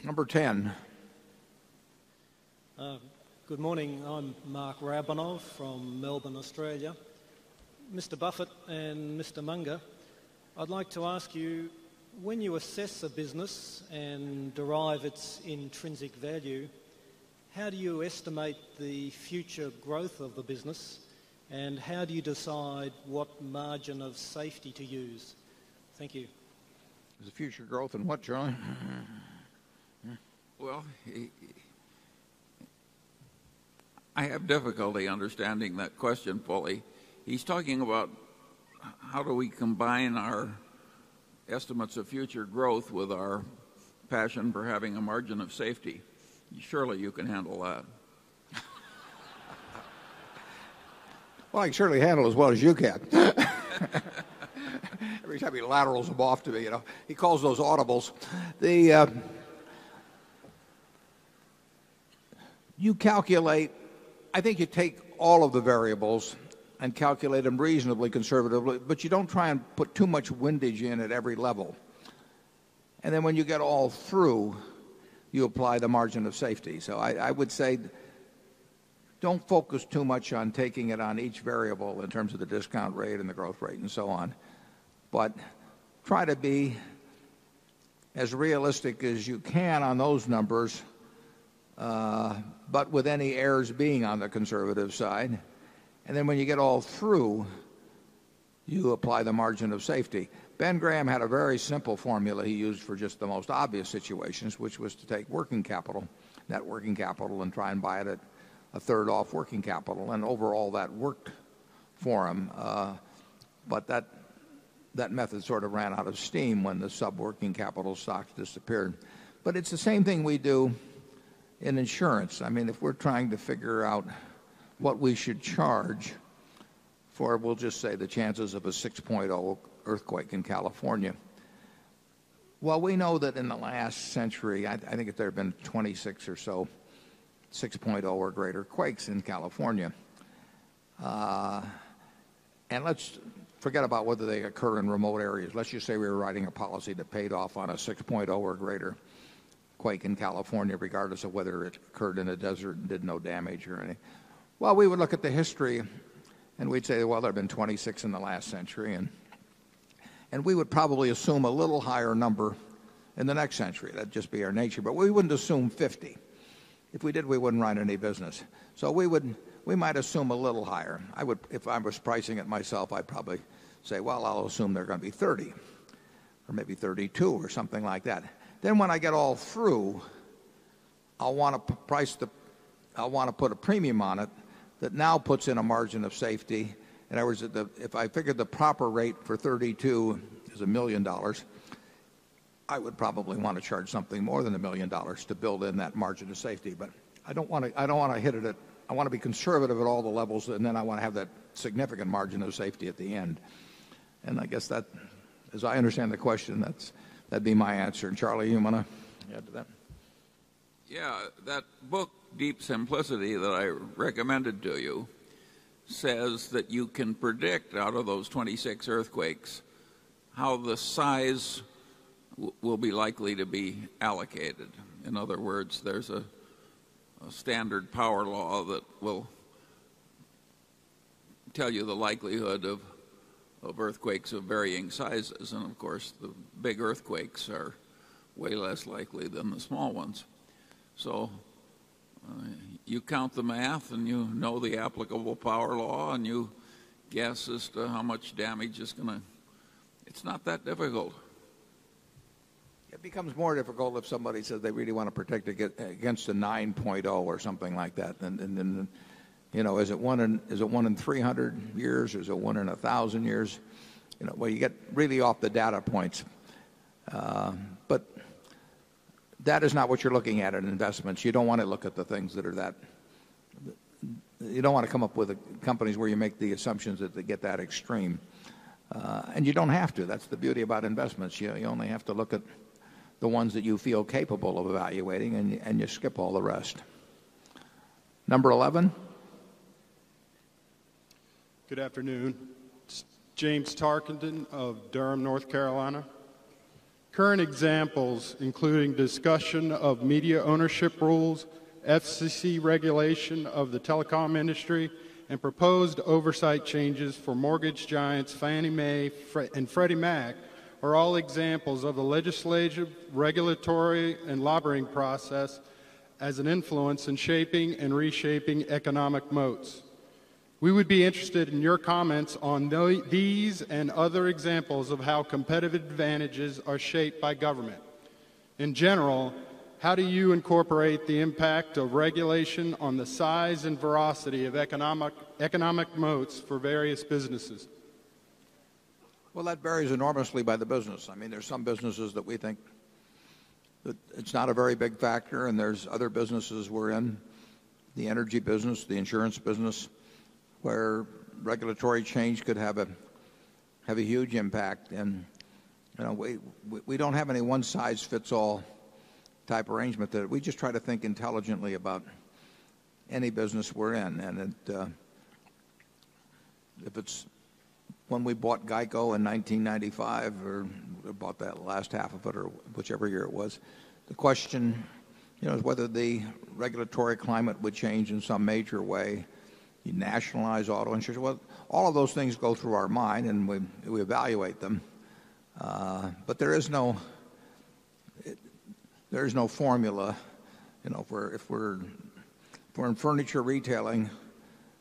Number 10. Good morning. I'm Mark Rabanov from Melbourne, Australia. Mr. Buffet and Mr. Munger, I'd like to ask you, when you assess a business and derive its intrinsic value, how do you estimate the future growth of the business? And how do you decide what margin of safety to use? Thank you. Is the future growth and what, John? Well, I have difficulty understanding that question fully. He's talking about how do we combine our estimates of future growth with our passion for having a margin of safety. Surely, you can handle that. Well, I can surely handle it as well as you can. Every time he laterals them off to me, you know, he calls those audibles. The you calculate I think you take all of the variables and calculate them reasonably conservatively, but you don't try and put too much windage in at every level. And then when you get all through, you apply the margin of safety. So I would say don't focus too much on taking it on each variable in terms of the discount rate and the growth rate and so on. But try to be as realistic as you can on those numbers, but with any errors being on the conservative side. And then when you get all through, you apply the margin of safety. Ben Graham had a very simple formula he used for just the obvious situations, which was to take working capital, net working capital and try and buy it a third off working capital and overall that worked for him. But that method sort of ran out of steam when the sub working capital stock disappeared. But it's the same thing we do in insurance. I mean, if we're trying to figure out what we should charge for, we'll just say, the chances of a 6.0 earthquake in California. Well, we know that in the last century, I think there have been 26 or so, 6.0 or greater quakes in California. And let's forget about whether they occur in remote areas. Let's just say we were writing a policy that paid off on a 6.0 or greater quake in California, regardless of whether it occurred in the desert and did no damage or anything. Well, we would look at the history and we'd say, well, there have been 26 in the last century. And we would probably assume a little higher number in the next century. That'd just be our nature. But we wouldn't assume 50. If we did, we wouldn't run any business. So we wouldn't we might assume a little higher. I would if I was pricing it myself, I'd probably say, well, I'll assume they're going to be 30 or maybe 32 or something like that. Then when I get all through, I want to price the I want to put a premium on it that now puts in a margin of safety. In other words, if I figured the proper rate for $32 is $1,000,000 I would probably want to charge something more than $1,000,000 to build in that margin of safety. But I don't want to hit it at I want to be conservative at all the levels and then I want to have that significant margin of safety at the end. And I guess that as I understand the question, that's would be my answer. Charlie, you want to add to that? Yes. That book, Deep Simplicity, that I recommended to you says that you can predict, out of those 26 earthquakes, how the size will be likely to be allocated. In other words, there's a standard power law that will tell you the likelihood of earthquakes of varying sizes. And of course, the big earthquakes are way less likely than the small ones. So you count the math and you know the applicable power law and you guess as to how much damage is going to it's not that difficult. It becomes more difficult if somebody says they really want to protect against the 9.0 or something like that. And then is it 1 in 300 years? Is it 1 in 1000 years? Well, you get really off the data points. But that is not what you're looking at in investments. You don't want to look at the things that are that you don't want to come up with companies where you make the assumptions that they get that extreme. And you don't have to. That's the beauty about investments. You only have to look at the ones that you feel capable of evaluating and you skip all the rest. Number 11. Good afternoon. James Tarkenton of Durham, North Carolina. Current examples including discussion of media ownership rules, FCC regulation of the telecom industry, and proposed oversight changes for mortgage giants Fannie Mae and Freddie Mac are all examples of the legislature, regulatory, and lobbying process as an influence in shaping and reshaping economic moats. We would be interested in your comments on these and other examples of how competitive advantages are shaped by government. In general, how do you incorporate the impact of regulation on the size and veracity of economic moats for various businesses? Well, that varies enormously by the business. I mean, there's some businesses that we think that it's not a very big factor. And there's other businesses we're in, the energy business, the insurance business, where regulatory change could have a have a huge impact. And, you know, we we don't have any one size fits all type arrangement there. We just try to think intelligently about any business we're in. And if it's when we bought GEICO in 1995 or bought that last half of it or whichever year it was, the question is whether the regulatory climate would change in some major way, you nationalize auto insurance. Well, all of those things go through our mind and we evaluate them. But there is no formula. If we're in furniture retailing,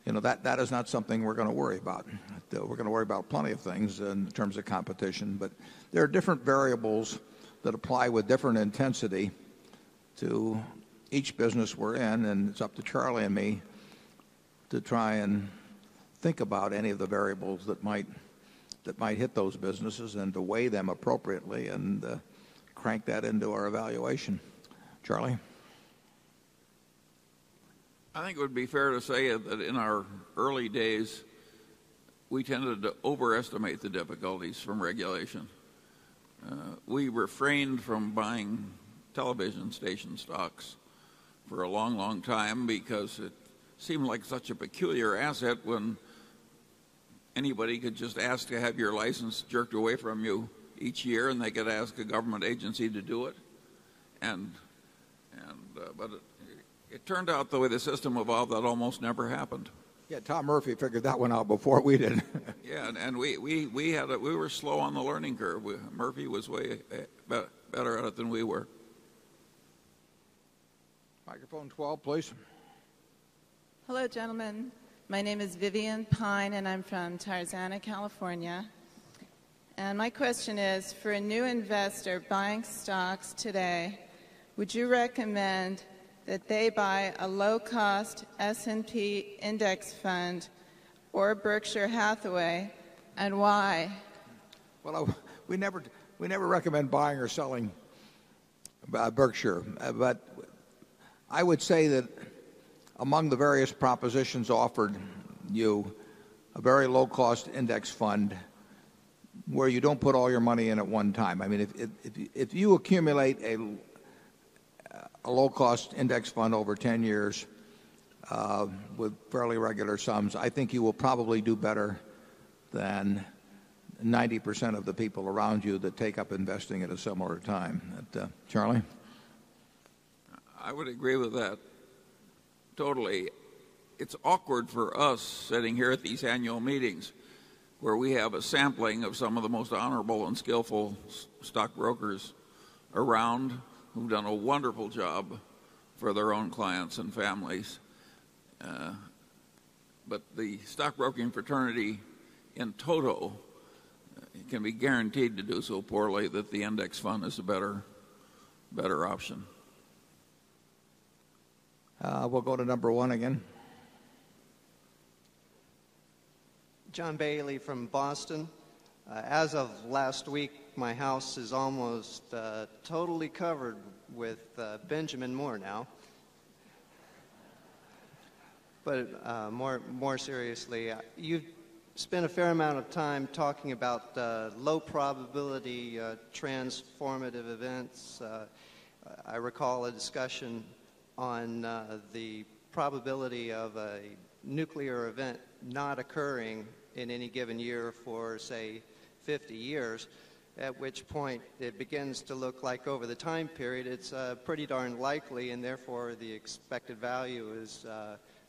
that is not something we're going to worry about. We're going to worry about plenty of things in terms of competition. But there are different variables that apply with different intensity to each business we're in. And it's up to Charlie and me to try and think about any of the variables that might hit those businesses and to weigh them appropriately and crank that into our evaluation. Charlie? I think it would be fair to say that in our early days, we tended to overestimate the difficulties from regulation. We refrained from buying television station stocks for a long, long time because it seemed like such a peculiar asset when anybody could just ask to have your license jerked away from you each year and they could ask a government agency to do it. And but it turned out the way the system evolved that almost never happened. Yeah, Tom Murphy figured that one out before we did. Yeah, and we were slow on the learning curve. Murphy was way better at it than we were. Microphone 12, please. Hello, gentlemen. My name is Vivian Pine and I'm from Tarzana, California. And my question is for a new investor buying stocks today, would you recommend that they buy a low cost S and P index fund or Berkshire Hathaway and why? Well, we never recommend buying or selling Berkshire. But I would say that among the various propositions offered you, a very low cost index fund where you don't put all your money in at one time. I mean, if you accumulate a low cost index fund over 10 years with fairly regular sums, I think you will probably do better than 90% of the people around you that take up investing at a similar time. Charlie? I would agree with that totally. It's awkward for us sitting here at these annual meetings where we have a sampling of some of the most honorable and skillful stockbrokers around who've done a wonderful job for their own clients and families. But the stockbroking fraternity in total can be guaranteed to do so poorly that the index fund is a better option. We'll go to number 1 again. John Bailey from Boston. As of last week, my house is almost totally covered with Benjamin Moore now but more seriously you spent a fair amount of time talking about low probability transformative events. I recall a discussion on the probability of a nuclear event not occurring in any given year for, say, 50 years, at which point it begins to look like over the time period, it's pretty darn likely, and therefore, the expected value is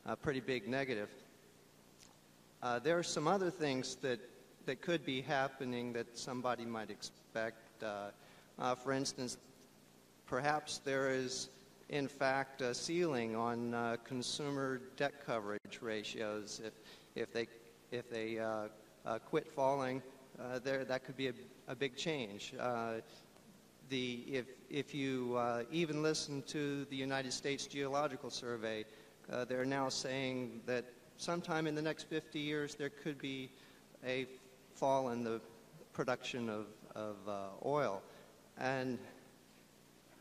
a pretty big negative. Therefore the expected value is a pretty big negative. There are some other things that could be happening that somebody might expect. For instance, perhaps there is, in fact, a ceiling on consumer debt coverage ratios. If they quit falling, that could be a big change. If you even listen to the United States geological survey, they're now saying that sometime in the next 50 years, there could be a fall in the production of oil.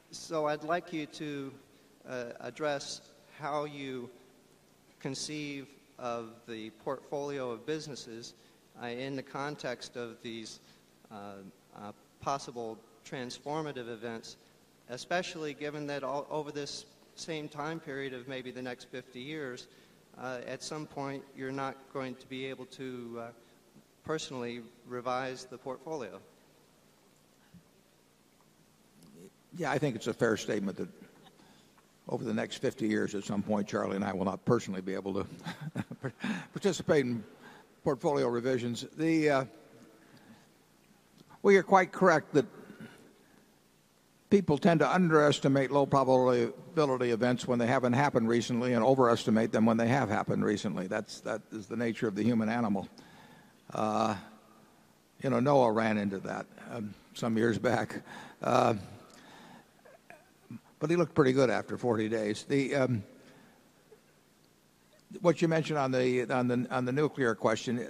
And so I'd like you to address how you conceive of the portfolio of businesses in the context of these possible transformative events, especially given that over this same time period of maybe the next 50 years, at some point, you're not going to be able to personally revise the portfolio? Yes, I think it's a fair statement that over the next 50 years at some point, Charlie and I will not personally be able to participate in portfolio revisions. The well, you're quite correct that people tend to underestimate low probability events when they haven't happened recently and overestimate them when they have happened recently. That is the nature of the human animal. Noah ran into that some years back. But he looked pretty good after 40 days. What you mentioned on the nuclear question,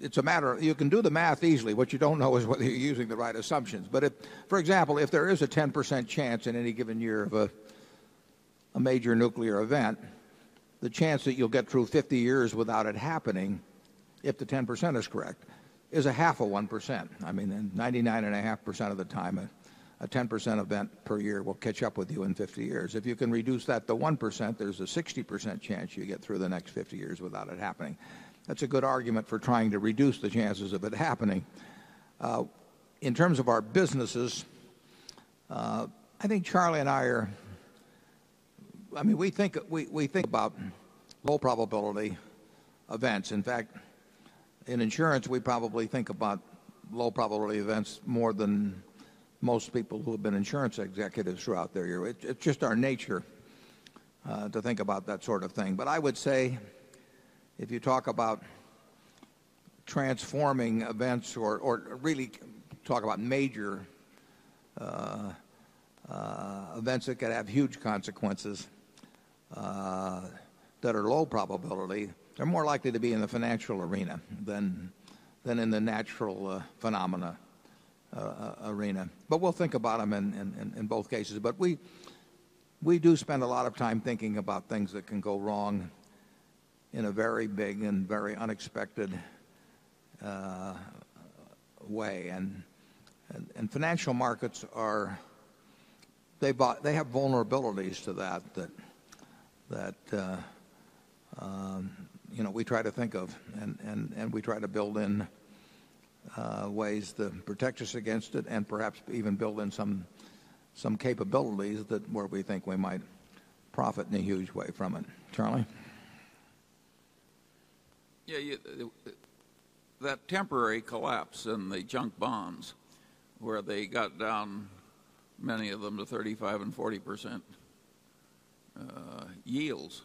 it's a matter of you can do the math easily. What you don't know is whether you're using the right assumptions. But for example, if there is a 10% chance in any given year of a major nuclear event, the chance that you'll get through 50 years without it happening, if the 10% is correct, is a half of 1%. I mean, 99.5% of the time, a 10% event per year will catch up with you in 50 years. If you can reduce that to 1%, there's a 60% chance you get through the next 50 years without it happening. That's a good argument for trying to reduce the chances of it happening. In terms of our businesses, I think Charlie and I are I mean, we think about low probability events. In fact, in insurance, we probably think about low probability events more than most people who have been insurance executives throughout their year. It's just our nature to think about that sort of thing. But I would say if you talk about transforming events or really talk about major events that could have huge consequences that are low probability, they're more likely to be in the financial arena than in the natural phenomena arena. But we'll think about them in both cases. But we do spend a lot of time thinking about things that can go wrong in a very big and very unexpected way. And financial markets are they have vulnerabilities to that, that we try to think of and we try to build in ways that protect us against it and perhaps even build in some capabilities that where we think we might profit in a huge way from it. Charlie? Yes. That temporary collapse in the junk bonds where they got down, many of them, to 35% 40% yields.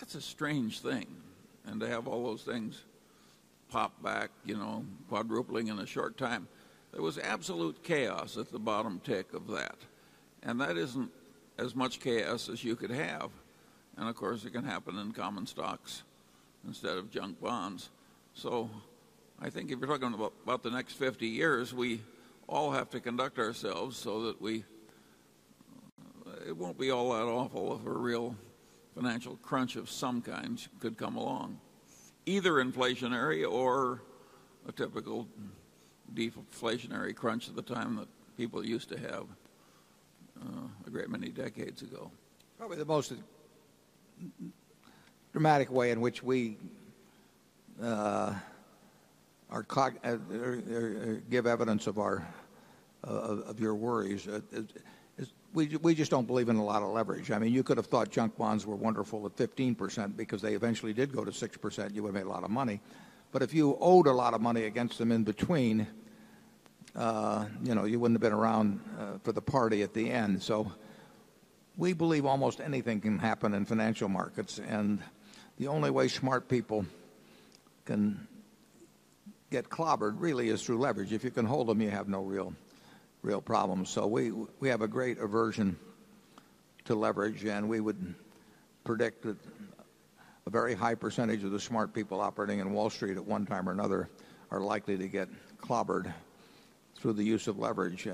That's a strange thing. And to have all those things pop back, you know, quadrupling in a short time, there was absolute chaos at the bottom tick of that. And that isn't as much chaos as you could have. And of course, it can happen in common stocks instead of junk bonds. So I think if you're talking about the next 50 years, we all have to conduct ourselves so that it won't be all that awful if a real financial crunch of some kind could come along, either inflationary or a typical deflationary crunch at the time that people used to have a great many decades ago. Probably the most dramatic way in which we give evidence of your worries. We just don't believe in a lot of leverage. I mean, you could have thought junk bonds were wonderful at 15% because they eventually did go to 6%, you would have made a lot of money. But if you owed a lot of money against them in between, you wouldn't have been around for the party at the end. So we believe almost anything can happen in financial markets. And the only way smart people can get clobbered really is through leverage. If you can hold them, you have no real problems. So we have a great aversion to leverage and we would predict that a very high percentage of the smart people operating in Wall Street at one time or another are likely to get clobbered through the use of leverage.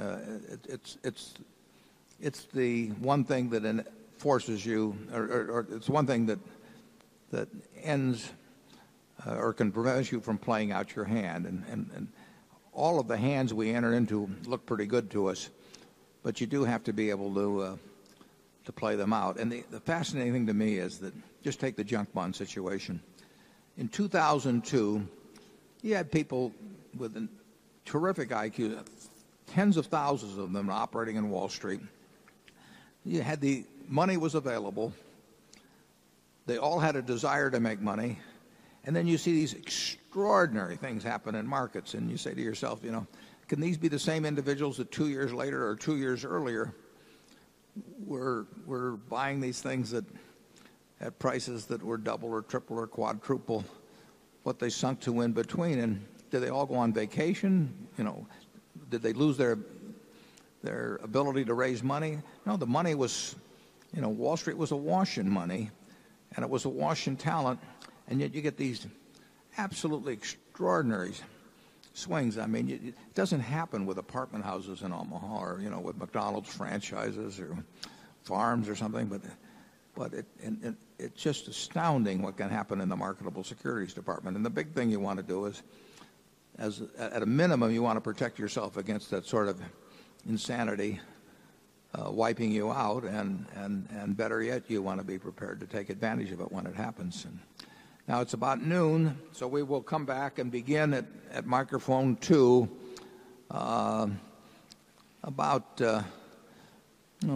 It's the one thing that enforces you or it's one thing that ends or can prevent you from playing out your hand. And all of the hands we entered into look pretty good to us, but you do have to be able to play them out. And the fascinating thing to me is that just take the junk bond situation. In 2002, you had people with a terrific IQ, tens of thousands of them operating in Wall Street. You had the money was available. They all had a desire to make money. And then you see these extraordinary things happen in markets and you say to yourself, can these be the same individuals that 2 years later or 2 years earlier, we're buying these things at prices that were double or triple or quadruple what they sunk to in between. And did they all go on vacation? Did they lose their ability to raise money? No, the money was Wall Street was a wash in money and it was a wash in talent and yet you get these absolutely extraordinary swings. I mean, it doesn't happen with apartment houses in Omaha or with McDonald's franchises or farms or something. But it's just astounding what can happen in the marketable securities department. And the big thing you want to do is as at a minimum you want to protect yourself against that sort of insanity wiping you out and better yet you want to be prepared take advantage of it when it happens. Now it's about noon, so we will come back and begin at microphone 2 about, I'll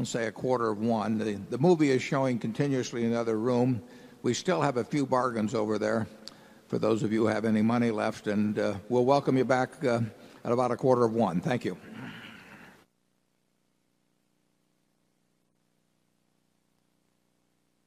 say, a quarter of 1. The movie is showing continuously in another room. We still have a few bargains over there for those of you who have any money left, and we'll welcome you back at about a quarter of 1. Thank you.